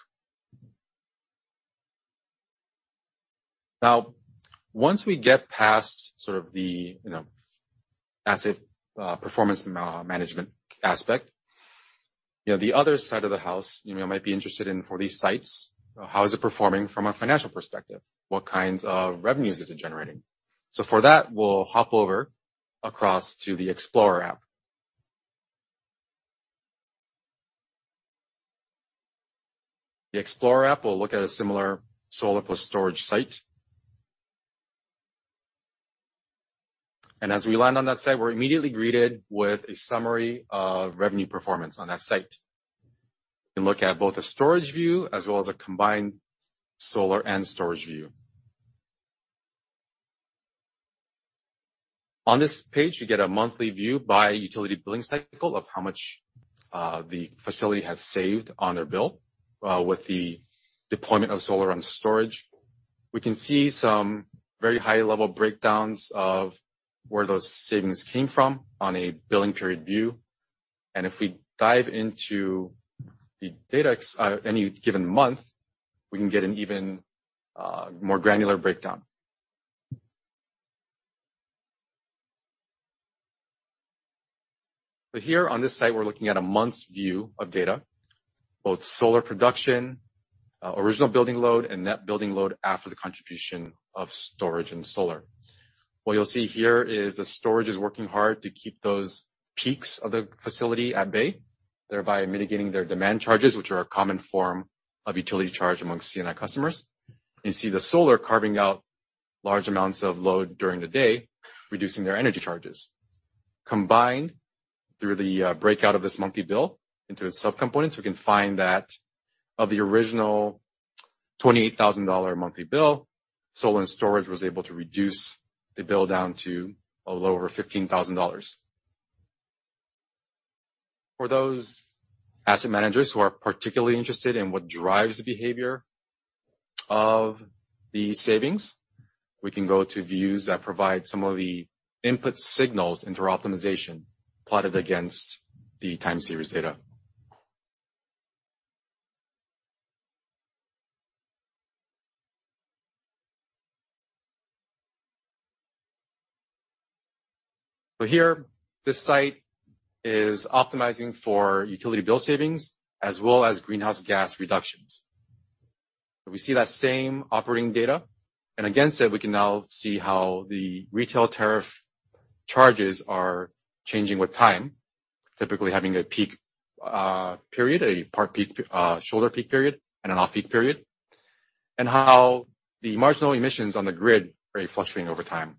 Now, once we get past sort of the, you know, asset performance management aspect. You know, the other side of the house, you know, might be interested in for these sites, how is it performing from a financial perspective? What kinds of revenues is it generating? For that, we'll hop over across to the Explorer app. The Explorer app will look at a similar solar plus storage site. As we land on that site, we're immediately greeted with a summary of revenue performance on that site. You can look at both a storage view as well as a combined solar and storage view. On this page, you get a monthly view by utility billing cycle of how much the facility has saved on their bill with the deployment of solar and storage. We can see some very high-level breakdowns of where those savings came from on a billing period view. If we dive into the data any given month, we can get an even more granular breakdown. Here on this site, we're looking at a month's view of data, both solar production, original building load, and net building load after the contribution of storage and solar. What you'll see here is the storage is working hard to keep those peaks of the facility at bay, thereby mitigating their demand charges, which are a common form of utility charge amongst C&I customers. You see the solar carving out large amounts of load during the day, reducing their energy charges. Combined through the breakout of this monthly bill into its subcomponents, we can find that of the original $28,000 monthly bill, solar and storage was able to reduce the bill down to a little over $15,000. For those asset managers who are particularly interested in what drives the behavior of the savings, we can go to views that provide some of the input signals into our optimization plotted against the time series data. Here, this site is optimizing for utility bill savings as well as greenhouse gas reductions. We see that same operating data. Against it, we can now see how the retail tariff charges are changing with time, typically having a peak period, a partial peak shoulder peak period, and an off-peak period, and how the marginal emissions on the grid are fluctuating over time.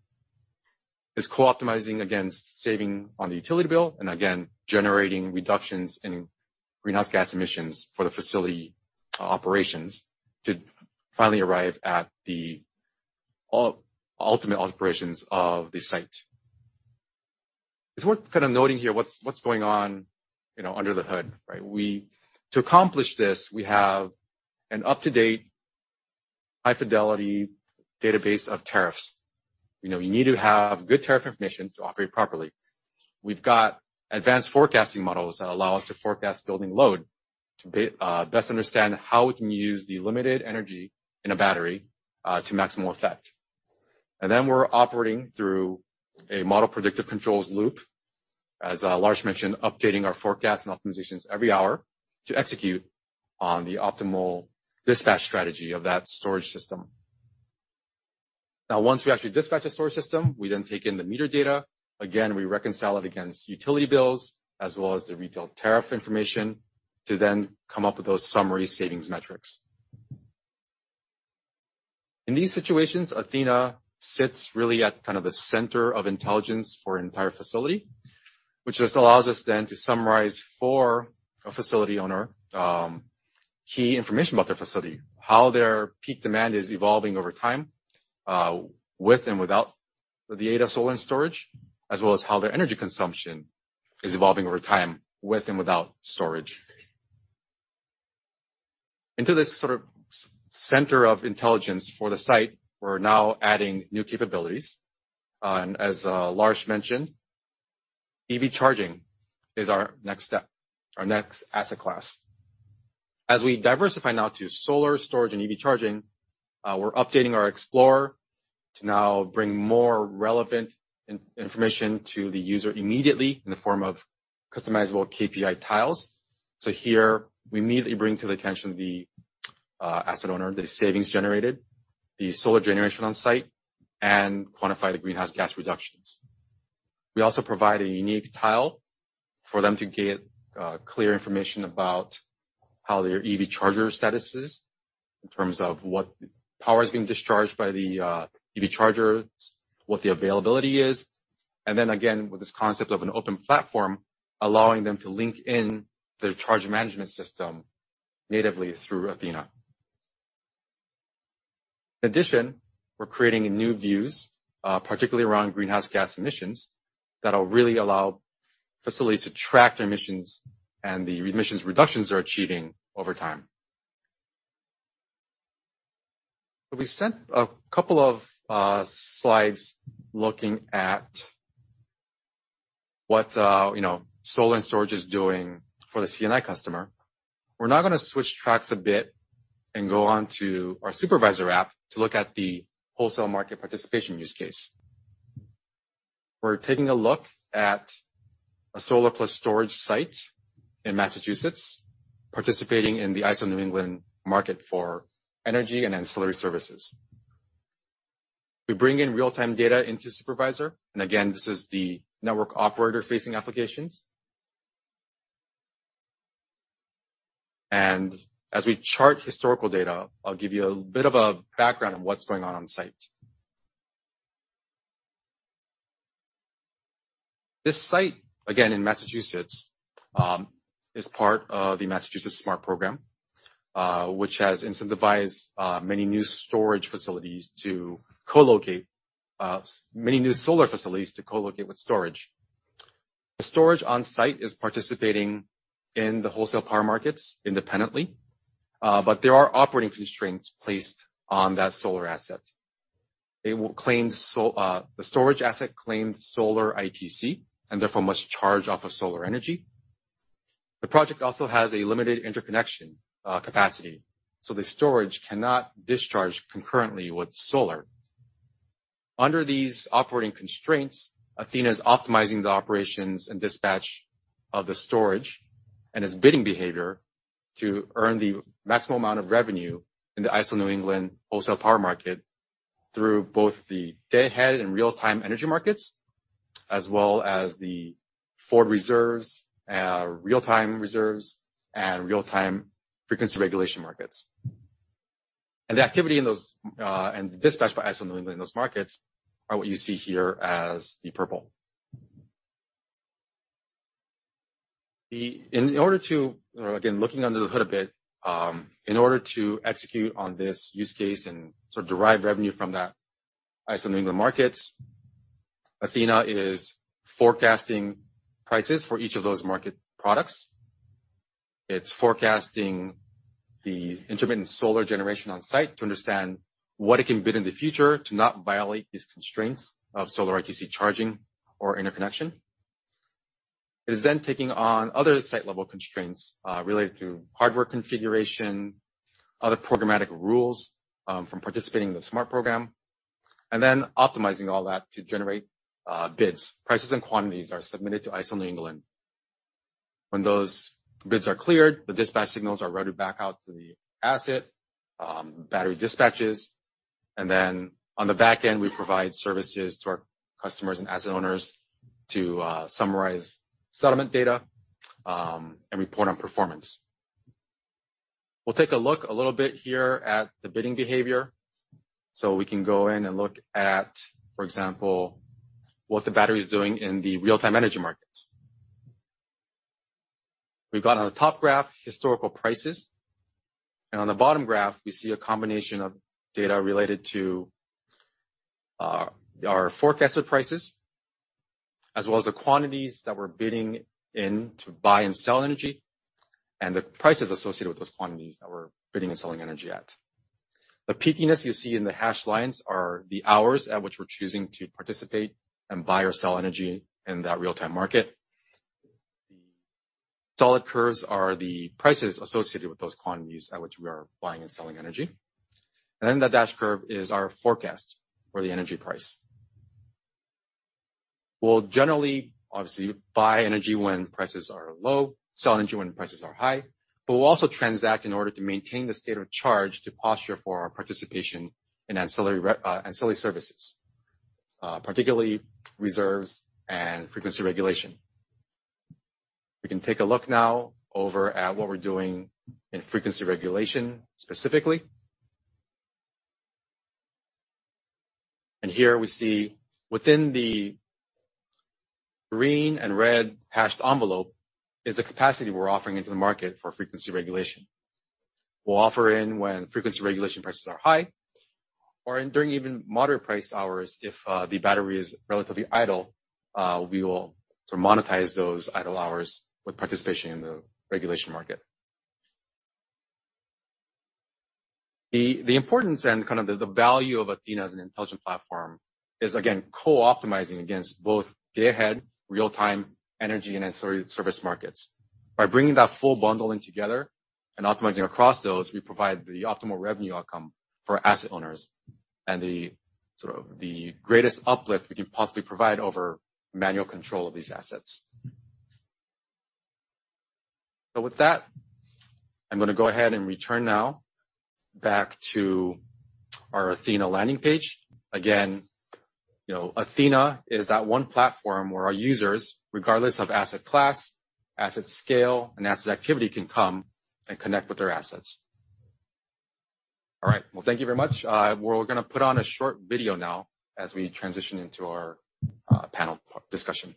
It's co-optimizing against saving on the utility bill and again, generating reductions in greenhouse gas emissions for the facility operations to finally arrive at the ultimate operations of the site. It's worth kind of noting here what's going on, you know, under the hood, right? To accomplish this, we have an up-to-date high-fidelity database of tariffs. You know, you need to have good tariff information to operate properly. We've got advanced forecasting models that allow us to forecast building load to best understand how we can use the limited energy in a battery to maximal effect. We're operating through a model predictive controls loop, as Larsh mentioned, updating our forecast and optimizations every hour to execute on the optimal dispatch strategy of that storage system. Now, once we actually dispatch a storage system, we then take in the meter data. Again, we reconcile it against utility bills as well as the retail tariff information to then come up with those summary savings metrics. In these situations, Athena sits really at kind of the center of intelligence for an entire facility, which just allows us then to summarize for a facility owner key information about their facility, how their peak demand is evolving over time with and without the aid of solar and storage, as well as how their energy consumption is evolving over time with and without storage. Into this sort of center of intelligence for the site, we're now adding new capabilities, and as Larsh mentioned, EV charging is our next step, our next asset class. As we diversify now to solar, storage, and EV charging, we're updating our Explorer to now bring more relevant information to the user immediately in the form of customizable KPI tiles. Here we immediately bring to the attention of the asset owner, the savings generated, the solar generation on site, and quantify the greenhouse gas reductions. We also provide a unique tile for them to get clear information about how their EV charger status is in terms of what power is being discharged by the EV chargers, what the availability is, and then again, with this concept of an open platform, allowing them to link in their charge management system natively through Athena. In addition, we're creating new views, particularly around greenhouse gas emissions that'll really allow facilities to track their emissions and the emissions reductions they're achieving over time. We sent a couple of slides looking at what, you know, solar and storage is doing for the C&I customer. We're now gonna switch tracks a bit and go on to our Supervisor app to look at the wholesale market participation use case. We're taking a look at a solar plus storage site in Massachusetts, participating in the ISO New England market for energy and ancillary services. We bring in real-time data into Supervisor, and again, this is the network operator-facing applications. As we chart historical data, I'll give you a bit of a background on what's going on on-site. This site, again, in Massachusetts, is part of the Massachusetts SMART program, which has incentivized many new solar facilities to co-locate with storage. The storage on-site is participating in the wholesale power markets independently, but there are operating constraints placed on that solar asset. It will claim the storage asset claims solar ITC, and therefore must charge off of solar energy. The project also has a limited interconnection capacity, so the storage cannot discharge concurrently with solar. Under these operating constraints, Athena is optimizing the operations and dispatch of the storage and its bidding behavior to earn the maximum amount of revenue in the ISO New England wholesale power market through both the day-ahead and real-time energy markets, as well as the forward reserves, real-time reserves, and real-time frequency regulation markets. The activity in those and the dispatch by ISO New England in those markets are what you see here as the purple. Again, looking under the hood a bit, in order to execute on this use case and sort of derive revenue from that ISO New England markets, Athena is forecasting prices for each of those market products. It's forecasting the intermittent solar generation on-site to understand what it can bid in the future to not violate these constraints of solar ITC charging or interconnection. It is then taking on other site-level constraints, related to hardware configuration, other programmatic rules, from participating in the SMART program, and then optimizing all that to generate bids. Prices and quantities are submitted to ISO New England. When those bids are cleared, the dispatch signals are routed back out to the asset, battery dispatches. On the back end, we provide services to our customers and asset owners to summarize settlement data and report on performance. We'll take a look a little bit here at the bidding behavior. We can go in and look at, for example, what the battery is doing in the real-time energy markets. We've got on the top graph, historical prices, and on the bottom graph, we see a combination of data related to our forecasted prices, as well as the quantities that we're bidding in to buy and sell energy, and the prices associated with those quantities that we're bidding and selling energy at. The peakiness you see in the hashed lines are the hours at which we're choosing to participate and buy or sell energy in that real-time market. The solid curves are the prices associated with those quantities at which we are buying and selling energy. The dashed curve is our forecast for the energy price. We'll generally, obviously, buy energy when prices are low, sell energy when prices are high. We'll also transact in order to maintain the state of charge to posture for our participation in ancillary services, particularly reserves and frequency regulation. We can take a look now over at what we're doing in frequency regulation, specifically. Here we see within the green and red hashed envelope is the capacity we're offering into the market for frequency regulation. We'll offer in when frequency regulation prices are high or during even moderate priced hours, if the battery is relatively idle, we will sort of monetize those idle hours with participation in the regulation market. The importance and kind of the value of Athena as an intelligent platform is again co-optimizing against both day-ahead real-time energy and ancillary service markets. By bringing that full bundling together and optimizing across those, we provide the optimal revenue outcome for asset owners and sort of the greatest uplift we can possibly provide over manual control of these assets. With that, I'm going to go ahead and return now back to our Athena landing page. Again, you know, Athena is that 1 platform where our users, regardless of asset class, asset scale, and asset activity, can come and connect with their assets. All right. Well, thank you very much. We're going to put on a short video now as we transition into our panel discussion.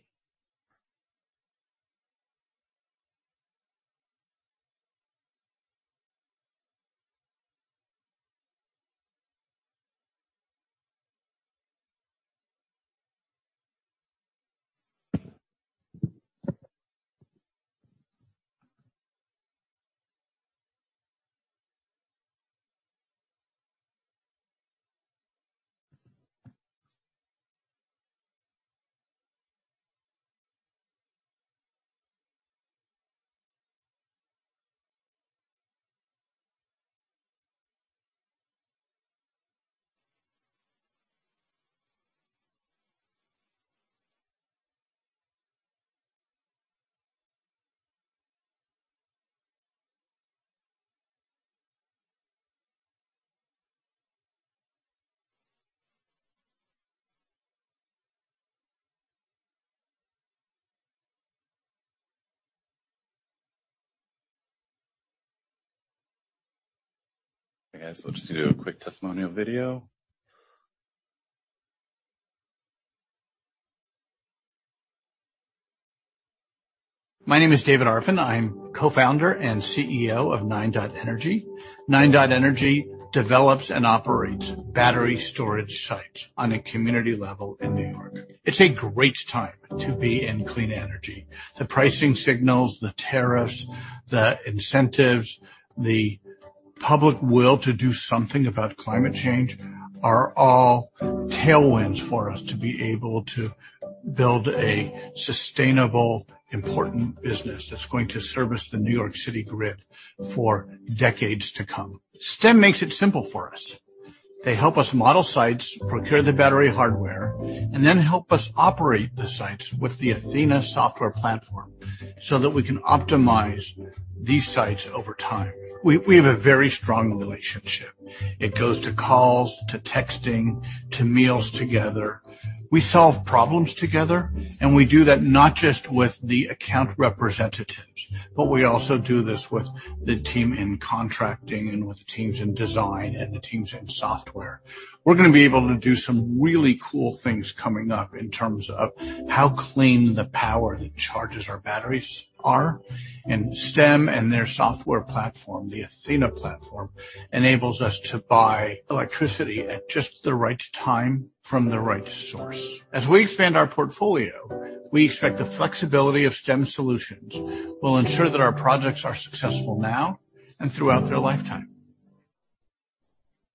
Okay. Just going to do a quick testimonial video. My name is David Arfin. I'm co-founder and CEO of NineDot Energy. NineDot Energy develops and operates battery storage sites on a community level in New York. It's a great time to be in clean energy. The pricing signals, the tariffs, the incentives, the public will to do something about climate change are all tailwinds for us to be able to build a sustainable, important business that's going to service the New York City grid for decades to come. Stem makes it simple for us. They help us model sites, procure the battery hardware, and then help us operate the sites with the Athena software platform so that we can optimize these sites over time. We have a very strong relationship. It goes to calls, to texting, to meals together. We solve problems together, and we do that not just with the account representatives, but we also do this with the team in contracting and with the teams in design and the teams in software. We're going to be able to do some really cool things coming up in terms of how clean the power that charges our batteries are. Stem and their software platform, the Athena platform, enables us to buy electricity at just the right time from the right source. As we expand our portfolio, we expect the flexibility of Stem solutions will ensure that our projects are successful now and throughout their lifetime.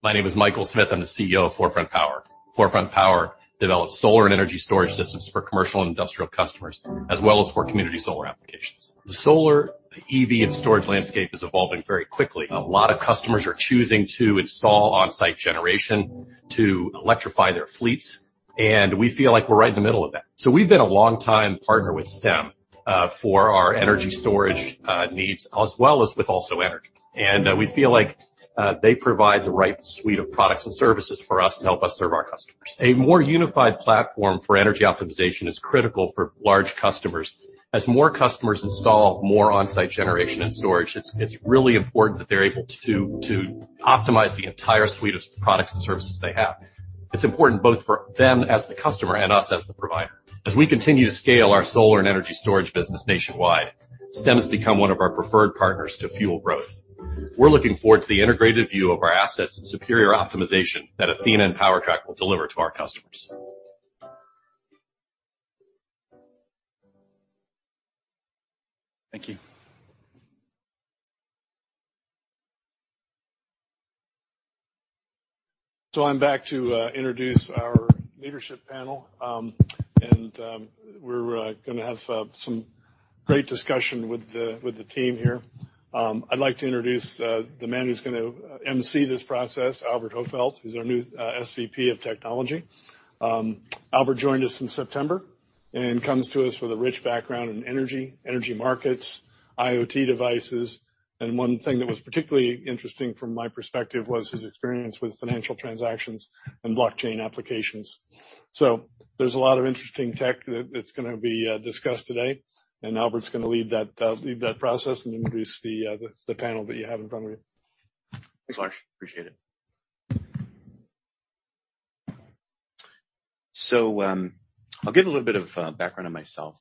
My name is Michael Smith. I'm the CEO of ForeFront Power. ForeFront Power develops solar and energy storage systems for commercial and industrial customers, as well as for community solar applications. The solar EV and storage landscape is evolving very quickly. A lot of customers are choosing to install on-site generation to electrify their fleets, and we feel like we're right in the middle of that. We've been a long time partner with Stem for our energy storage needs, as well as with AlsoEnergy. We feel like they provide the right suite of products and services for us to help us serve our customers. A more unified platform for energy optimization is critical for large customers. As more customers install more on-site generation and storage, it's really important that they're able to optimize the entire suite of products and services they have. It's important both for them as the customer and us as the provider. As we continue to scale our solar and energy storage business nationwide, Stem has become one of our preferred partners to fuel growth. We're looking forward to the integrated view of our assets and superior optimization that Athena and PowerTrack will deliver to our customers. Thank you. I'm back to introduce our leadership panel. We're gonna have some great discussion with the team here. I'd like to introduce the man who's gonna MC this process, Albert Hofeldt. He's our new SVP of Technology. Albert joined us in September and comes to us with a rich background in energy markets, IoT devices. One thing that was particularly interesting from my perspective was his experience with financial transactions and blockchain applications. There's a lot of interesting tech that's gonna be discussed today, and Albert's gonna lead that process and introduce the panel that you have in front of you. Thanks, Larsh. Appreciate it. I'll give a little bit of background on myself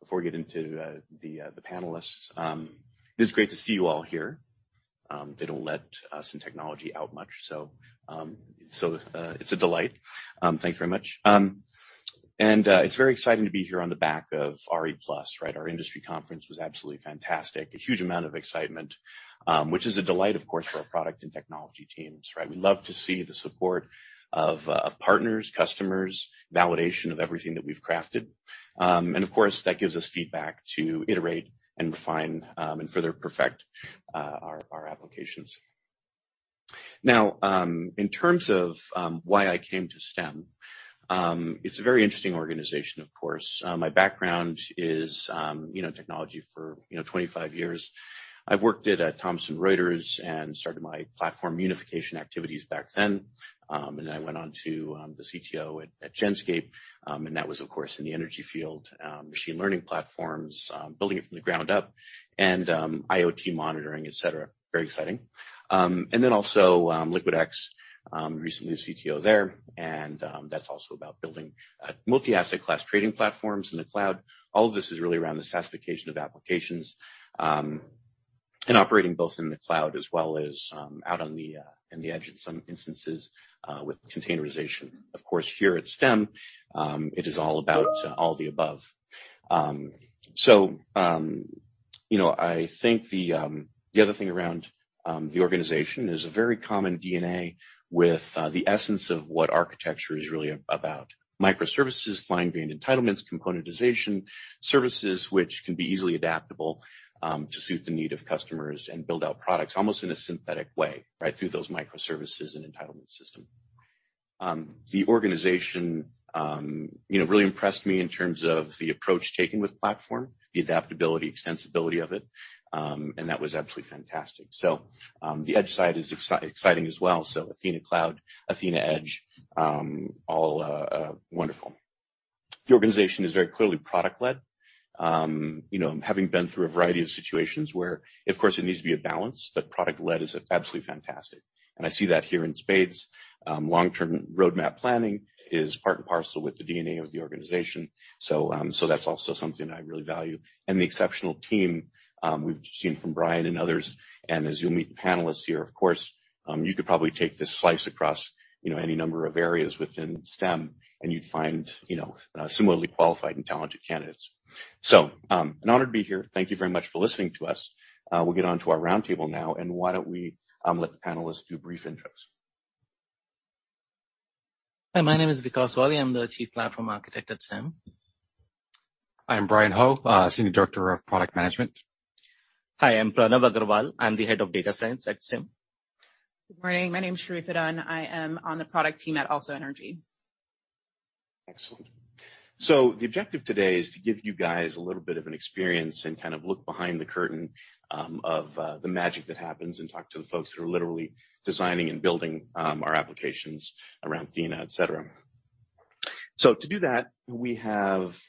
before we get into the panelists. It is great to see you all here. They don't let us in technology out much, so it's a delight. Thanks very much. It's very exciting to be here on the back of RE+, right? Our industry conference was absolutely fantastic. A huge amount of excitement, which is a delight, of course, for our product and technology teams, right? We love to see the support of partners, customers, validation of everything that we've crafted. Of course, that gives us feedback to iterate and refine and further perfect our applications. Now, in terms of why I came to Stem, it's a very interesting organization, of course. My background is, you know, technology for, you know, 25 years. I've worked at Thomson Reuters and started my platform unification activities back then. Then I went on to the CTO at Genscape. That was, of course, in the energy field, machine learning platforms, building it from the ground up and IoT monitoring, et cetera. Very exciting. Then also LiquidX, recently the CTO there. That's also about building multi-asset class trading platforms in the cloud. All of this is really around the SaaSification of applications and operating both in the cloud as well as in the edge in some instances with containerization. Of course, here at Stem, it is all about all the above. You know, I think the other thing around the organization is a very common DNA with the essence of what architecture is really about. Microservices, fine-grained entitlements, componentization, services which can be easily adaptable to suit the need of customers and build out products almost in a synthetic way, right, through those microservices and entitlement system. The organization, you know, really impressed me in terms of the approach taken with platform, the adaptability, extensibility of it, and that was absolutely fantastic. The edge side is exciting as well. Athena Cloud, Athena Edge, all wonderful. The organization is very clearly product led. You know, having been through a variety of situations where of course it needs to be a balance, but product led is absolutely fantastic. I see that here in spades, long-term roadmap planning is part and parcel with the DNA of the organization. That's also something I really value. The exceptional team we've seen from Bryan and others, and as you'll meet the panelists here, of course, you could probably take this slice across, you know, any number of areas within Stem and you'd find, you know, similarly qualified and talented candidates. An honor to be here. Thank you very much for listening to us. We'll get on to our roundtable now, and why don't we let the panelists do brief intros. Hi, my name is Vikas Walia. I'm the Chief Platform Architect at Stem. I'm Bryan Ho, Senior Director of Product Management. Hi, I'm Pranav Aggarwal. I'm the Head of Data Science at Stem. Good morning. My name is Sharifa Dunn. I am on the product team at AlsoEnergy. Excellent. The objective today is to give you guys a little bit of an experience and kind of look behind the curtain, of, the magic that happens and talk to the folks who are literally designing and building, our applications around Athena, etc. To do that, we have,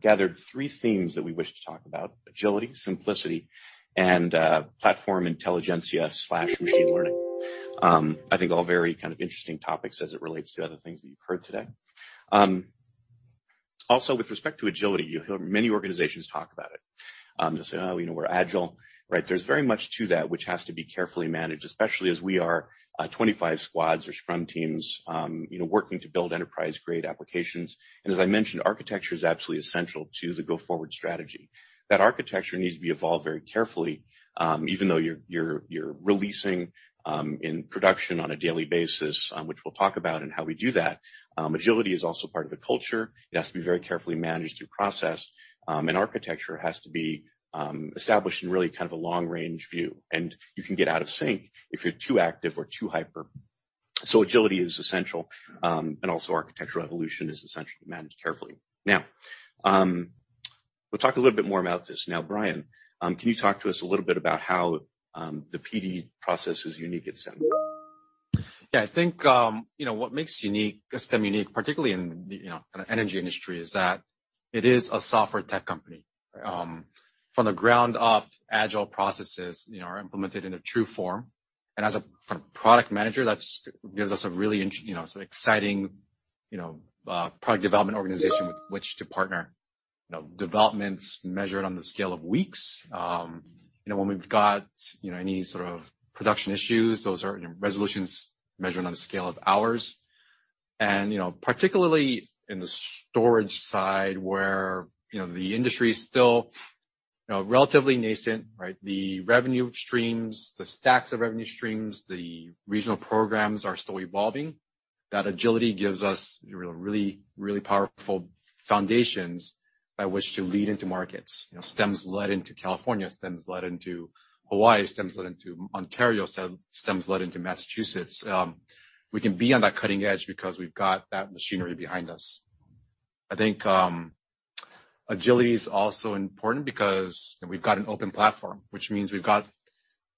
gathered 3 themes that we wish to talk about. Agility, simplicity and, platform intelligentsia/machine learning. I think all very kind of interesting topics as it relates to other things that you've heard today. Also with respect to agility, you hear many organizations talk about it. They say, "Oh, you know, we're agile." Right? There's very much to that which has to be carefully managed, especially as we are, 25 squads or scrum teams, you know, working to build enterprise-grade applications. As I mentioned, architecture is absolutely essential to the go-forward strategy. That architecture needs to be evolved very carefully, even though you're releasing in production on a daily basis, which we'll talk about and how we do that. Agility is also part of the culture. It has to be very carefully managed through process, and architecture has to be established in really kind of a long-range view, and you can get out of sync if you're too active or too hyper. Agility is essential, and also architectural evolution is essential to manage carefully. We'll talk a little bit more about this. Bryan, can you talk to us a little bit about how the PD process is unique at Stem? I think, you know, what makes Stem unique, particularly in, you know, kind of energy industry, is that it is a software tech company. From the ground up, agile processes, you know, are implemented in a true form. As a product manager, that's gives us a really sort of exciting, you know, product development organization with which to partner. You know, development's measured on the scale of weeks. You know, when we've got, you know, any sort of production issues, those are, you know, resolutions measured on a scale of hours. You know, particularly in the storage side, where, you know, the industry is still, you know, relatively nascent, right? The revenue streams, the stacks of revenue streams, the regional programs are still evolving. That agility gives us really powerful foundations by which to lead into markets. You know, Stem's led into California, Stem's led into Hawaii, Stem's led into Ontario, Stem's led into Massachusetts. We can be on that cutting edge because we've got that machinery behind us. I think, agility is also important because we've got an open platform, which means we've got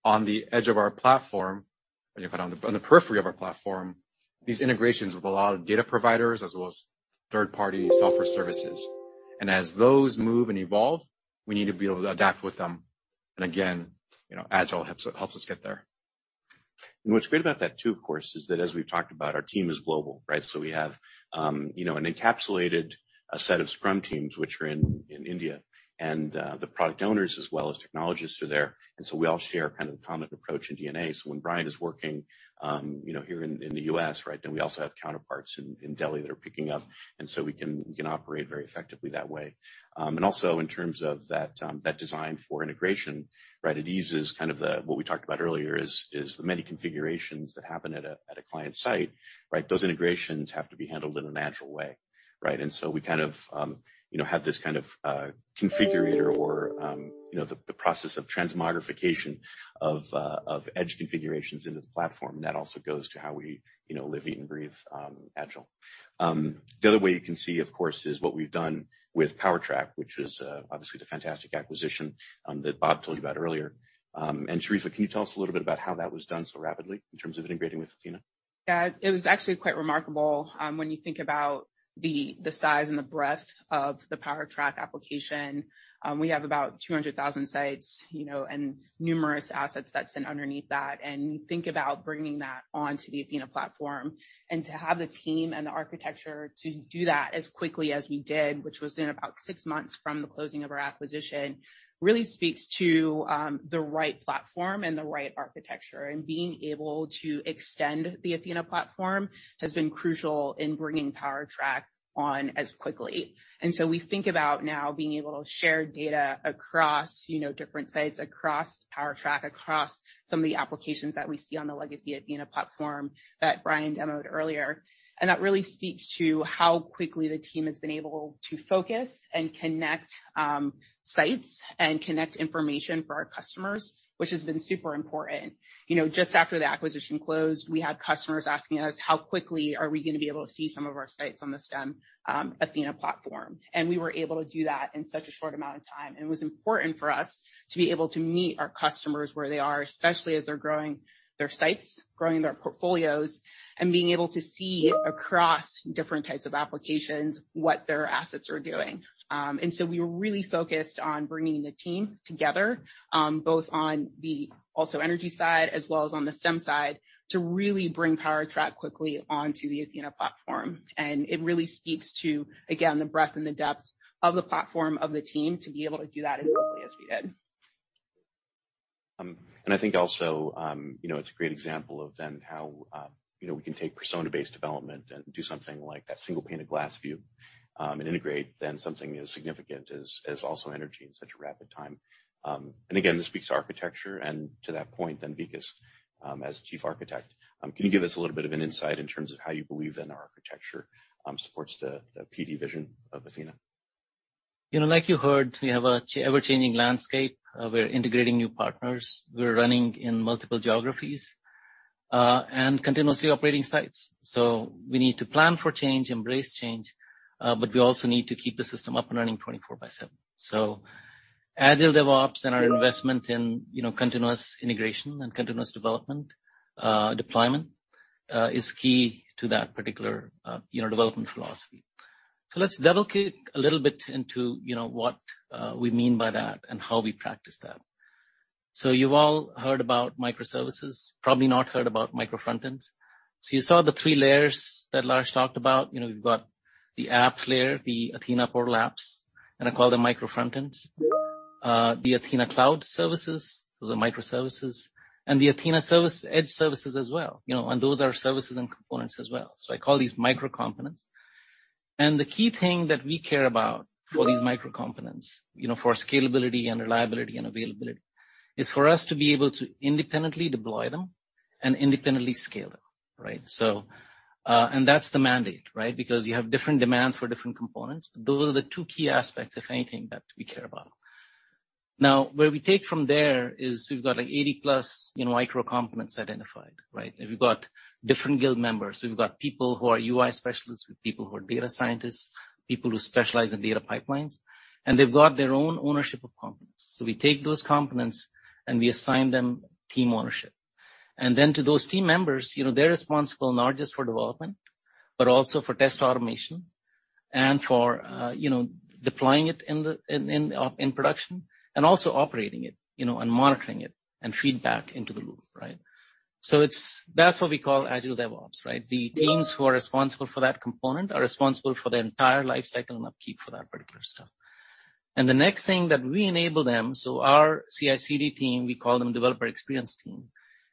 on the edge of our platform, on the periphery of our platform, these integrations with a lot of data providers as well as third-party software services. As those move and evolve, we need to be able to adapt with them. Again, you know, agile helps us get there. What's great about that too, of course, is that as we've talked about, our team is global, right? We have, you know, an encapsulated set of scrum teams which are in India. The product owners as well as technologists are there. We all share kind of the common approach and DNA. When Bryan is working, you know, here in the U.S., right? We also have counterparts in Delhi that are picking up, and so we can operate very effectively that way. In terms of that design for integration, right? It eases kind of what we talked about earlier, is the many configurations that happen at a client site, right? Those integrations have to be handled in a natural way, right? We kind of, you know, have this kind of configurator or, you know, the process of transmogrification of edge configurations into the platform. That also goes to how we, you know, live, eat, and breathe agile. The other way you can see, of course, is what we've done with PowerTrack, which is obviously the fantastic acquisition that Bob told you about earlier. Sharifa, can you tell us a little bit about how that was done so rapidly in terms of integrating with Athena? It was actually quite remarkable when you think about the size and the breadth of the PowerTrack application. We have about 200,000 sites, you know, and numerous assets that sit underneath that. You think about bringing that onto the Athena platform and to have the team and the architecture to do that as quickly as we did, which was in about 6 months from the closing of our acquisition, really speaks to the right platform and the right architecture. Being able to extend the Athena platform has been crucial in bringing PowerTrack on as quickly. We think about now being able to share data across, you know, different sites, across PowerTrack, across some of the applications that we see on the legacy Athena platform that Bryan demoed earlier. That really speaks to how quickly the team has been able to focus and connect sites and connect information for our customers, which has been super important. You know, just after the acquisition closed, we had customers asking us, "How quickly are we gonna be able to see some of our sites on the Stem Athena platform?" We were able to do that in such a short amount of time. It was important for us to be able to meet our customers where they are, especially as they're growing their sites, growing their portfolios, and being able to see across different types of applications what their assets are doing. We were really focused on bringing the team together, both on the AlsoEnergy side as well as on the Stem side, to really bring PowerTrack quickly onto the Athena platform. It really speaks to, again, the breadth and the depth of the platform, of the team to be able to do that as quickly as we did. I think also, you know, it's a great example of then how, you know, we can take persona-based development and do something like that single pane of glass view, and integrate then something as significant as AlsoEnergy in such a rapid time. Again, this speaks to architecture and to that point then Vikas, as Chief Architect, can you give us a little bit of an insight in terms of how you believe then our architecture supports the PD vision of Athena? You know, like you heard, we have an ever-changing landscape. We're integrating new partners. We're running in multiple geographies, and continuously operating sites. We need to plan for change, embrace change, but we also need to keep the system up and running 24/7. Agile DevOps and our investment in, you know, continuous integration and continuous deployment, is key to that particular, you know, development philosophy. Let's delve a little bit into, you know, what we mean by that and how we practice that. You've all heard about microservices, probably not heard about micro frontends. You saw the 3 layers that Larsh talked about. You know, we've got the app layer, the Athena portal apps, and I call them micro frontends. The Athena Cloud services, those are microservices, and the Athena Edge services as well. You know, those are services and components as well. I call these micro components. The key thing that we care about for these micro components, you know, for scalability and reliability and availability, is for us to be able to independently deploy them and independently scale them, right? That's the mandate, right? Because you have different demands for different components. Those are the 2 key aspects, if anything, that we care about. Now, where we take from there is we've got, like, 80+, you know, micro components identified, right? We've got different guild members. We've got people who are UI specialists, we have people who are data scientists, people who specialize in data pipelines, and they've got their own ownership of components. We take those components, and we assign them team ownership. Then to those team members, you know, they're responsible not just for development, but also for test automation and for, you know, deploying it in production and also operating it, you know, and monitoring it and feedback into the loop, right? It's that what we call agile DevOps, right? The teams who are responsible for that component are responsible for the entire lifecycle and upkeep for that particular stuff. The next thing that we enable them, so our CI/CD team, we call them developer experience team,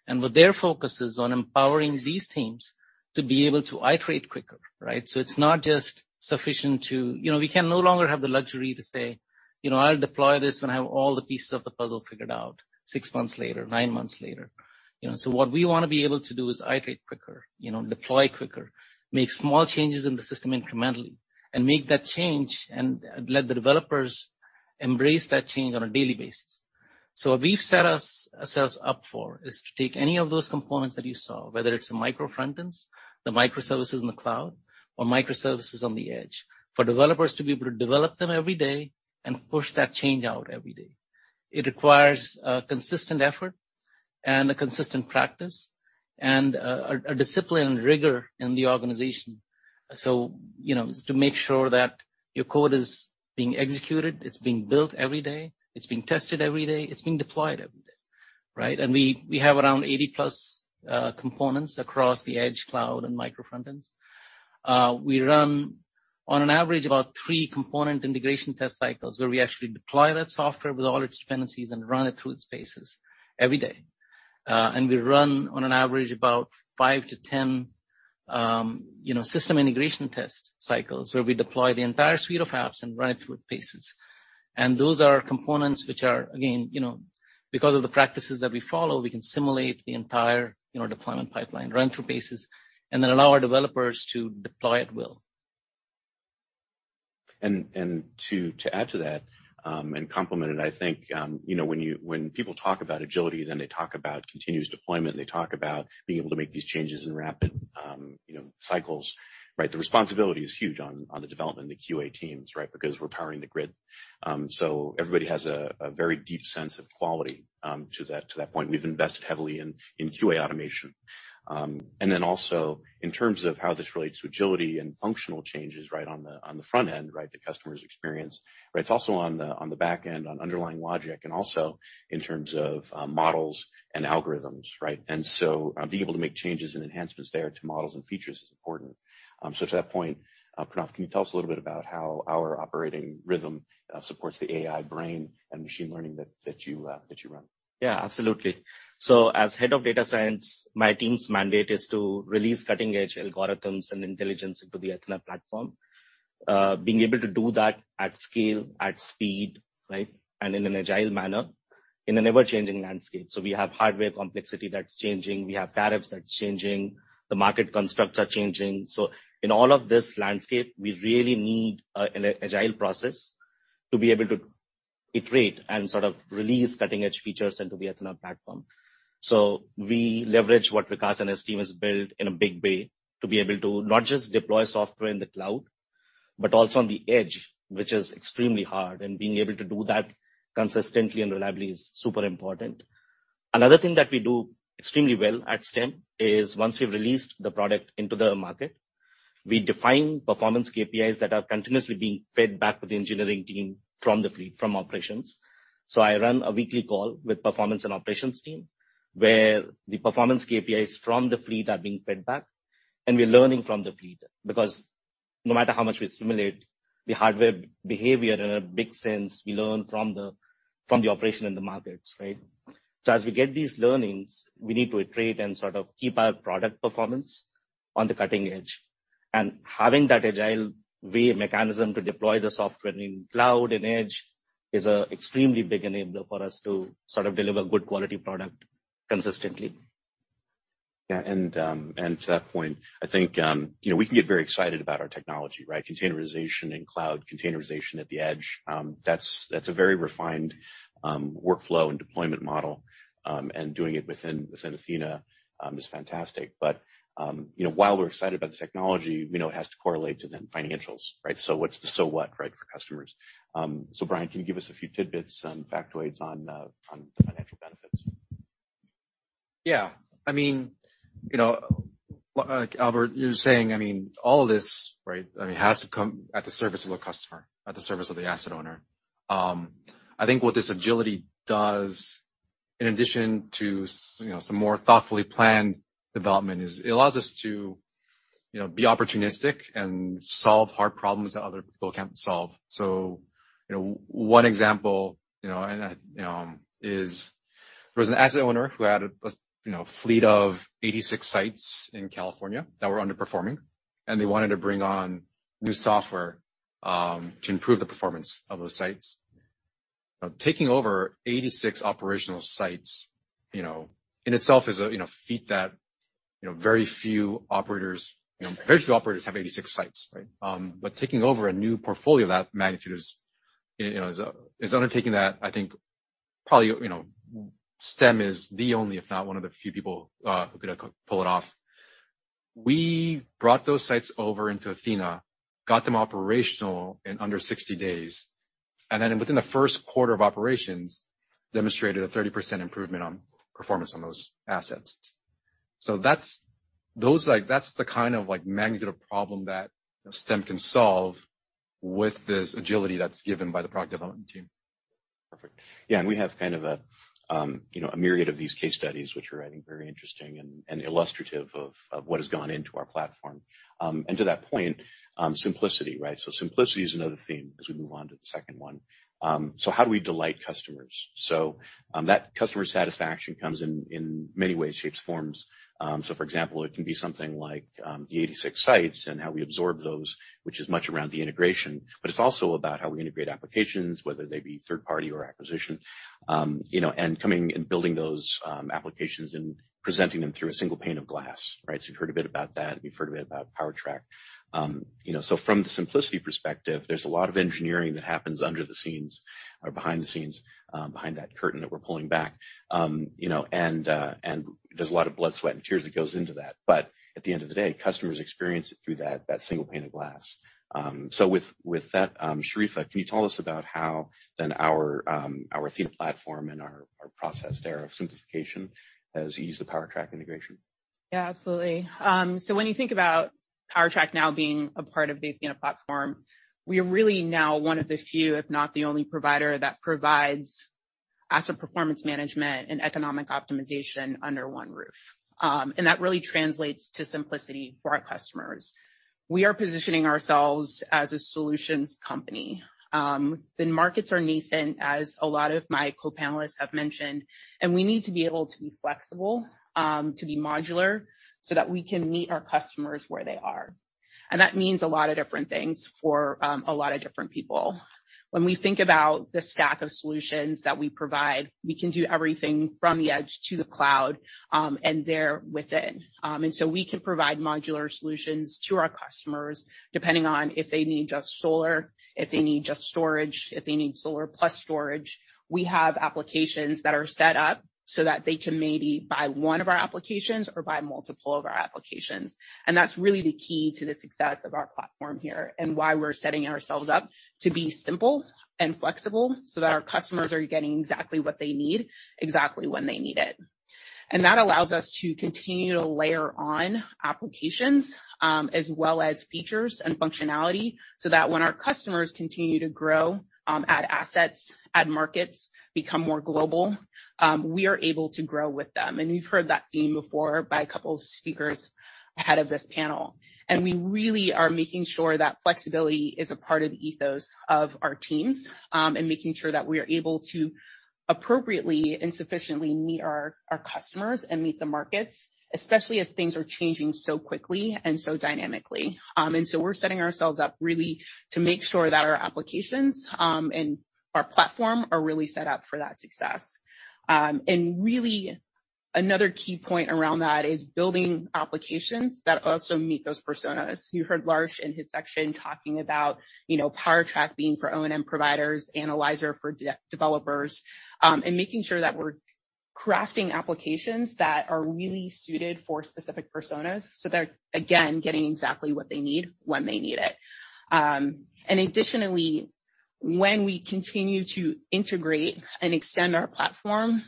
and what their focus is on empowering these teams to be able to iterate quicker, right? It's not just sufficient to- You know, we can no longer have the luxury to say, "You know, I'll deploy this when I have all the pieces of the puzzle figured out 6 months later, 9 months later." You know, what we wanna be able to do is iterate quicker, you know, deploy quicker, make small changes in the system incrementally, and make that change and let the developers embrace that change on a daily basis. What we've set ourselves up for is to take any of those components that you saw, whether it's the micro frontends, the microservices in the cloud, or microservices on the edge, for developers to be able to develop them every day and push that change out every day. It requires a consistent effort and a consistent practice and a discipline and rigor in the organization. You know, to make sure that your code is being executed, it's being built every day, it's being tested every day, it's being deployed every day, right? We have around 80+ components across the edge cloud and micro frontends. We run on average about 3 component integration test cycles, where we actually deploy that software with all its dependencies and run it through its paces every day. We run on average about 5 to 10 system integration test cycles, where we deploy the entire suite of apps and run it through its paces. Those are components which are, again, you know, because of the practices that we follow, we can simulate the entire deployment pipeline, run through paces, and then allow our developers to deploy at will. To add to that and complement it, I think, you know, when people talk about agility, then they talk about continuous deployment, they talk about being able to make these changes in rapid cycles, right? The responsibility is huge on the development of the QA teams, right? Because we're powering the grid. Everybody has a very deep sense of quality to that point. We've invested heavily in QA automation. Then also in terms of how this relates to agility and functional changes, right? On the front end, right? The customer's experience, right? It's also on the back end, on underlying logic, and also in terms of models and algorithms, right? Being able to make changes and enhancements there to models and features is important. To that point, Pranav, can you tell us a little bit about how our operating rhythm supports the AI brain and machine learning that you run? Absolutely. As head of data science, my team's mandate is to release cutting-edge algorithms and intelligence into the Athena platform. Being able to do that at scale, at speed, right. In an agile manner, in an ever-changing landscape. We have hardware complexity that's changing. We have tariffs that's changing. The market constructs are changing. In all of this landscape, we really need an agile process to be able to iterate and sort of release cutting-edge features into the Athena platform. We leverage what Vikas and his team has built in a big way to be able to not just deploy software in the cloud, but also on the edge, which is extremely hard, and being able to do that consistently and reliably is super important. Another thing that we do extremely well at Stem is once we've released the product into the market, we define performance KPIs that are continuously being fed back to the engineering team from the fleet, from operations. I run a weekly call with performance and operations team, where the performance KPIs from the fleet are being fed back, and we're learning from the fleet. No matter how much we simulate the hardware behavior in a big sense, we learn from the operation in the markets, right? So as we get these learnings, we need to iterate and sort of keep our product performance on the cutting edge. Having that agile way and mechanism to deploy the software in cloud and edge is an extremely big enabler for us to sort of deliver good quality product consistently. To that point, I think, you know, we can get very excited about our technology, right? Containerization and cloud containerization at the edge. That's a very refined workflow and deployment model. Doing it within Athena is fantastic. While we're excited about the technology, you know, it has to correlate to the financials, right? What's the so what, right, for customers. Bryan, can you give us a few tidbits and factoids on the financial benefits? I mean, you know, like Albert, you're saying, I mean, all of this, right, I mean, has to come at the service of a customer, at the service of the asset owner. I think what this agility does in addition to, you know, some more thoughtfully planned development is it allows us to, you know, be opportunistic and solve hard problems that other people can't solve. 1 example, you know, is there was an asset owner who had a, you know, fleet of 86 sites in California that were underperforming, and they wanted to bring on new software to improve the performance of those sites. Taking over 86 operational sites, you know, in itself is a, you know, feat that, you know, very few operators, you know, very few operators have 86 sites, right? Taking over a new portfolio of that magnitude is, you know, an undertaking that I think probably, you know, Stem is the only, if not one of the few people who could pull it off. We brought those sites over into Athena, got them operational in under 60 days, and then within the Q1 of operations, demonstrated a 30% improvement on performance on those assets. That's. Those, like, that's the kind of, like, magnitude of problem that Stem can solve with this agility that's given by the product development team. Perfect. We have kind of a, you know, a myriad of these case studies which are, I think, very interesting and illustrative of what has gone into our platform. To that point, simplicity, right? Simplicity is another theme as we move on to the second one. How do we delight customers? That customer satisfaction comes in many ways, shapes, forms. For example, it can be something like the 86 sites and how we absorb those, which is much around the integration, but it's also about how we integrate applications, whether they be third party or acquisition, you know, and coming and building those applications and presenting them through a single pane of glass. Right? You've heard a bit about that. We've heard a bit about PowerTrack. You know, from the simplicity perspective, there's a lot of engineering that happens under the scenes or behind the scenes, behind that curtain that we're pulling back. You know, and there's a lot of blood, sweat, and tears that goes into that. At the end of the day, customers experience it through that single pane of glass. With that, Sharifa, can you tell us about how then our Athena platform and our process there of simplification as you use the PowerTrack integration? Absolutely. When you think about PowerTrack now being a part of the Athena platform, we are really now one of the few, if not the only provider that provides asset performance management and economic optimization under 1 roof. That really translates to simplicity for our customers. We are positioning ourselves as a solutions company. The markets are nascent, as a lot of my co-panelists have mentioned, and we need to be able to be flexible, to be modular so that we can meet our customers where they are. That means a lot of different things for, a lot of different people. When we think about the stack of solutions that we provide, we can do everything from the edge to the cloud, and therein. We can provide modular solutions to our customers depending on if they need just solar, if they need just storage, if they need solar plus storage. We have applications that are set up so that they can maybe buy one of our applications or buy multiple of our applications. That's really the key to the success of our platform here and why we're setting ourselves up to be simple and flexible so that our customers are getting exactly what they need, exactly when they need it. That allows us to continue to layer on applications, as well as features and functionality, so that when our customers continue to grow, add assets, add markets, become more global, we are able to grow with them. We've heard that theme before by a couple of speakers ahead of this panel. We really are making sure that flexibility is a part of the ethos of our teams, and making sure that we are able to appropriately and sufficiently meet our customers and meet the markets, especially as things are changing so quickly and so dynamically. We're setting ourselves up really to make sure that our applications and our platform are really set up for that success. Really another key point around that is building applications that also meet those personas. You heard Larsh in his section talking about, you know, PowerTrack being for O&M providers, Analyzer for developers, and making sure that we're crafting applications that are really suited for specific personas so they're, again, getting exactly what they need when they need it. when we continue to integrate and extend our platform,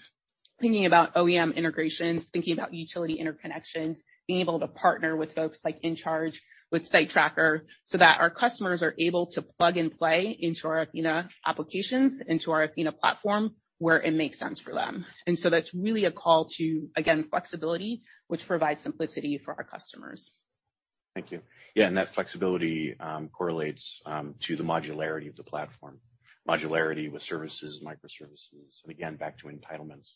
thinking about OEM integrations, thinking about utility interconnections, being able to partner with folks like InCharge with Sitetracker so that our customers are able to plug and play into our Athena applications, into our Athena platform where it makes sense for them. That's really a call to, again, flexibility, which provides simplicity for our customers. Thank you. That flexibility correlates to the modularity of the platform. Modularity with services, microservices, and again, back to entitlements.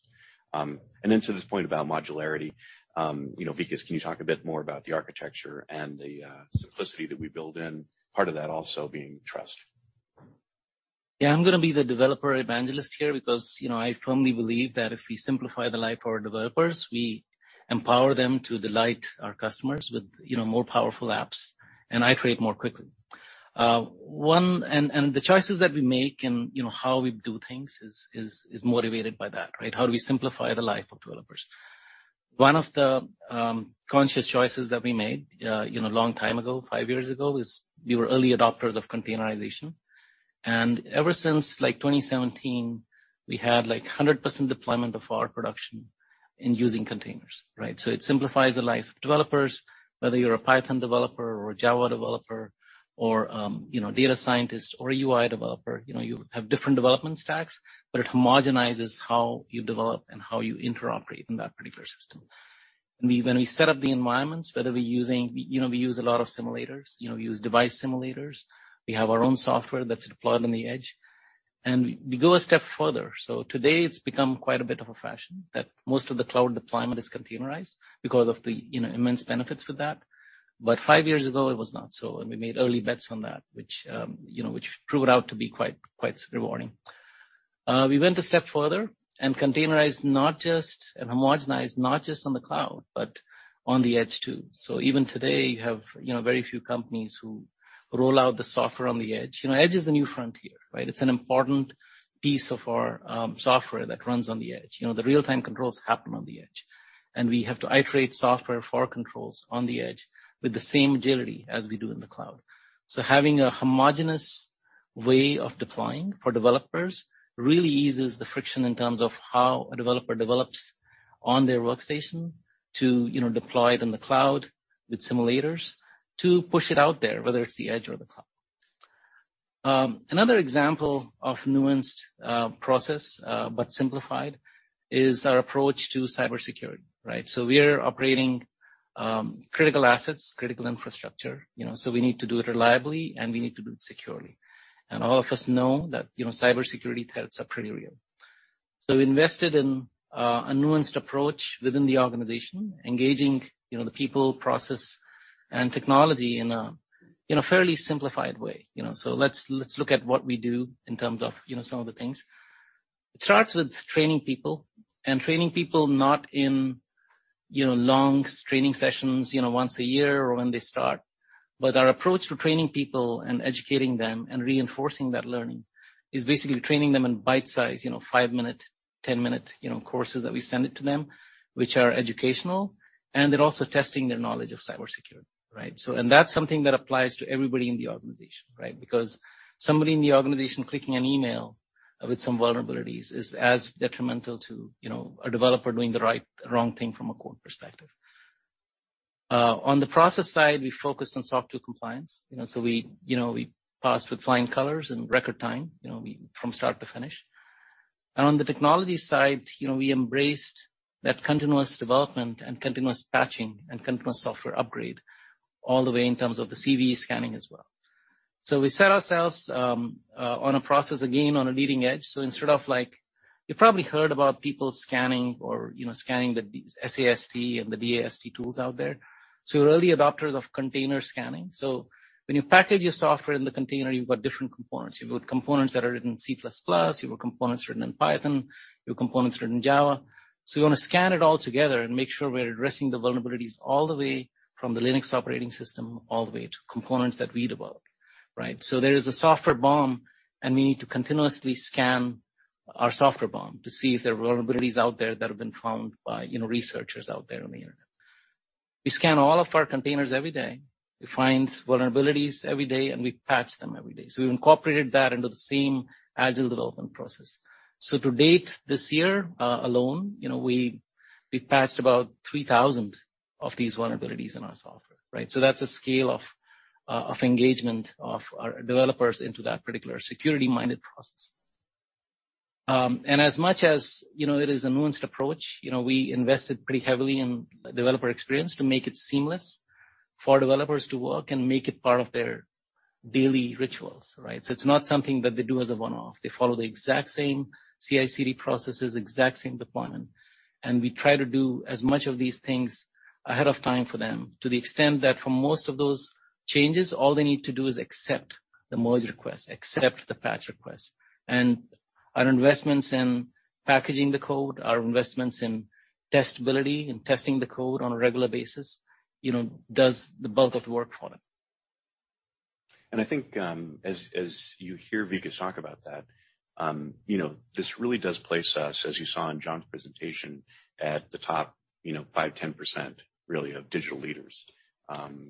To this point about modularity, you know, Vikas, can you talk a bit more about the architecture and the simplicity that we build in, part of that also being trust? I'm gonna be the developer evangelist here because, you know, I firmly believe that if we simplify the life of our developers, we empower them to delight our customers with, you know, more powerful apps, and iterate more quickly. The choices that we make and, you know, how we do things is motivated by that, right? How do we simplify the life of developers? One of the conscious choices that we made, you know, a long time ago, 5 years ago, is we were early adopters of containerization. Ever since, like, 2017, we had, like, 100% deployment of our production using containers, right? It simplifies the life of developers, whether you're a Python developer or a Java developer or, you know, data scientist or UI developer. You know, you have different development stacks, but it homogenizes how you develop and how you interoperate in that particular system. When we set up the environments, whether we're using. You know, we use a lot of simulators, you know, we use device simulators. We have our own software that's deployed on the edge, and we go a step further. Today it's become quite a bit of a fashion that most of the cloud deployment is containerized because of the, you know, immense benefits with that. 5 years ago, it was not so, and we made early bets on that, which, you know, which proved out to be quite rewarding. We went a step further and containerized and homogenized not just on the cloud, but on the edge too. Even today, you have, you know, very few companies who roll out the software on the edge. You know, edge is the new frontier, right? It's an important piece of our software that runs on the edge. You know, the real-time controls happen on the edge, and we have to iterate software for our controls on the edge with the same agility as we do in the cloud. Having a homogeneous way of deploying for developers really eases the friction in terms of how a developer develops on their workstation to, you know, deploy it in the cloud with simulators to push it out there, whether it's the edge or the cloud. Another example of nuanced process but simplified is our approach to cybersecurity, right? We are operating critical assets, critical infrastructure, you know, so we need to do it reliably, and we need to do it securely. All of us know that, you know, cybersecurity threats are pretty real. We invested in a nuanced approach within the organization, engaging, you know, the people, process, and technology in a fairly simplified way, you know. Let's look at what we do in terms of, you know, some of the things. It starts with training people not in, you know, long training sessions, you know, once a year or when they start. Our approach to training people and educating them and reinforcing that learning is basically training them in bite-size, you know, 5-minute, 10-minute, you know, courses that we send it to them, which are educational, and they're also testing their knowledge of cybersecurity, right? And that's something that applies to everybody in the organization, right? Because somebody in the organization clicking an email with some vulnerabilities is as detrimental to, you know, a developer doing the wrong thing from a code perspective. On the process side, we focused on SOC2 compliance. You know, we passed with flying colors in record time from start to finish. On the technology side, you know, we embraced that continuous development and continuous patching and continuous software upgrade all the way in terms of the CVE scanning as well. We set ourselves on a process, again, on a leading edge. Instead of like you probably heard about people scanning or, you know, scanning the SAST and the DAST tools out there. We're early adopters of container scanning. When you package your software in the container, you've got different components. You've got components that are written in C++, you've got components written in Python, you've components written in Java. We wanna scan it all together and make sure we're addressing the vulnerabilities all the way from the Linux operating system, all the way to components that we develop, right? There is a software BOM, and we need to continuously scan our software BOM to see if there are vulnerabilities out there that have been found by, you know, researchers out there on the internet. We scan all of our containers every day. We find vulnerabilities every day, and we patch them every day. We've incorporated that into the same agile development process. To date, this year alone, you know, we've patched about 3,000 of these vulnerabilities in our software, right? That's a scale of engagement of our developers into that particular security-minded process. As much as, you know, it is a nuanced approach, you know, we invested pretty heavily in developer experience to make it seamless for developers to work and make it part of their daily rituals, right? It's not something that they do as a one-off. They follow the exact same CI/CD processes, exact same deployment, and we try to do as much of these things ahead of time for them to the extent that for most of those changes, all they need to do is accept the merge request, accept the patch request. Our investments in packaging the code, our investments in testability, in testing the code on a regular basis, you know, does the bulk of the work for them. I think, as you hear Vikas talk about that, you know, this really does place us, as you saw in John's presentation, at the top 5% to 10% really of digital leaders.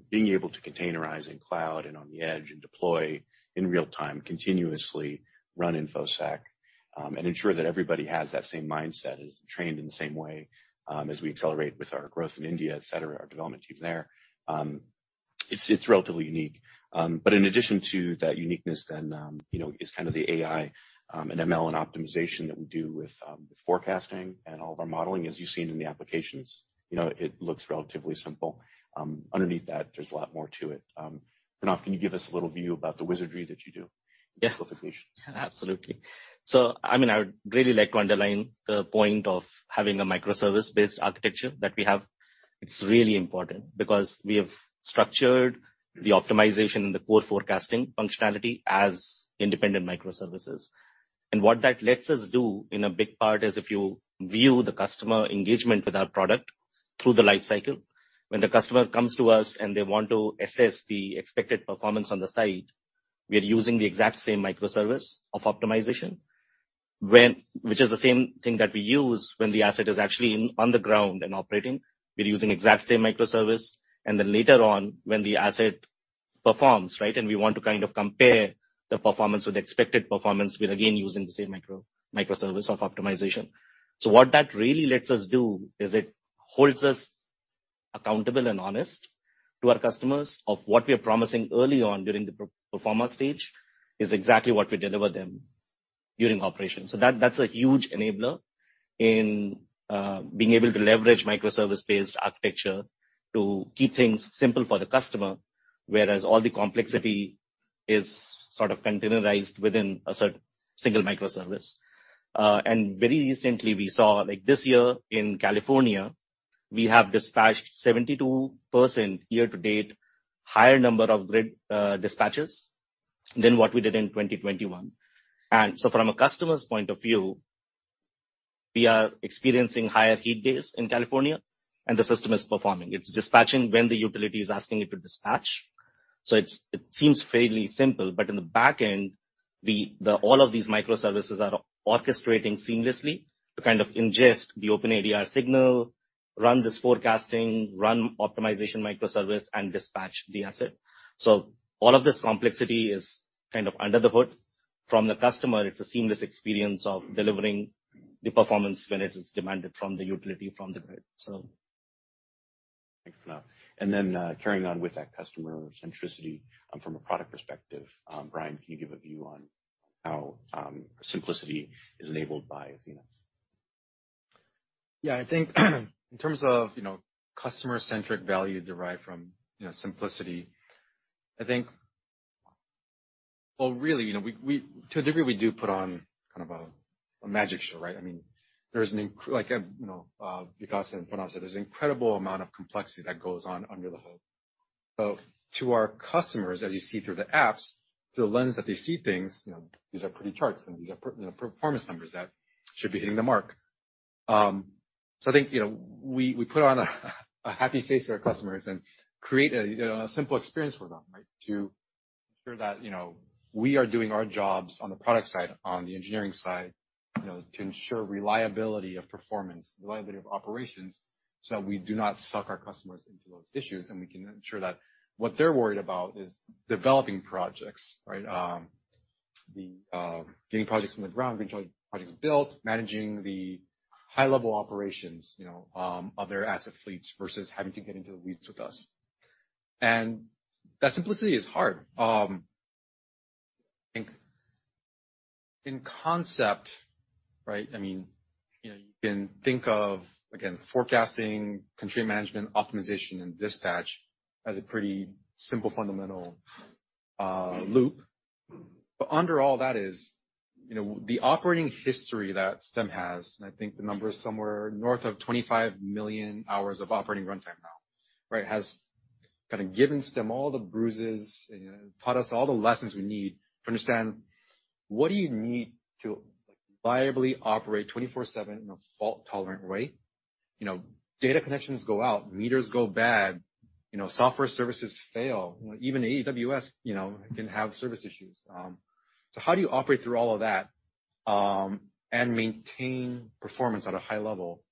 Being able to containerize in cloud and on the edge and deploy in real-time, continuously run InfoSec, and ensure that everybody has that same mindset, is trained in the same way, as we accelerate with our growth in India, et cetera, our development team there. It's relatively unique. In addition to that uniqueness then, you know, is kind of the AI and ML and optimization that we do with forecasting and all of our modeling, as you've seen in the applications. You know, it looks relatively simple. Underneath that, there's a lot more to it. Pranav, can you give us a little view about the wizardry that you do? Yeah. for optimization? Absolutely. I mean, I would really like to underline the point of having a microservice-based architecture that we have. It's really important because we have structured the optimization and the core forecasting functionality as independent microservices. What that lets us do in a big part is if you view the customer engagement with our product through the life cycle, when the customer comes to us and they want to assess the expected performance on the site, we are using the exact same microservice of optimization. Which is the same thing that we use when the asset is actually in, on the ground and operating. We're using exact same microservice. Then later on when the asset performs, right, and we want to kind of compare the performance with the expected performance, we're again using the same microservice of optimization. What that really lets us do is it holds us accountable and honest to our customers of what we are promising early on during the pre-performance stage is exactly what we deliver them during operation. That, that's a huge enabler in being able to leverage microservice-based architecture to keep things simple for the customer, whereas all the complexity is sort of containerized within a single microservice. Very recently we saw, like this year in California, we have dispatched 72% year-to-date higher number of grid dispatches than what we did in 2021. From a customer's point of view, we are experiencing higher heat days in California, and the system is performing. It's dispatching when the utility is asking it to dispatch. It's, it seems fairly simple, but in the back end, the all of these microservices are orchestrating seamlessly to kind of ingest the OpenADR signal, run this forecasting, run optimization microservice, and dispatch the asset. All of this complexity is kind of under the hood. From the customer, it's a seamless experience of delivering the performance when it is demanded from the utility, from the grid. Thanks, Pranav. Carrying on with that customer centricity, from a product perspective, Bryan, can you give a view on how simplicity is enabled by Athena? Yeah. I think in terms of, you know, customer-centric value derived from, you know, simplicity, I think. Well, really, you know, we, to a degree, we do put on kind of a magic show, right? I mean, like, Vikas and Pranav said, there's incredible amount of complexity that goes on under the hood. To our customers, as you see through the apps, through the lens that they see things, you know, these are pretty charts and these are, you know, performance numbers that should be hitting the mark. I think, you know, we put on a happy face to our customers and create a, you know, a simple experience for them, right? To ensure that, you know, we are doing our jobs on the product side, on the engineering side, you know, to ensure reliability of performance, reliability of operations, so that we do not suck our customers into those issues, and we can ensure that what they're worried about is developing projects, right? The getting projects from the ground, getting projects built, managing the high-level operations, you know, of their asset fleets versus having to get into the weeds with us. That simplicity is hard. In concept, right, I mean, you know, you can think of, again, forecasting, contract management, optimization, and dispatch as a pretty simple fundamental loop. Under all that is, you know, the operating history that Stem has, and I think the number is somewhere north of 25 million hours of operating runtime now, right? Has kind of given Stem all the bruises and taught us all the lessons we need to understand what you need to reliably operate 24/7 in a fault-tolerant way. You know, data connections go out, meters go bad, you know, software services fail. Even AWS, you know, can have service issues. How do you operate through all of that, and maintain performance at a high level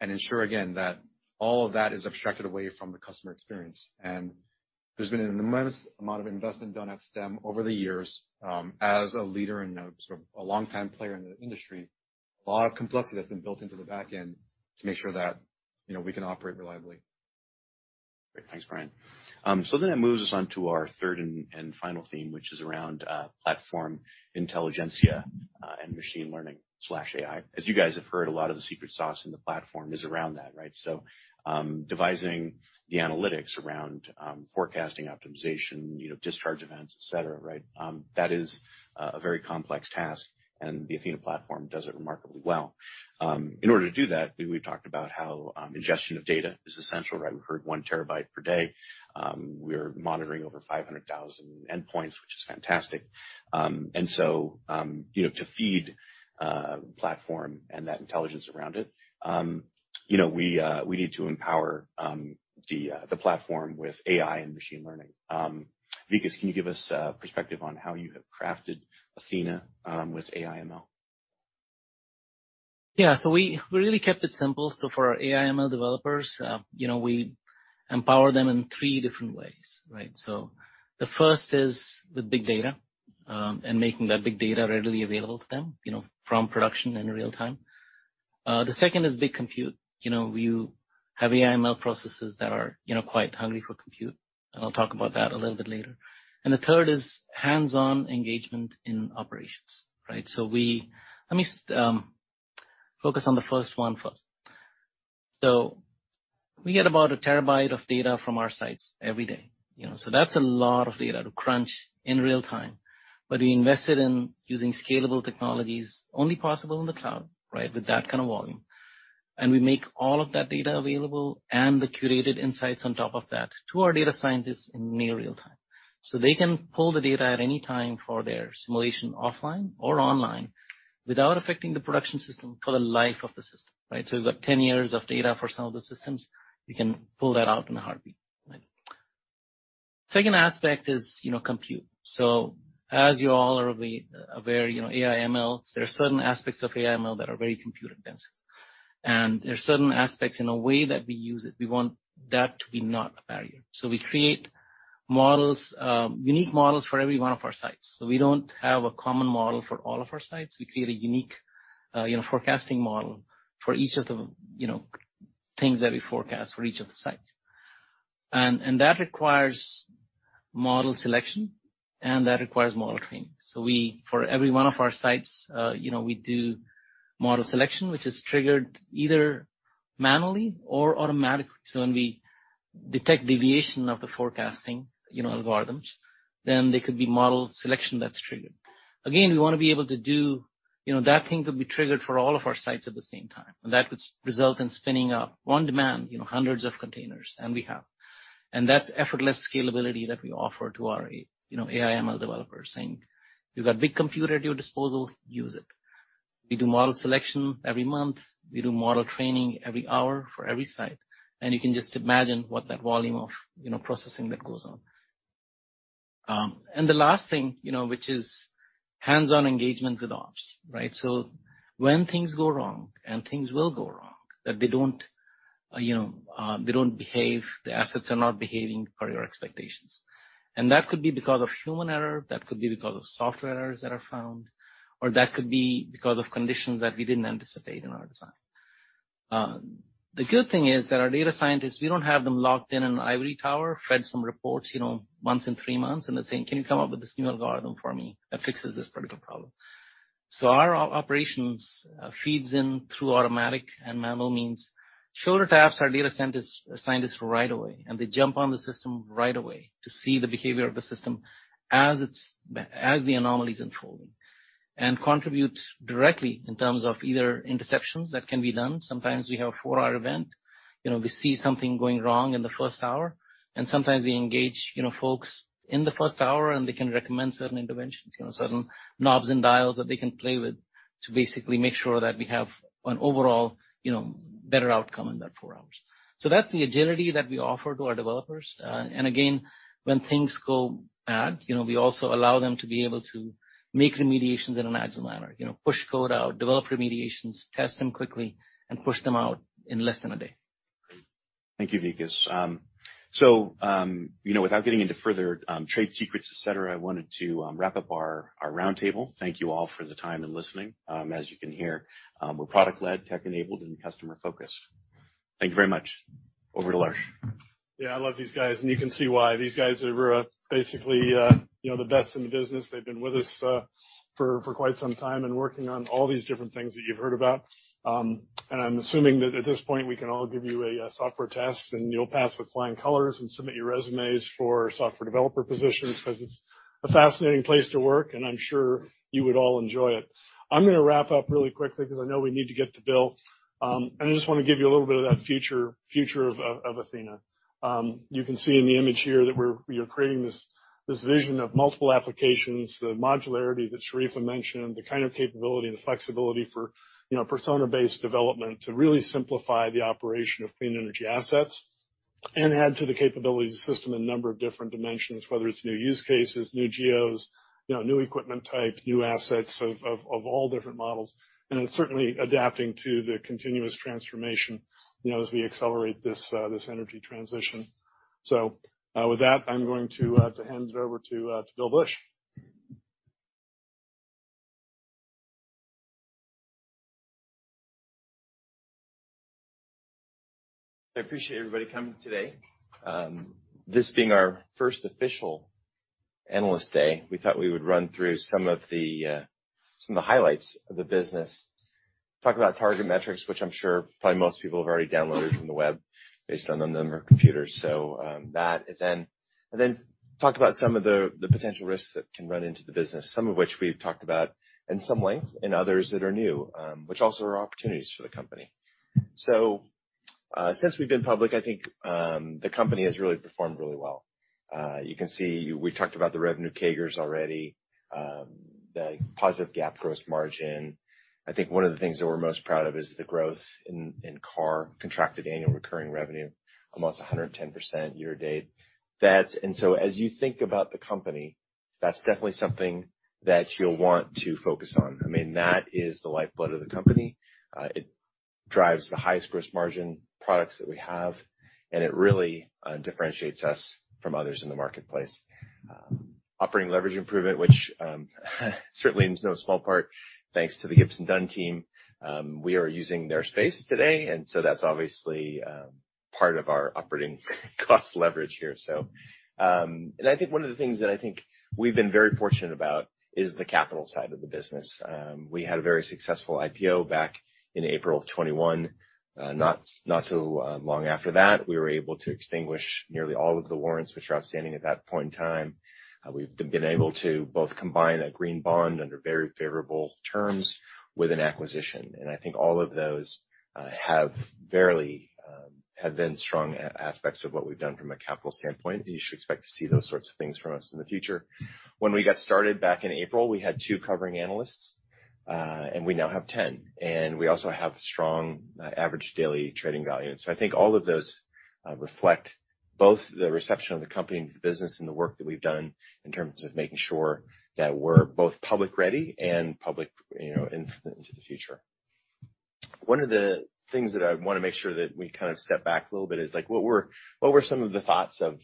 and ensure again that all of that is abstracted away from the customer experience? There's been an immense amount of investment done at Stem over the years, as a leader and a, sort of a longtime player in the industry. A lot of complexity that's been built into the back end to make sure that, you know, we can operate reliably. Great. Thanks, Bryan. It moves us on to our third and final theme, which is around platform intelligence and machine learning/AI. As you guys have heard, a lot of the secret sauce in the platform is around that, right? Devising the analytics around forecasting optimization, you know, discharge events, et cetera, right? That is a very complex task, and the Athena platform does it remarkably well. In order to do that, we've talked about how ingestion of data is essential, right? We've heard 1 TB per day. We're monitoring over 500,000 endpoints, which is fantastic. To feed the platform and that intelligence around it, you know, we need to empower the platform with AI and machine learning. Vikas, can you give us a perspective on how you have crafted Athena, with AI ML? Yeah. We really kept it simple. For our AI ML developers, you know, we empower them in 3 different ways, right? The first is with big data, and making that big data readily available to them, you know, from production in real time. The second is big compute. You know, we have AI ML processes that are, you know, quite hungry for compute, and I'll talk about that a little bit later. The third is hands-on engagement in operations, right? Let me focus on the first one first. We get about a terabyte of data from our sites every day, you know. That's a lot of data to crunch in real time. We invested in using scalable technologies only possible in the cloud, right? With that kind of volume. We make all of that data available and the curated insights on top of that to our data scientists in near real time. They can pull the data at any time for their simulation offline or online without affecting the production system for the life of the system, right? We've got 10 years of data for some of the systems. We can pull that out in a heartbeat, right. Second aspect is, you know, compute. As you all are aware, you know, AI ML, there are certain aspects of AI ML that are very compute intense. There are certain aspects in a way that we use it, we want that to be not a barrier. We create models, unique models for every one of our sites. We don't have a common model for all of our sites. We create a unique, you know, forecasting model for each of the, you know, things that we forecast for each of the sites. That requires model selection, and that requires model training. We, for every one of our sites, you know, we do model selection, which is triggered either manually or automatically. When we detect deviation of the forecasting, you know, algorithms, then there could be model selection that's triggered. Again, you know, that thing could be triggered for all of our sites at the same time, and that could result in spinning up on demand, you know, hundreds of containers, and we have. That's effortless scalability that we offer to our AI ML developers, saying, "You got big compute at your disposal, use it." We do model selection every month, we do model training every hour for every site. You can just imagine what that volume of, you know, processing that goes on. The last thing, you know, which is hands-on engagement with ops, right? When things go wrong, and things will go wrong, you know, they don't behave, the assets are not behaving per your expectations. That could be because of human error, that could be because of software errors that are found, or that could be because of conditions that we didn't anticipate in our design. The good thing is that our data scientists, we don't have them locked in an ivory tower, fed some reports, you know, once in 3 months, and then saying, "Can you come up with this new algorithm for me that fixes this particular problem?" Our operations feeds in through automatic and manual means, shoulder taps our data scientists right away, and they jump on the system right away to see the behavior of the system as it's as the anomaly's unfolding, and contributes directly in terms of either interceptions that can be done. Sometimes we have a 4-hour event. You know, we see something going wrong in the first hour, and sometimes we engage, you know, folks in the first hour, and they can recommend certain interventions, you know, certain knobs and dials that they can play with to basically make sure that we have an overall, you know, better outcome in that 4 hours. That's the agility that we offer to our developers. Again, when things go bad, you know, we also allow them to be able to make remediations in an agile manner. You know, push code out, develop remediations, test them quickly, and push them out in less than a day. Thank you, Vikas. You know, without getting into further trade secrets, et cetera, I wanted to wrap up our roundtable. Thank you all for the time and listening. As you can hear, we're product-led, tech-enabled, and customer-focused. Thank you very much. Over to Larsh. Yeah, I love these guys, and you can see why. These guys are basically, you know, the best in the business. They've been with us for quite some time and working on all these different things that you've heard about. I'm assuming that at this point, we can all give you a software test, and you'll pass with flying colors and submit your resumes for software developer positions 'cause it's a fascinating place to work, and I'm sure you would all enjoy it. I'm gonna wrap up really quickly 'cause I know we need to get to Bill. I just wanna give you a little bit of that future of Athena. You can see in the image here that we are creating this vision of multiple applications, the modularity that Sharifa mentioned, the kind of capability and the flexibility for, you know, persona-based development to really simplify the operation of clean energy assets and add to the capabilities of the system a number of different dimensions, whether it's new use cases, new geos, you know, new equipment types, new assets of all different models, and then certainly adapting to the continuous transformation, you know, as we accelerate this energy transition. With that, I'm going to hand it over to Bill Bush. I appreciate everybody coming today. This being our first official Analyst Day, we thought we would run through some of the highlights of the business. Talk about target metrics, which I'm sure probably most people have already downloaded from the web based on the number of computers. That and then talk about some of the potential risks that the business can run into, some of which we've talked about at some length, and others that are new, which also are opportunities for the company. Since we've been public, I think the company has really performed well. You can see we talked about the revenue CAGRs already, the positive GAAP gross margin. I think one of the things that we're most proud of is the growth in CARR, contracted annual recurring revenue, almost 110% year to date. That's as you think about the company, that's definitely something that you'll want to focus on. I mean, that is the lifeblood of the company. It drives the highest gross margin products that we have, and it really differentiates us from others in the marketplace. Operating leverage improvement, which certainly in no small part, thanks to the Gibson Dunn team. We are using their space today, and that's obviously part of our operating cost leverage here. I think one of the things that I think we've been very fortunate about is the capital side of the business. We had a very successful IPO back in April 2021. Not so long after that, we were able to extinguish nearly all of the warrants which were outstanding at that point in time. We've been able to both combine a green bond under very favorable terms with an acquisition. I think all of those have really been strong aspects of what we've done from a capital standpoint. You should expect to see those sorts of things from us in the future. When we got started back in April, we had 2 covering analysts, and we now have 10. We also have strong average daily trading value. I think all of those reflect both the reception of the company, the business, and the work that we've done in terms of making sure that we're both public ready and public, you know, into the future. One of the things that I wanna make sure that we kind of step back a little bit is like what were some of the thoughts of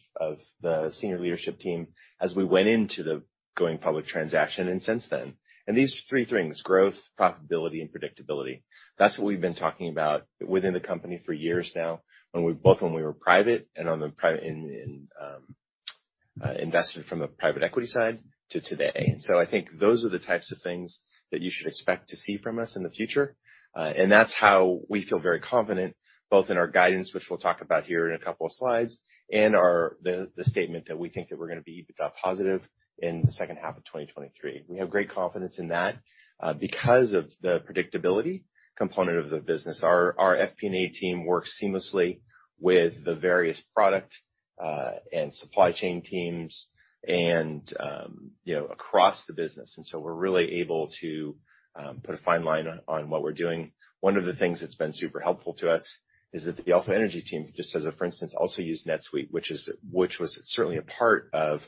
the senior leadership team as we went into the going public transaction and since then? These 3 things, growth, profitability, and predictability. That's what we've been talking about within the company for years now, when we both were private and invested from the private equity side to today. I think those are the types of things that you should expect to see from us in the future. That's how we feel very confident, both in our guidance, which we'll talk about here in a couple of slides, and the statement that we think that we're gonna be EBITDA positive in the H2 of 2023. We have great confidence in that because of the predictability component of the business. Our FP&A team works seamlessly with the various product and supply chain teams and, you know, across the business, and so we're really able to put a fine line on what we're doing. One of the things that's been super helpful to us is that the AlsoEnergy team, just as a for instance, also use NetSuite, which was certainly a part of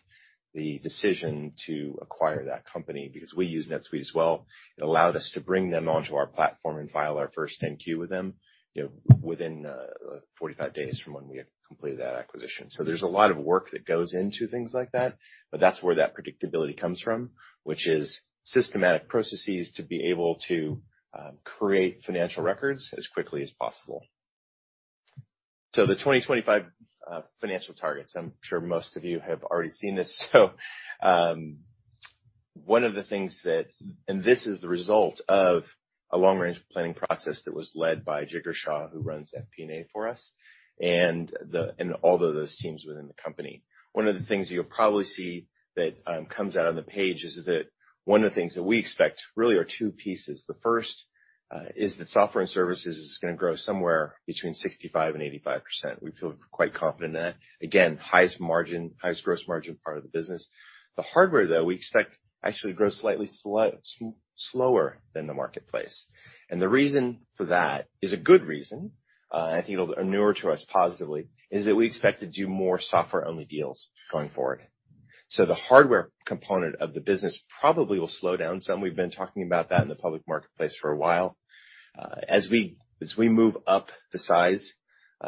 the decision to acquire that company because we use NetSuite as well. It allowed us to bring them onto our platform and file our first 10Q with them, you know, within 45 days from when we had completed that acquisition. There's a lot of work that goes into things like that, but that's where that predictability comes from, which is systematic processes to be able to create financial records as quickly as possible. The 2025 financial targets. I'm sure most of you have already seen this, one of the things that this is the result of a long-range planning process that was led by Jigar Shah, who runs FP&A for us, and all of those teams within the company. One of the things you'll probably see that comes out on the page is that one of the things that we expect really are 2 pieces. The first is that software and services is gonna grow somewhere between 65% to 85%. We feel quite confident in that. Again, highest margin, highest gross margin part of the business. The hardware, though, we expect actually grow slightly slower than the marketplace. The reason for that is a good reason, and I think it'll inure to us positively, is that we expect to do more software-only deals going forward. The hardware component of the business probably will slow down some. We've been talking about that in the public marketplace for a while. As we move up the size,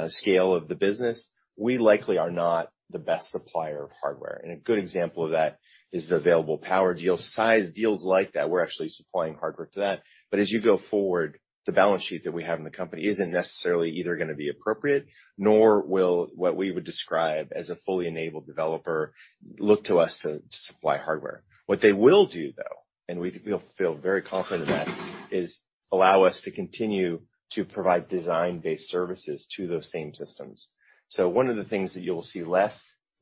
scale of the business, we likely are not the best supplier of hardware. A good example of that is the Available Power deal. Size deals like that, we're actually supplying hardware to that. As you go forward, the balance sheet that we have in the company isn't necessarily either gonna be appropriate, nor will what we would describe as a fully enabled developer look to us to supply hardware. What they will do, though, and we feel very confident in that, is allow us to continue to provide design-based services to those same systems. One of the things that you'll see less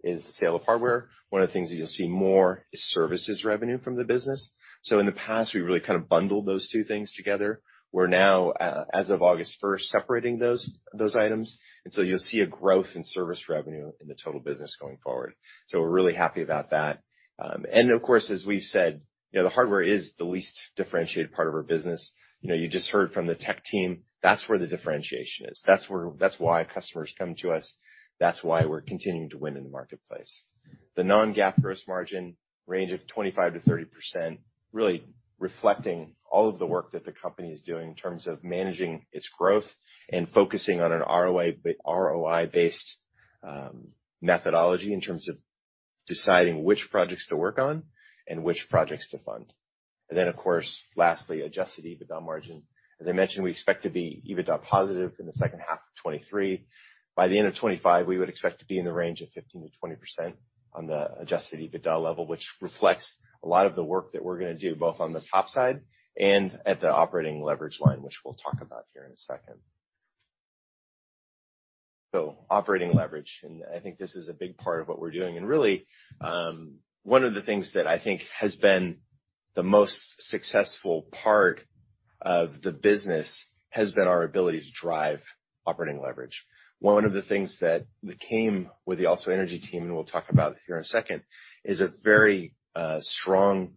is the sale of hardware. One of the things that you'll see more is services revenue from the business. In the past, we really kind of bundled those 2 things together. We're now, as of August 1st, separating those items. You'll see a growth in service revenue in the total business going forward. We're really happy about that. Of course, as we've said, you know, the hardware is the least differentiated part of our business. You know, you just heard from the tech team, that's where the differentiation is. That's why customers come to us. That's why we're continuing to win in the marketplace. The non-GAAP gross margin range of 25% to 30%, really reflecting all of the work that the company is doing in terms of managing its growth and focusing on an ROI-based methodology in terms of deciding which projects to work on and which projects to fund. Of course, lastly, adjusted EBITDA margin. As I mentioned, we expect to be EBITDA positive in the H2 of 2023. By the end of 2025, we would expect to be in the range of 15% to 20% on the adjusted EBITDA level, which reflects a lot of the work that we're gonna do, both on the top side and at the operating leverage line, which we'll talk about here in a second. Operating leverage, and I think this is a big part of what we're doing. Really, one of the things that I think has been the most successful part of the business has been our ability to drive operating leverage. One of the things that came with the AlsoEnergy team, and we'll talk about here in a second, is a very strong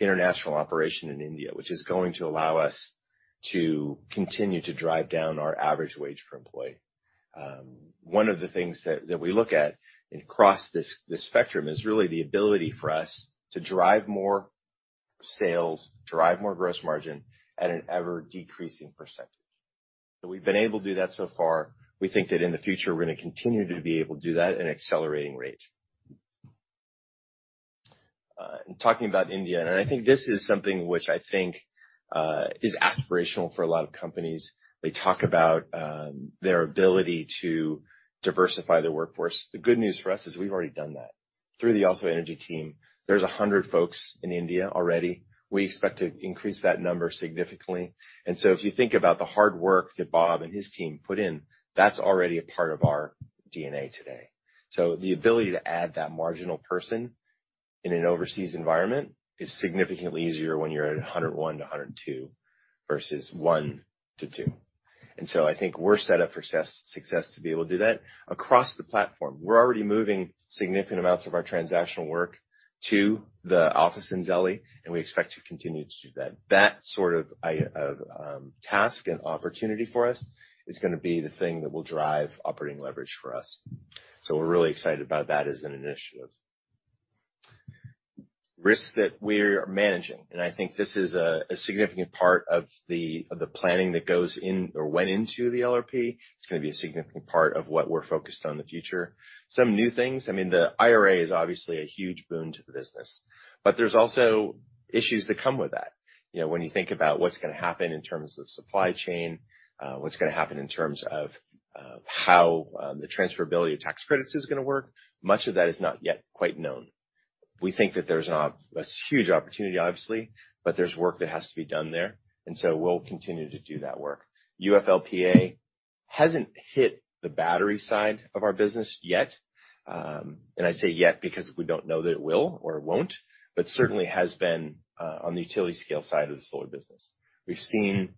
international operation in India, which is going to allow us to continue to drive down our average wage per employee. One of the things that we look at and cross this spectrum is really the ability for us to drive more sales, drive more gross margin at an ever-decreasing percentage. We've been able to do that so far. We think that in the future, we're gonna continue to be able to do that at an accelerating rate. Talking about India, I think this is something which I think is aspirational for a lot of companies. They talk about their ability to diversify their workforce. The good news for us is we've already done that. Through the AlsoEnergy team, there's 100 folks in India already. We expect to increase that number significantly. If you think about the hard work that Bob and his team put in, that's already a part of our DNA today. The ability to add that marginal person in an overseas environment is significantly easier when you're at 101 to 102 versus 1 to 2. I think we're set up for success to be able to do that. Across the platform, we're already moving significant amounts of our transactional work to the office in Delhi, and we expect to continue to do that. That sort of task and opportunity for us is gonna be the thing that will drive operating leverage for us. We're really excited about that as an initiative. Risks that we're managing, and I think this is a significant part of the planning that goes in or went into the LRP. It's gonna be a significant part of what we're focused on in the future. Some new things, I mean, the IRA is obviously a huge boon to the business, but there's also issues that come with that. You know, when you think about what's gonna happen in terms of supply chain, what's gonna happen in terms of how the transferability of tax credits is gonna work, much of that is not yet quite known. We think that there's a huge opportunity, obviously, but there's work that has to be done there, and so we'll continue to do that work. UFLPA hasn't hit the battery side of our business yet, and I say yet because we don't know that it will or won't, but certainly has been on the utility scale side of the solar business. We've seen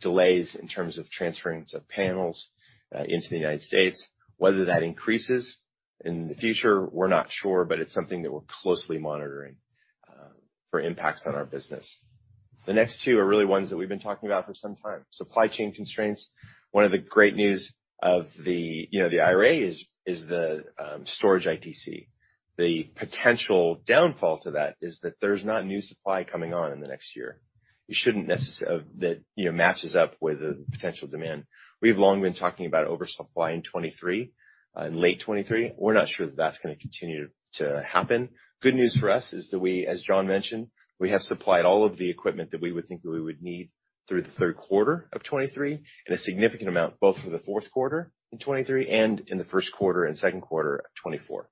delays in terms of transfer of panels into the United States. Whether that increases in the future, we're not sure, but it's something that we're closely monitoring for impacts on our business. The next 2 are really ones that we've been talking about for some time. Supply chain constraints. One of the great news of the, you know, the IRA is the storage ITC. The potential downfall to that is that there's not new supply coming on in the next year that, you know, matches up with the potential demand. We've long been talking about oversupply in 2023, in late 2023. We're not sure that that's gonna continue to happen. Good news for us is that we, as John mentioned, we have supplied all of the equipment that we would think we would need through the Q3 of 2023 and a significant amount both for the Q4 in 2023 and in the Q1 and Q2 of 2024.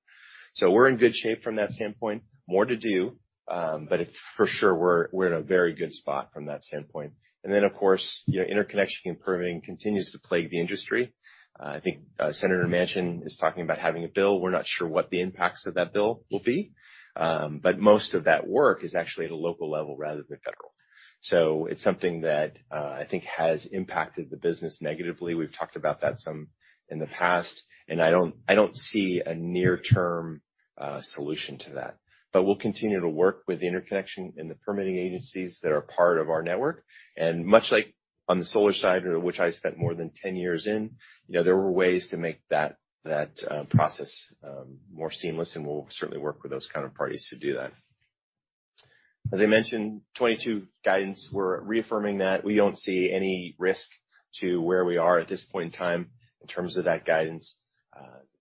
We're in good shape from that standpoint. More to do, but it's for sure we're in a very good spot from that standpoint. Then, of course, you know, interconnection and permitting continues to plague the industry. I think Senator Manchin is talking about having a bill. We're not sure what the impacts of that bill will be, but most of that work is actually at a local level rather than federal. It's something that I think has impacted the business negatively. We've talked about that some in the past, and I don't see a near-term solution to that. We'll continue to work with the interconnection and the permitting agencies that are part of our network. Much like on the solar side, which I spent more than 10 years in, you know, there were ways to make that process more seamless, and we'll certainly work with those kind of parties to do that. As I mentioned, 2022 guidance, we're reaffirming that. We don't see any risk to where we are at this point in time in terms of that guidance.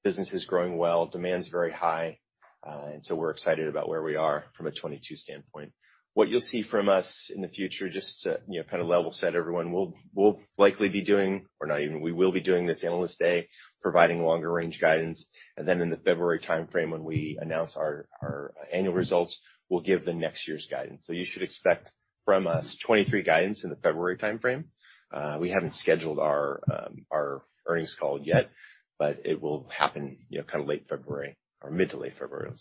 Business is growing well, demand's very high, and so we're excited about where we are from a 2022 standpoint. What you'll see from us in the future, just to, you know, kind of level set everyone, we will be doing this Analyst Day, providing longer range guidance. In the February timeframe when we announce our annual results, we'll give the next year's guidance. You should expect from us 2023 guidance in the February timeframe. We haven't scheduled our earnings call yet, but it will happen late February or mid to late February.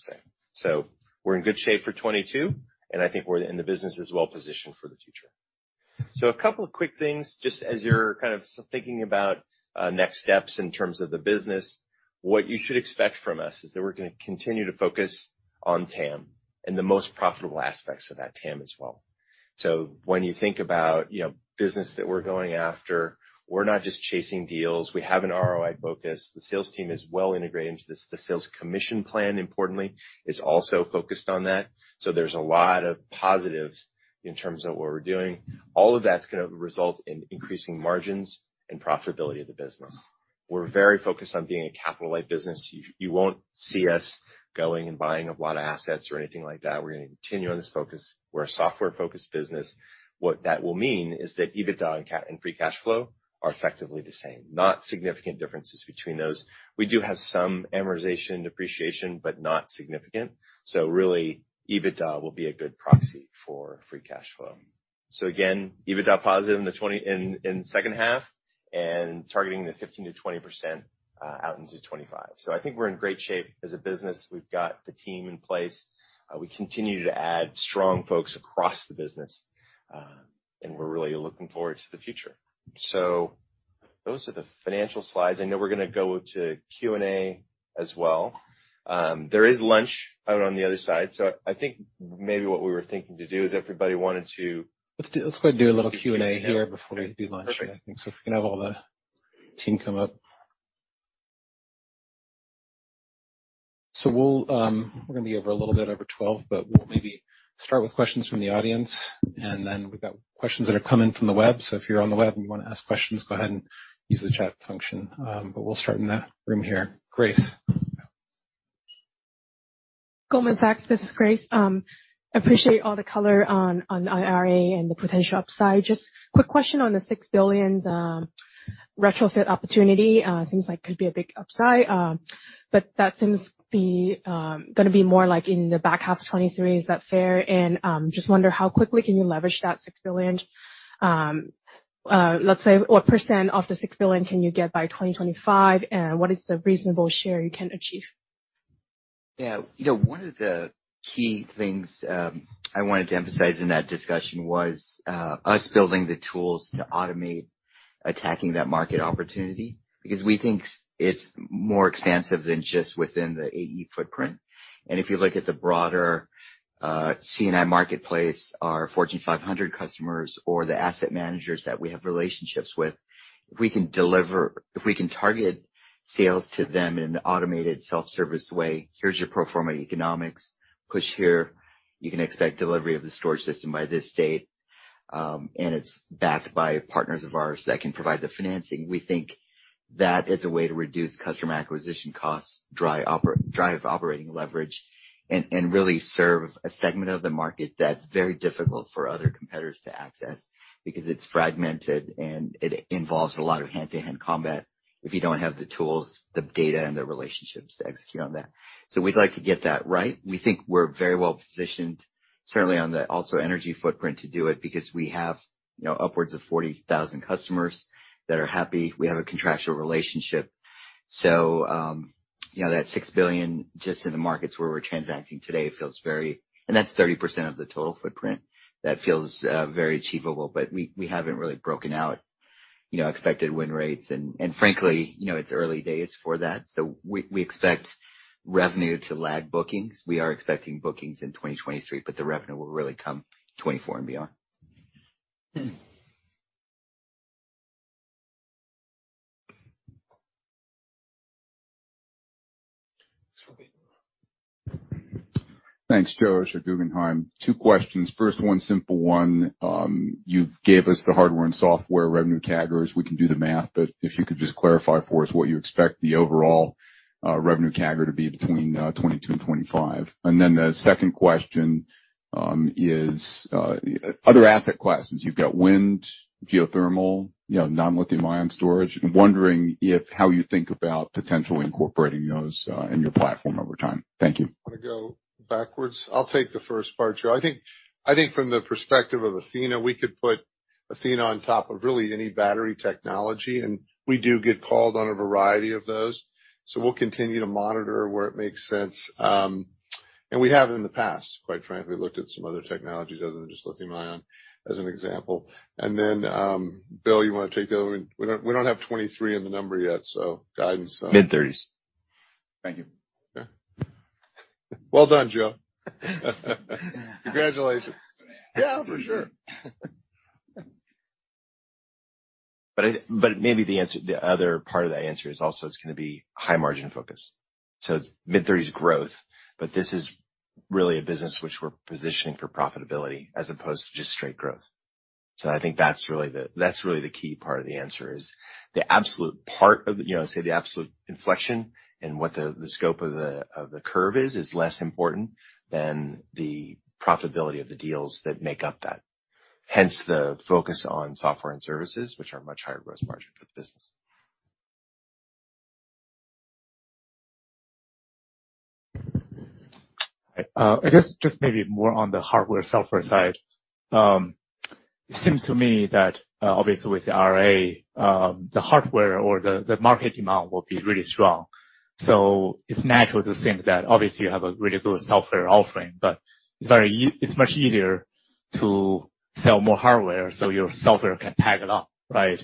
We're in good shape for 2022, and I think the business is well positioned for the future. A couple of quick things just as you're thinking about next steps in terms of the business. What you should expect from us is that we're gonna continue to focus on TAM and the most profitable aspects of that TAM as well. When you think about, you know, business that we're going after, we're not just chasing deals. We have an ROI focus. The sales team is well integrated into this. The sales commission plan, importantly, is also focused on that. There's a lot of positives in terms of what we're doing. All of that's gonna result in increasing margins and profitability of the business. We're very focused on being a capital-light business. You won't see us going and buying a lot of assets or anything like that. We're gonna continue on this focus. We're a software-focused business. What that will mean is that EBITDA and free cash flow are effectively the same, not significant differences between those. We do have some amortization, depreciation, but not significant. Really, EBITDA will be a good proxy for free cash flow. Again, EBITDA positive in 2024 in the H2 and targeting 15% to 20% out into 2025. I think we're in great shape as a business. We've got the team in place. We continue to add strong folks across the business, and we're really looking forward to the future. Those are the financial slides. I know we're gonna go to Q&A as well. There is lunch out on the other side. I think maybe what we were thinking to do is everybody wanted to. Let's go do a little Q&A here before we do lunch. Perfect. If we can have all the team come up. We'll be over a little bit over 12, but we'll maybe start with questions from the audience, and then we've got questions that are coming from the web. If you're on the web and you wanna ask questions, go ahead and use the chat function. We'll start in the room here. Grace. Goldman Sachs, this is Grace. Appreciate all the color on IRA and the potential upside. Just quick question on the $6 billion retrofit opportunity. It seems like could be a big upside, but that seems to be gonna be more like in the back half of 2023. Is that fair? Just wonder how quickly can you leverage that $6 billion. Let's say, what % of the $6 billion can you get by 2025? What is the reasonable share you can achieve? Yeah. You know, one of the key things I wanted to emphasize in that discussion was us building the tools to automate attacking that market opportunity because we think it's more expansive than just within the AE footprint. If you look at the broader C&I marketplace, our Fortune 500 customers or the asset managers that we have relationships with, if we can target sales to them in an automated self-service way, here's your pro forma economics. Push here, you can expect delivery of the storage system by this date, and it's backed by partners of ours that can provide the financing. We think that is a way to reduce customer acquisition costs, drive operating leverage, and really serve a segment of the market that's very difficult for other competitors to access because it's fragmented, and it involves a lot of hand-to-hand combat if you don't have the tools, the data, and the relationships to execute on that. We'd like to get that right. We think we're very well-positioned, certainly on the AlsoEnergy footprint to do it because we have, you know, upwards of 40,000 customers that are happy. We have a contractual relationship. You know, that $6 billion just in the markets where we're transacting today feels very achievable. That's 30% of the total footprint. That feels very achievable. We haven't really broken out, you know, expected win rates. Frankly, you know, it's early days for that. We expect revenue to lag bookings. We are expecting bookings in 2023, but the revenue will really come 2024 and beyond. Hmm. Thanks, Joe. It's from Guggenheim. 2 questions. First one, simple one. You gave us the hardware and software revenue CAGRs. We can do the math, but if you could just clarify for us what you expect the overall revenue CAGR to be between 22 and 25? The second question is other asset classes. You've got wind, geothermal, you know, non-lithium ion storage. I'm wondering how you think about potentially incorporating those in your platform over time. Thank you. Want to go backwards. I'll take the first part, Joe. I think from the perspective of Athena, we could put Athena on top of really any battery technology, and we do get called on a variety of those. We'll continue to monitor where it makes sense, and we have in the past, quite frankly, looked at some other technologies other than just lithium ion, as an example. Bill, you want to take the other one? We don't have 2023 in the number yet, so guidance. Mid-30's. Thank you. Okay. Well done, Joe. Congratulations. Yeah, for sure. Maybe the answer, the other part of that answer is also it's gonna be high margin focus. Mid-30s% growth, but this is really a business which we're positioning for profitability as opposed to just straight growth. I think that's really the key part of the answer is the absolute part of, you know, the absolute inflection and what the scope of the curve is less important than the profitability of the deals that make up that. Hence, the focus on software and services, which are much higher gross margin for the business. I guess just maybe more on the hardware/software side. It seems to me that obviously with the IRA, the hardware or the market demand will be really strong. It's natural to think that obviously you have a really good software offering, but it's much easier to sell more hardware so your software can tag along, right?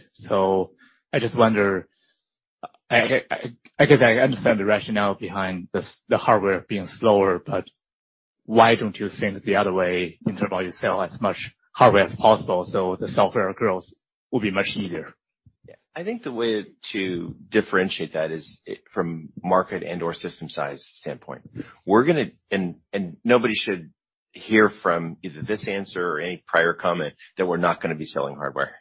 I just wonder, I guess I understand the rationale behind the hardware being slower, but why don't you think the other way in terms of you sell as much hardware as possible so the software growth will be much easier? Yeah. I think the way to differentiate that is from market and/or system size standpoint. We're gonna. Nobody should hear from either this answer or any prior comment that we're not gonna be selling hardware.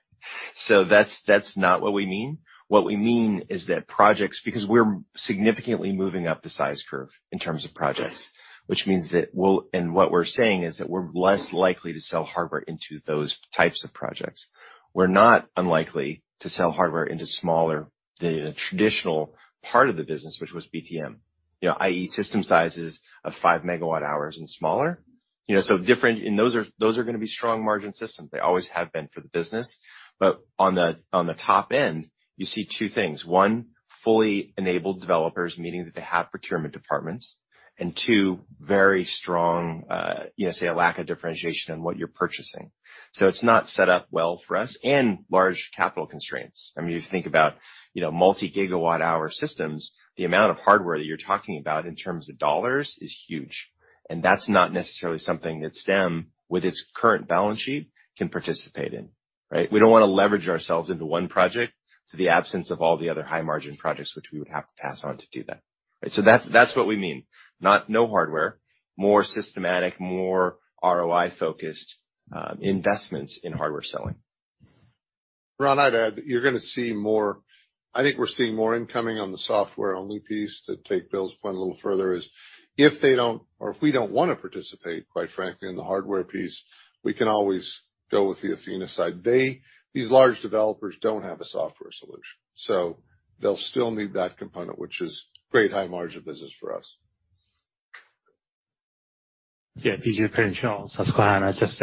That's not what we mean. What we mean is that projects. Because we're significantly moving up the size curve in terms of projects, which means that what we're saying is that we're less likely to sell hardware into those types of projects. We're not unlikely to sell hardware into smaller, the traditional part of the business, which was BTM. You know, i.e., system sizes of 5 MWh and smaller. You know, so different. Those are gonna be strong margin systems. They always have been for the business. On the top end, you see 2 things. 1, fully enabled developers, meaning that they have procurement departments. 2, very strong, you know, say, a lack of differentiation in what you're purchasing. It's not set up well for us. Large capital constraints. I mean, if you think about, you know, multi-gigawatt hour systems, the amount of hardware that you're talking about in terms of dollars is huge. That's not necessarily something that Stem, with its current balance sheet, can participate in, right? We don't wanna leverage ourselves into 1 project at the expense of all the other high-margin projects which we would have to pass on to do that. That's what we mean. No hardware, more systematic, more ROI-focused investments in hardware selling. Ron, I'd add, you're gonna see more. I think we're seeing more incoming on the software-only piece. To take Bill's point a little further is, if they don't or if we don't wanna participate, quite frankly, in the hardware piece, we can always go with the Athena side. These large developers don't have a software solution, so they'll still need that component, which is great high margin business for us. Biju Perincheril, Charles Schwab. Just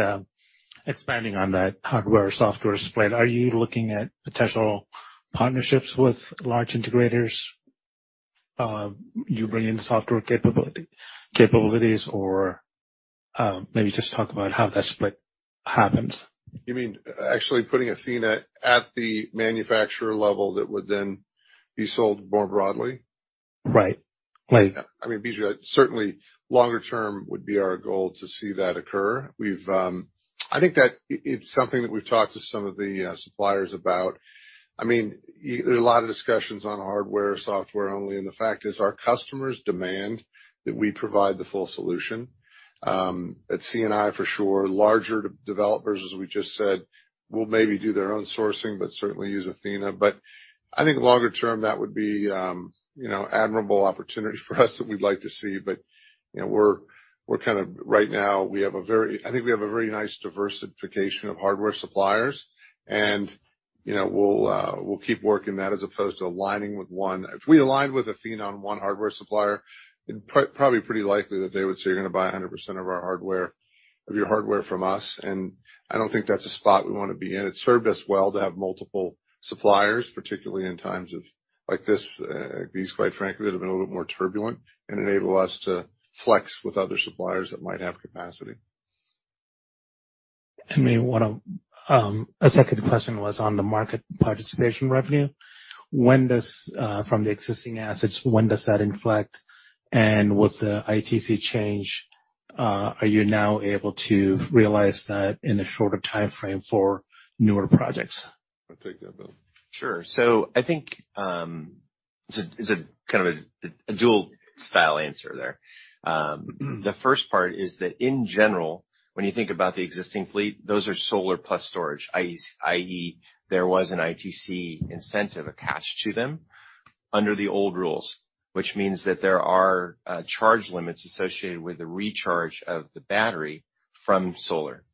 expanding on that hardware-software split. Are you looking at potential partnerships with large integrators? You bring in software capabilities or maybe just talk about how that split happens. You mean actually putting Athena at the manufacturer level that would then be sold more broadly? Right. Like I mean, Biju, certainly longer term would be our goal to see that occur. I think that it's something that we've talked to some of the suppliers about. I mean, there are a lot of discussions on hardware, software only, and the fact is our customers demand that we provide the full solution at C&I for sure. Larger developers, as we just said, will maybe do their own sourcing, but certainly use Athena. I think longer term, that would be you know, admirable opportunity for us that we'd like to see. You know, we're kind of. Right now I think we have a very nice diversification of hardware suppliers. You know, we'll keep working that as opposed to aligning with 1. If we aligned with Athena on 1 hardware supplier, probably pretty likely that they would say, "You're gonna buy 100% of your hardware from us." I don't think that's a spot we wanna be in. It's served us well to have multiple suppliers, particularly in times like this, quite frankly, that have been a little bit more turbulent and enable us to flex with other suppliers that might have capacity. Maybe 1, a second question was on the market participation revenue. When does, from the existing assets, when does that inflect? With the ITC change, are you now able to realize that in a shorter timeframe for newer projects? I'll take that, Bill. Sure. I think it's a kind of a dual style answer there. The first part is that in general, when you think about the existing fleet, those are solar plus storage, i.e., there was an ITC incentive attached to them under the old rules, which means that there are charge limits associated with the recharge of the battery from solar.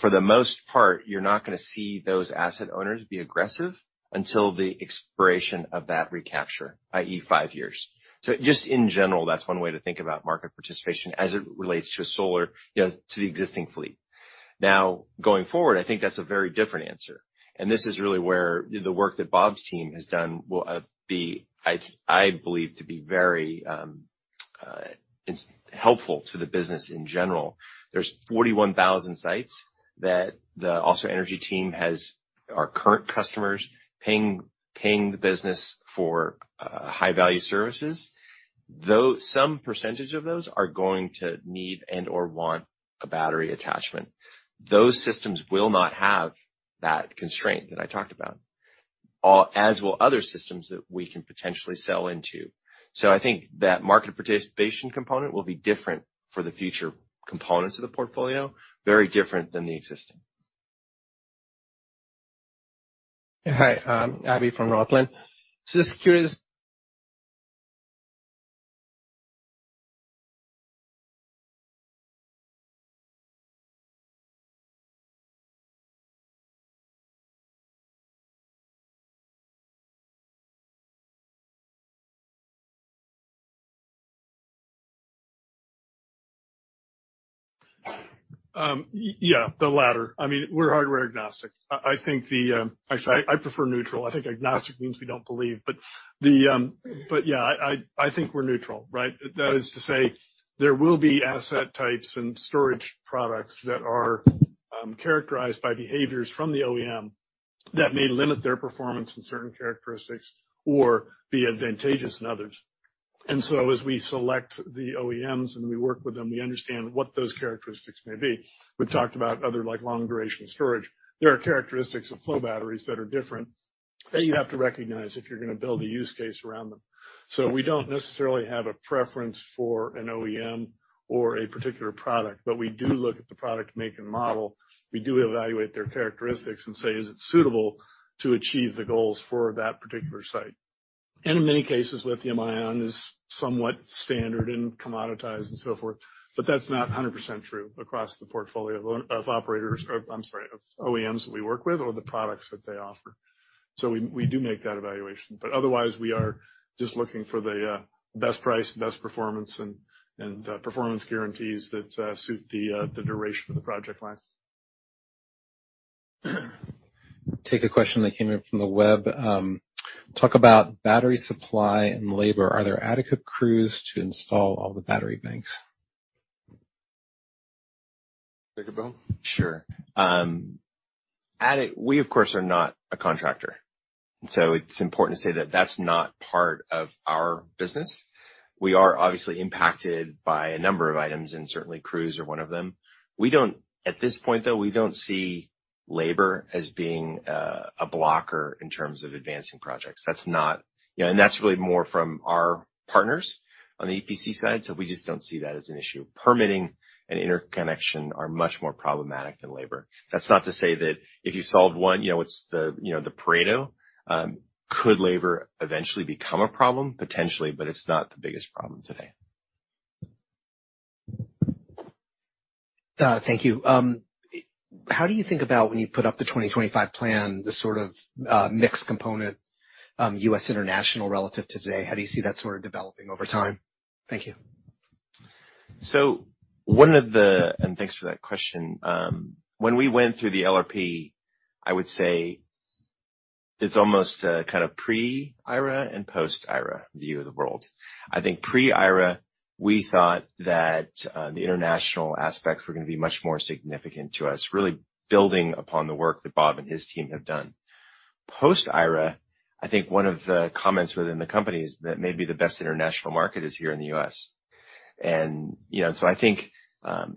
For the most part, you're not gonna see those asset owners be aggressive until the expiration of that recapture, i.e., 5 years. Just in general, that's 1 way to think about market participation as it relates to solar, you know, to the existing fleet. Going forward, I think that's a very different answer, and this is really where the work that Bob's team has done will be, I believe, very helpful to the business in general. There's 41,000 sites that the AlsoEnergy team has, our current customers paying the business for high-value services, though some percentage of those are going to need and/or want a battery attachment. Those systems will not have that constraint that I talked about, as will other systems that we can potentially sell into. I think that market participation component will be different for the future components of the portfolio, very different than the existing. Hi, Abby from Northland. Just curious. Yeah, the latter. I mean, we're hardware agnostic. Actually, I prefer neutral. I think agnostic means we don't believe. I think we're neutral, right? That is to say there will be asset types and storage products that are characterized by behaviors from the OEM that may limit their performance in certain characteristics or be advantageous in others. As we select the OEMs and we work with them, we understand what those characteristics may be. We've talked about other like long-duration storage. There are characteristics of flow batteries that are different that you have to recognize if you're gonna build a use case around them. We don't necessarily have a preference for an OEM or a particular product, but we do look at the product make and model. We do evaluate their characteristics and say, is it suitable to achieve the goals for that particular site? In many cases, lithium-ion is somewhat standard and commoditized and so forth, but that's not 100% true across the portfolio of OEMs that we work with or the products that they offer. We do make that evaluation. Otherwise, we are just looking for the best price, best performance and performance guarantees that suit the duration of the project life. Take a question that came in from the web. Talk about battery supply and labor. Are there adequate crews to install all the battery banks? Take it, Bill? Sure. We of course are not a contractor, and so it's important to say that that's not part of our business. We are obviously impacted by a number of items, and certainly crews are one of them. At this point, though, we don't see labor as being a blocker in terms of advancing projects. You know, and that's really more from our partners on the EPC side. We just don't see that as an issue. Permitting and interconnection are much more problematic than labor. That's not to say that if you solve 1, you know, it's the Pareto. Could labor eventually become a problem? Potentially, but it's not the biggest problem today. Thank you. How do you think about when you put up the 2025 plan, the sort of, mixed component, U.S. international relative to today? How do you see that sort of developing over time? Thank you. Thanks for that question. When we went through the LRP, I would say it's almost a kind of pre-IRA and post-IRA view of the world. I think pre-IRA, we thought that the international aspects were gonna be much more significant to us, really building upon the work that Bob and his team have done. Post-IRA, I think one of the comments within the company is that maybe the best international market is here in the U.S. You know, so I think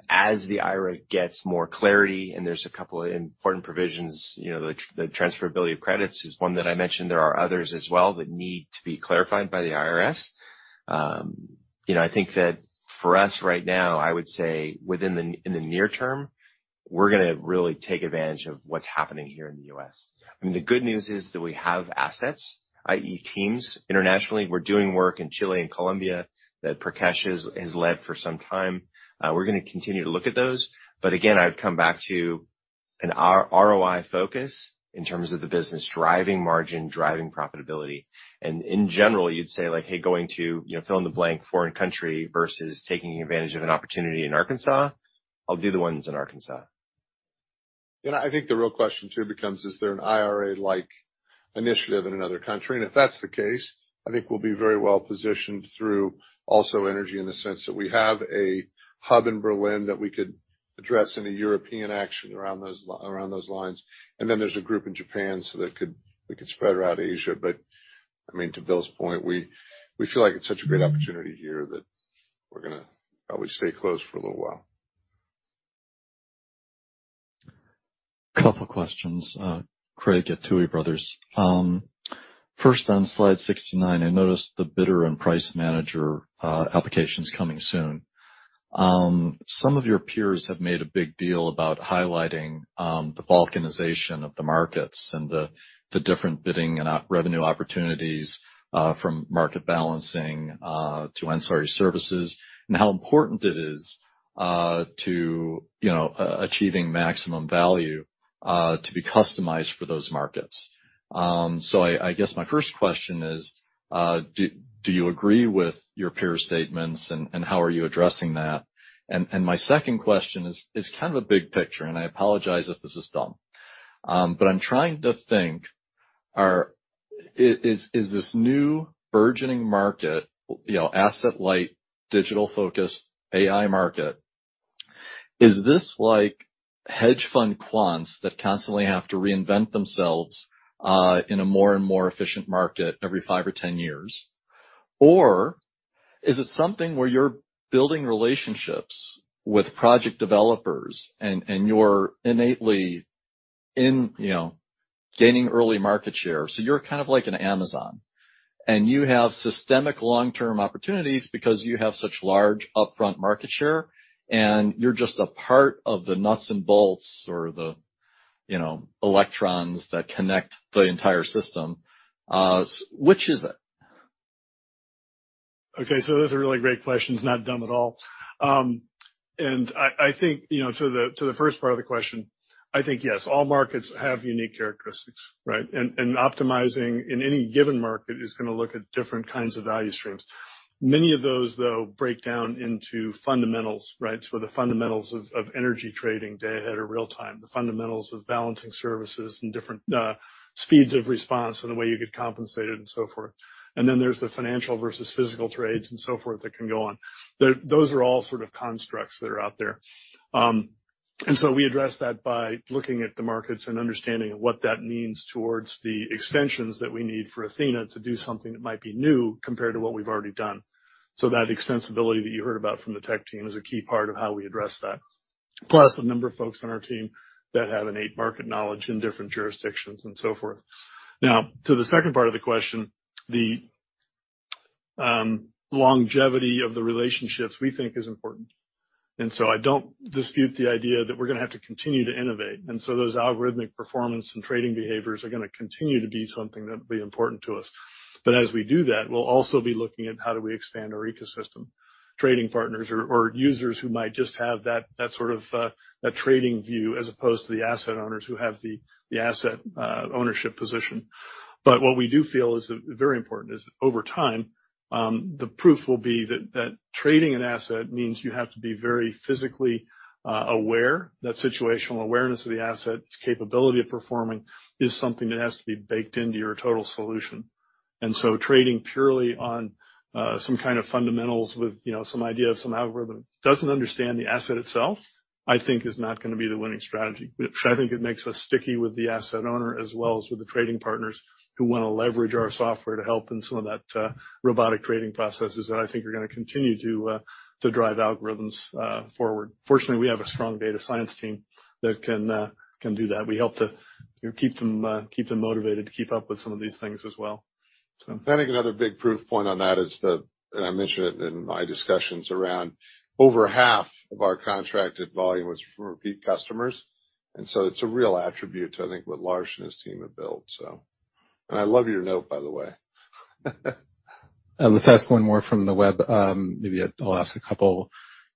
as the IRA gets more clarity and there's a couple of important provisions, you know, the transferability of credits is 1 that I mentioned. There are others as well that need to be clarified by the IRS. You know, I think that for us right now, I would say in the near term, we're gonna really take advantage of what's happening here in the U.S. I mean, the good news is that we have assets, i.e., teams internationally. We're doing work in Chile and Colombia that Prakesh has led for some time. We're gonna continue to look at those. Again, I'd come back to an ROI focus in terms of the business driving margin, driving profitability. In general, you'd say, like, "Hey, going to, you know, fill in the blank foreign country versus taking advantage of an opportunity in Arkansas. I'll do the ones in Arkansas. Yeah. I think the real question too becomes, is there an IRA-like initiative in another country? If that's the case, I think we'll be very well-positioned through AlsoEnergy in the sense that we have a hub in Berlin that we could address any European action around those lines. Then there's a group in Japan, so that we could spread around Asia. I mean, to Bill's point, we feel like it's such a great opportunity here that we're gonna probably stay close for a little while. Couple questions. Craig at Tuohy Brothers. First, on slide 69, I noticed the bidder and price manager applications coming soon. Some of your peers have made a big deal about highlighting the balkanization of the markets and the different bidding and revenue opportunities from market balancing to ancillary services, and how important it is, you know, achieving maximum value to be customized for those markets. I guess my first question is, do you agree with your peer statements and how are you addressing that? My second question is kind of a big picture, and I apologize if this is dumb. I'm trying to think, is this new burgeoning market, you know, asset-light, digital-focused AI market, like hedge fund quants that constantly have to reinvent themselves in a more and more efficient market every 5 or 10 years? Or is it something where you're building relationships with project developers and you're innately in, you know, gaining early market share. You're kind of like an Amazon, and you have systemic long-term opportunities because you have such large upfront market share, and you're just a part of the nuts and bolts or the, you know, electrons that connect the entire system. Which is it? Okay, those are really great questions. Not dumb at all. I think, you know, to the first part of the question, I think, yes, all markets have unique characteristics, right? Optimizing in any given market is gonna look at different kinds of value streams. Many of those, though, break down into fundamentals, right? The fundamentals of energy trading, day ahead or real-time, the fundamentals of balancing services and different speeds of response and the way you get compensated and so forth. Then there's the financial versus physical trades and so forth that can go on. Those are all sort of constructs that are out there. We address that by looking at the markets and understanding what that means towards the extensions that we need for Athena to do something that might be new compared to what we've already done. That extensibility that you heard about from the tech team is a key part of how we address that. Plus a number of folks on our team that have innate market knowledge in different jurisdictions and so forth. Now, to the second part of the question, the longevity of the relationships we think is important. I don't dispute the idea that we're gonna have to continue to innovate. Those algorithmic performance and trading behaviors are gonna continue to be something that will be important to us. As we do that, we'll also be looking at how do we expand our ecosystem, trading partners or users who might just have that sort of trading view as opposed to the asset owners who have the asset ownership position. What we do feel is very important is over time, the proof will be that trading an asset means you have to be very physically aware. That situational awareness of the asset, its capability of performing is something that has to be baked into your total solution. Trading purely on some kind of fundamentals with you know some idea of some algorithm doesn't understand the asset itself, I think is not gonna be the winning strategy. Which I think it makes us sticky with the asset owner as well as with the trading partners who wanna leverage our software to help in some of that, robotic trading processes that I think are gonna continue to drive algorithms forward. Fortunately, we have a strong data science team that can do that. We help to, you know, keep them motivated to keep up with some of these things as well. I think another big proof point on that is that, and I mentioned it in my discussions around over half of our contracted volume was from repeat customers. It's a real attribute to, I think, what Larsh and his team have built, so. I love your note, by the way. Let's ask 1 more from the web. Maybe I'll ask a couple.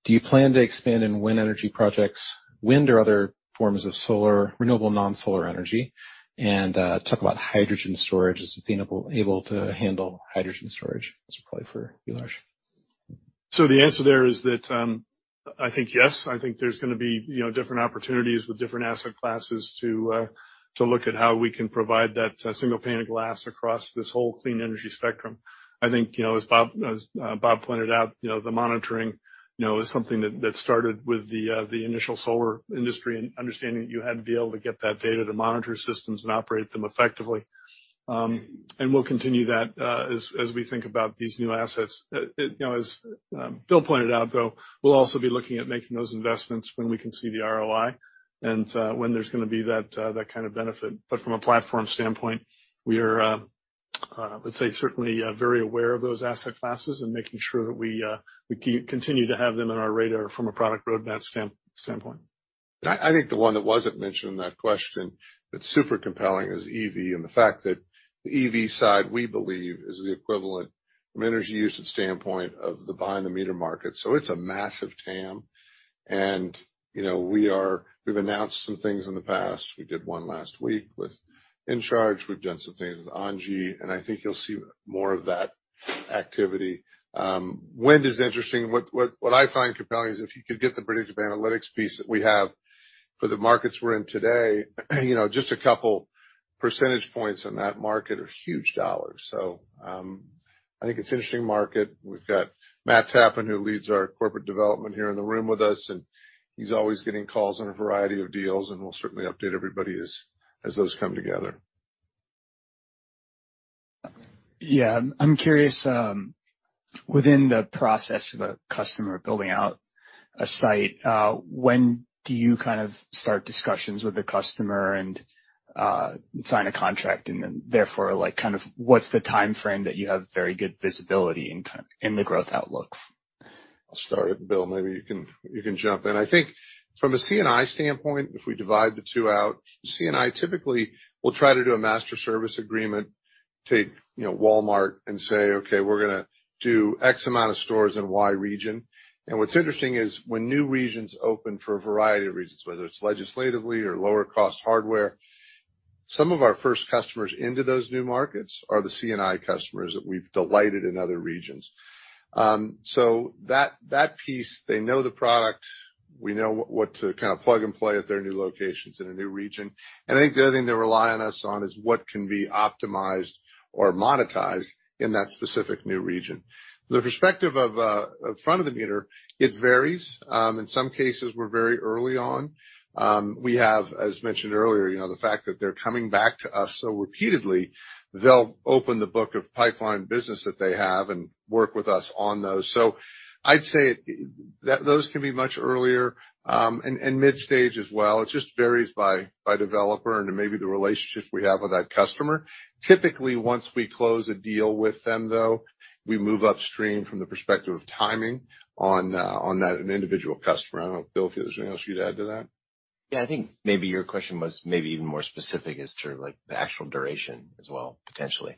Do you plan to expand in wind energy projects, wind or other forms of solar, renewable non-solar energy? Talk about hydrogen storage. Is Athena able to handle hydrogen storage? This is probably for you, Larsh. The answer there is that, I think, yes. I think there's gonna be, you know, different opportunities with different asset classes to look at how we can provide that single pane of glass across this whole clean energy spectrum. I think, you know, as Bob pointed out, you know, the monitoring, you know, is something that started with the initial solar industry and understanding that you had to be able to get that data to monitor systems and operate them effectively. We'll continue that as we think about these new assets. You know, as Bill pointed out, though, we'll also be looking at making those investments when we can see the ROI and when there's gonna be that kind of benefit. From a platform standpoint, we are, let's say, certainly very aware of those asset classes and making sure that we continue to have them in our radar from a product roadmap standpoint. I think the one that wasn't mentioned in that question that's super compelling is EV and the fact that the EV side, we believe, is the equivalent from energy usage standpoint of the behind the meter market. It's a massive TAM. You know, we've announced some things in the past. We did 1 last week with InCharge. We've done some things with ENGIE, and I think you'll see more of that activity. Wind is interesting. What I find compelling is if you could get the predictive analytics piece that we have for the markets we're in today, you know, just a couple percentage points in that market are huge dollars. I think it's an interesting market. We've got Matt Tappan, who leads our Corporate Development here in the room with us, and he's always getting calls on a variety of deals, and we'll certainly update everybody as those come together. Yeah. I'm curious, within the process of a customer building out a site, when do you kind of start discussions with the customer and sign a contract and then therefore, kind of what's the timeframe that you have very good visibility in the growth outlooks? I'll start it. Bill, maybe you can jump in. I think from a C&I standpoint, if we divide the 2 out, C&I typically will try to do a master service agreement. Take, you know, Walmart and say, "Okay, we're gonna do X amount of stores in Y region." What's interesting is when new regions open for a variety of reasons, whether it's legislatively or lower cost hardware, some of our first customers into those new markets are the C&I customers that we've delighted in other regions. That piece, they know the product. We know what to kind of plug and play at their new locations in a new region. I think the other thing they rely on us on is what can be optimized or monetized in that specific new region. The perspective of front of the meter, it varies. In some cases, we're very early on. We have, as mentioned earlier, you know, the fact that they're coming back to us so repeatedly. They'll open the book of pipeline business that they have and work with us on those. I'd say those can be much earlier, and mid-stage as well. It just varies by developer and maybe the relationship we have with that customer. Typically, once we close a deal with them, though, we move upstream from the perspective of timing on that individual customer. I don't know, Bill, if there's anything else you'd add to that. Yeah. I think maybe your question was maybe even more specific as to, like, the actual duration as well, potentially.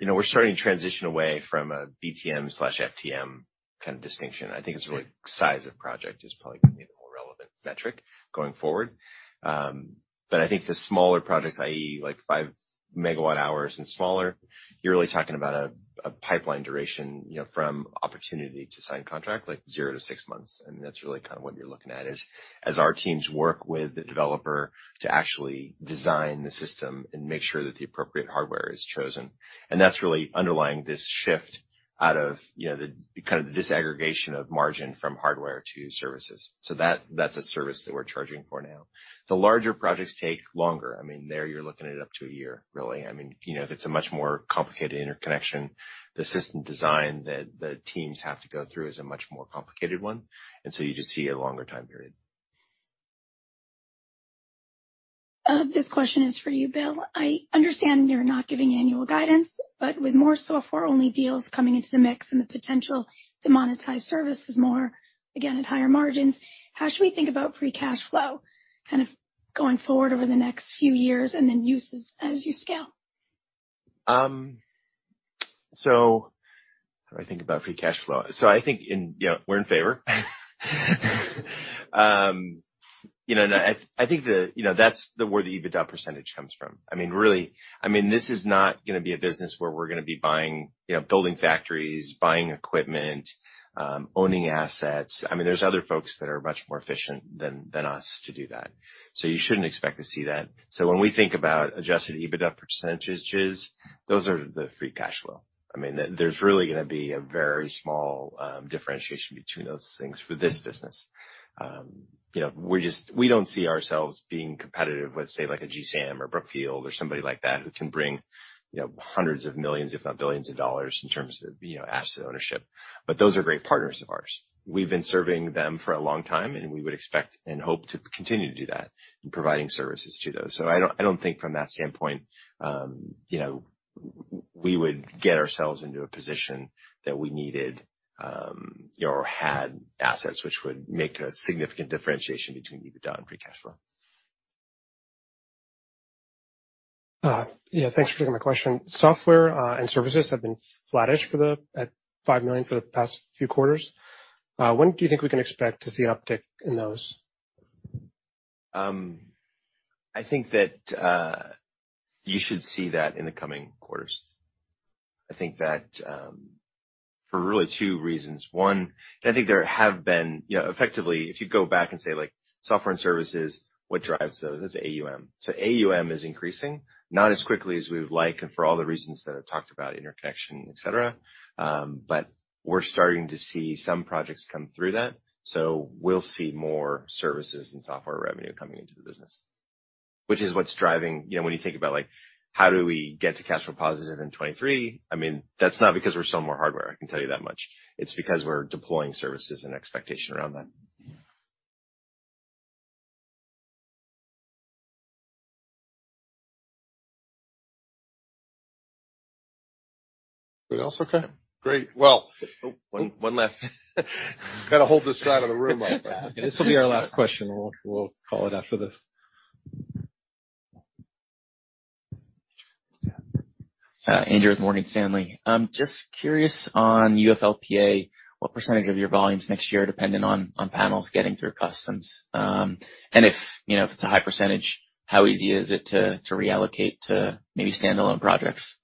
You know, we're starting to transition away from a BTM/FTM kind of distinction. I think it's really size of project is probably gonna be the more relevant metric going forward. I think the smaller projects, i.e. like 5 MWh and smaller, you're really talking about a pipeline duration, you know, from opportunity to sign contract, like 0-6 months. That's really kind of what you're looking at, is as our teams work with the developer to actually design the system and make sure that the appropriate hardware is chosen. That's really underlying this shift out of, you know, the kind of the disaggregation of margin from hardware to services. That, that's a service that we're charging for now. The larger projects take longer. I mean, you know, if it's a much more complicated interconnection, the system design that the teams have to go through is a much more complicated one, and so you just see a longer time period. This question is for you, Bill. I understand you're not giving annual guidance, but with more software-only deals coming into the mix and the potential to monetize services more, again at higher margins, how should we think about free cash flow kind of going forward over the next few years and then uses as you scale? How do I think about free cash flow? I think you know, we're in favor. You know, I think the you know, that's where the EBITDA percentage comes from. I mean, really, I mean, this is not gonna be a business where we're gonna be buying, you know, building factories, buying equipment, owning assets. I mean, there's other folks that are much more efficient than us to do that. You shouldn't expect to see that. When we think about adjusted EBITDA percentages, those are the free cash flow. I mean, there's really gonna be a very small differentiation between those things for this business. You know, we don't see ourselves being competitive with, say, like a GSAM or Brookfield or somebody like that who can bring, you know, hundreds of millions, if not billions in dollars in terms of, you know, asset ownership. Those are great partners of ours. We've been serving them for a long time, and we would expect and hope to continue to do that in providing services to those. I don't think from that standpoint, you know, we would get ourselves into a position that we needed, you know, or had assets which would make a significant differentiation between EBITDA and free cash flow. Yeah, thanks for taking my question. Software and services have been flattish at $5 million for the past few quarters. When do you think we can expect to see uptick in those? I think that you should see that in the coming quarters. I think that for really 2 reasons. 1, I think there have been, you know, effectively, if you go back and say like software and services, what drives those? It's AUM. AUM is increasing, not as quickly as we would like, and for all the reasons that I've talked about, interconnection, et cetera. We're starting to see some projects come through that, so we'll see more services and software revenue coming into the business, which is what's driving, you know, when you think about, like, how do we get to cash flow positive in 2023? I mean, that's not because we're selling more hardware, I can tell you that much. It's because we're deploying services and expectation around that. Anyone else? Okay, great. Well. Oh, 1 last. Gotta hold this side of the room up. This will be our last question. We'll call it after this. Andrew with Morgan Stanley. Just curious on UFLPA, what percentage of your volumes next year are dependent on panels getting through customs? If, you know, if it's a high percentage, how easy is it to reallocate to maybe standalone projects?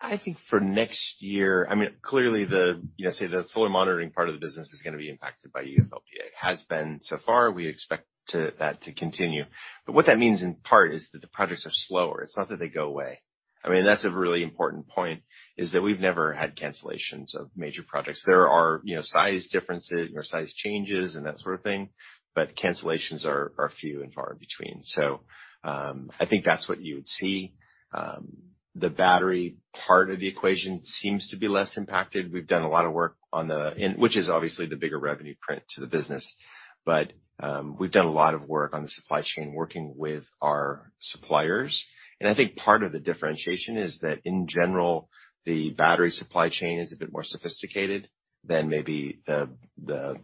I think for next year, I mean, clearly the, you know, say, the solar monitoring part of the business is gonna be impacted by UFLPA. Has been so far. We expect that to continue. What that means in part is that the projects are slower. It's not that they go away. I mean, that's a really important point, is that we've never had cancellations of major projects. There are, you know, size differences or size changes and that sort of thing, but cancellations are few and far between. I think that's what you would see. The battery part of the equation seems to be less impacted. We've done a lot of work on which is obviously the bigger revenue part to the business. We've done a lot of work on the supply chain, working with our suppliers. I think part of the differentiation is that in general, the battery supply chain is a bit more sophisticated than maybe the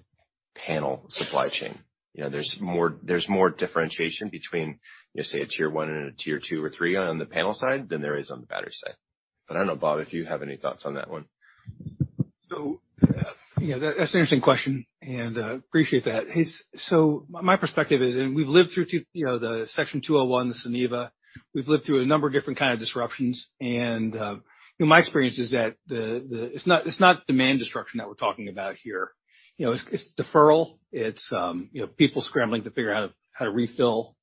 panel supply chain. You know, there's more differentiation between, you know, say, a Tier 1 and a Tier 2 or 3 on the panel side than there is on the battery side. I don't know, Bob, if you have any thoughts on that one. you know, that's an interesting question, and appreciate that. My perspective is, and we've lived through 2, you know, the Section 201, the Suniva. We've lived through a number of different kind of disruptions. you know, my experience is that it's not demand disruption that we're talking about here. You know, it's deferral. you know, people scrambling to figure out how to refill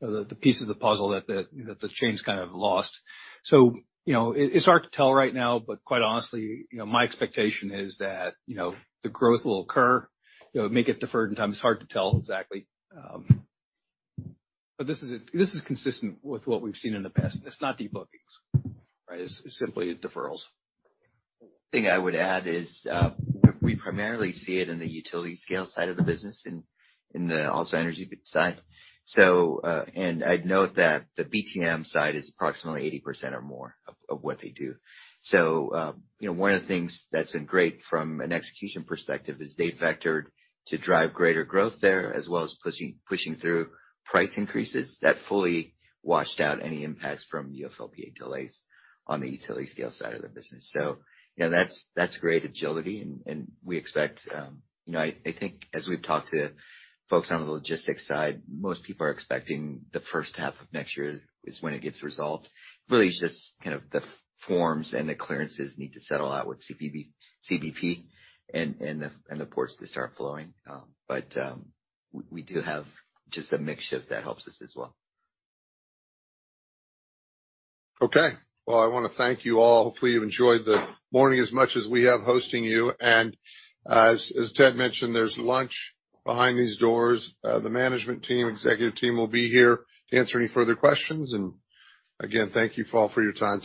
the pieces of the puzzle that the chain's kind of lost. you know, it's hard to tell right now, but quite honestly, you know, my expectation is that, you know, the growth will occur. It would make it deferred in time. It's hard to tell exactly. but this is consistent with what we've seen in the past. It's not de-bookings, right? It's simply deferrals. One thing I would add is, we primarily see it in the utility scale side of the business in the Also Energy side. I'd note that the BTM side is approximately 80% or more of what they do. You know, one of the things that's been great from an execution perspective is they've vectored to drive greater growth there, as well as pushing through price increases that fully washed out any impacts from UFLPA delays on the utility scale side of the business. You know, that's great agility and we expect, I think as we've talked to folks on the logistics side, most people are expecting the H1 of next year is when it gets resolved. Really just kind of the forms and the clearances need to settle out with CBP and the ports to start flowing. We do have just a mix shift that helps us as well. Okay. Well, I wanna thank you all. Hopefully, you've enjoyed the morning as much as we have hosting you. As Ted mentioned, there's lunch behind these doors. The management team, executive team will be here to answer any further questions. Again, thank you all for your time today.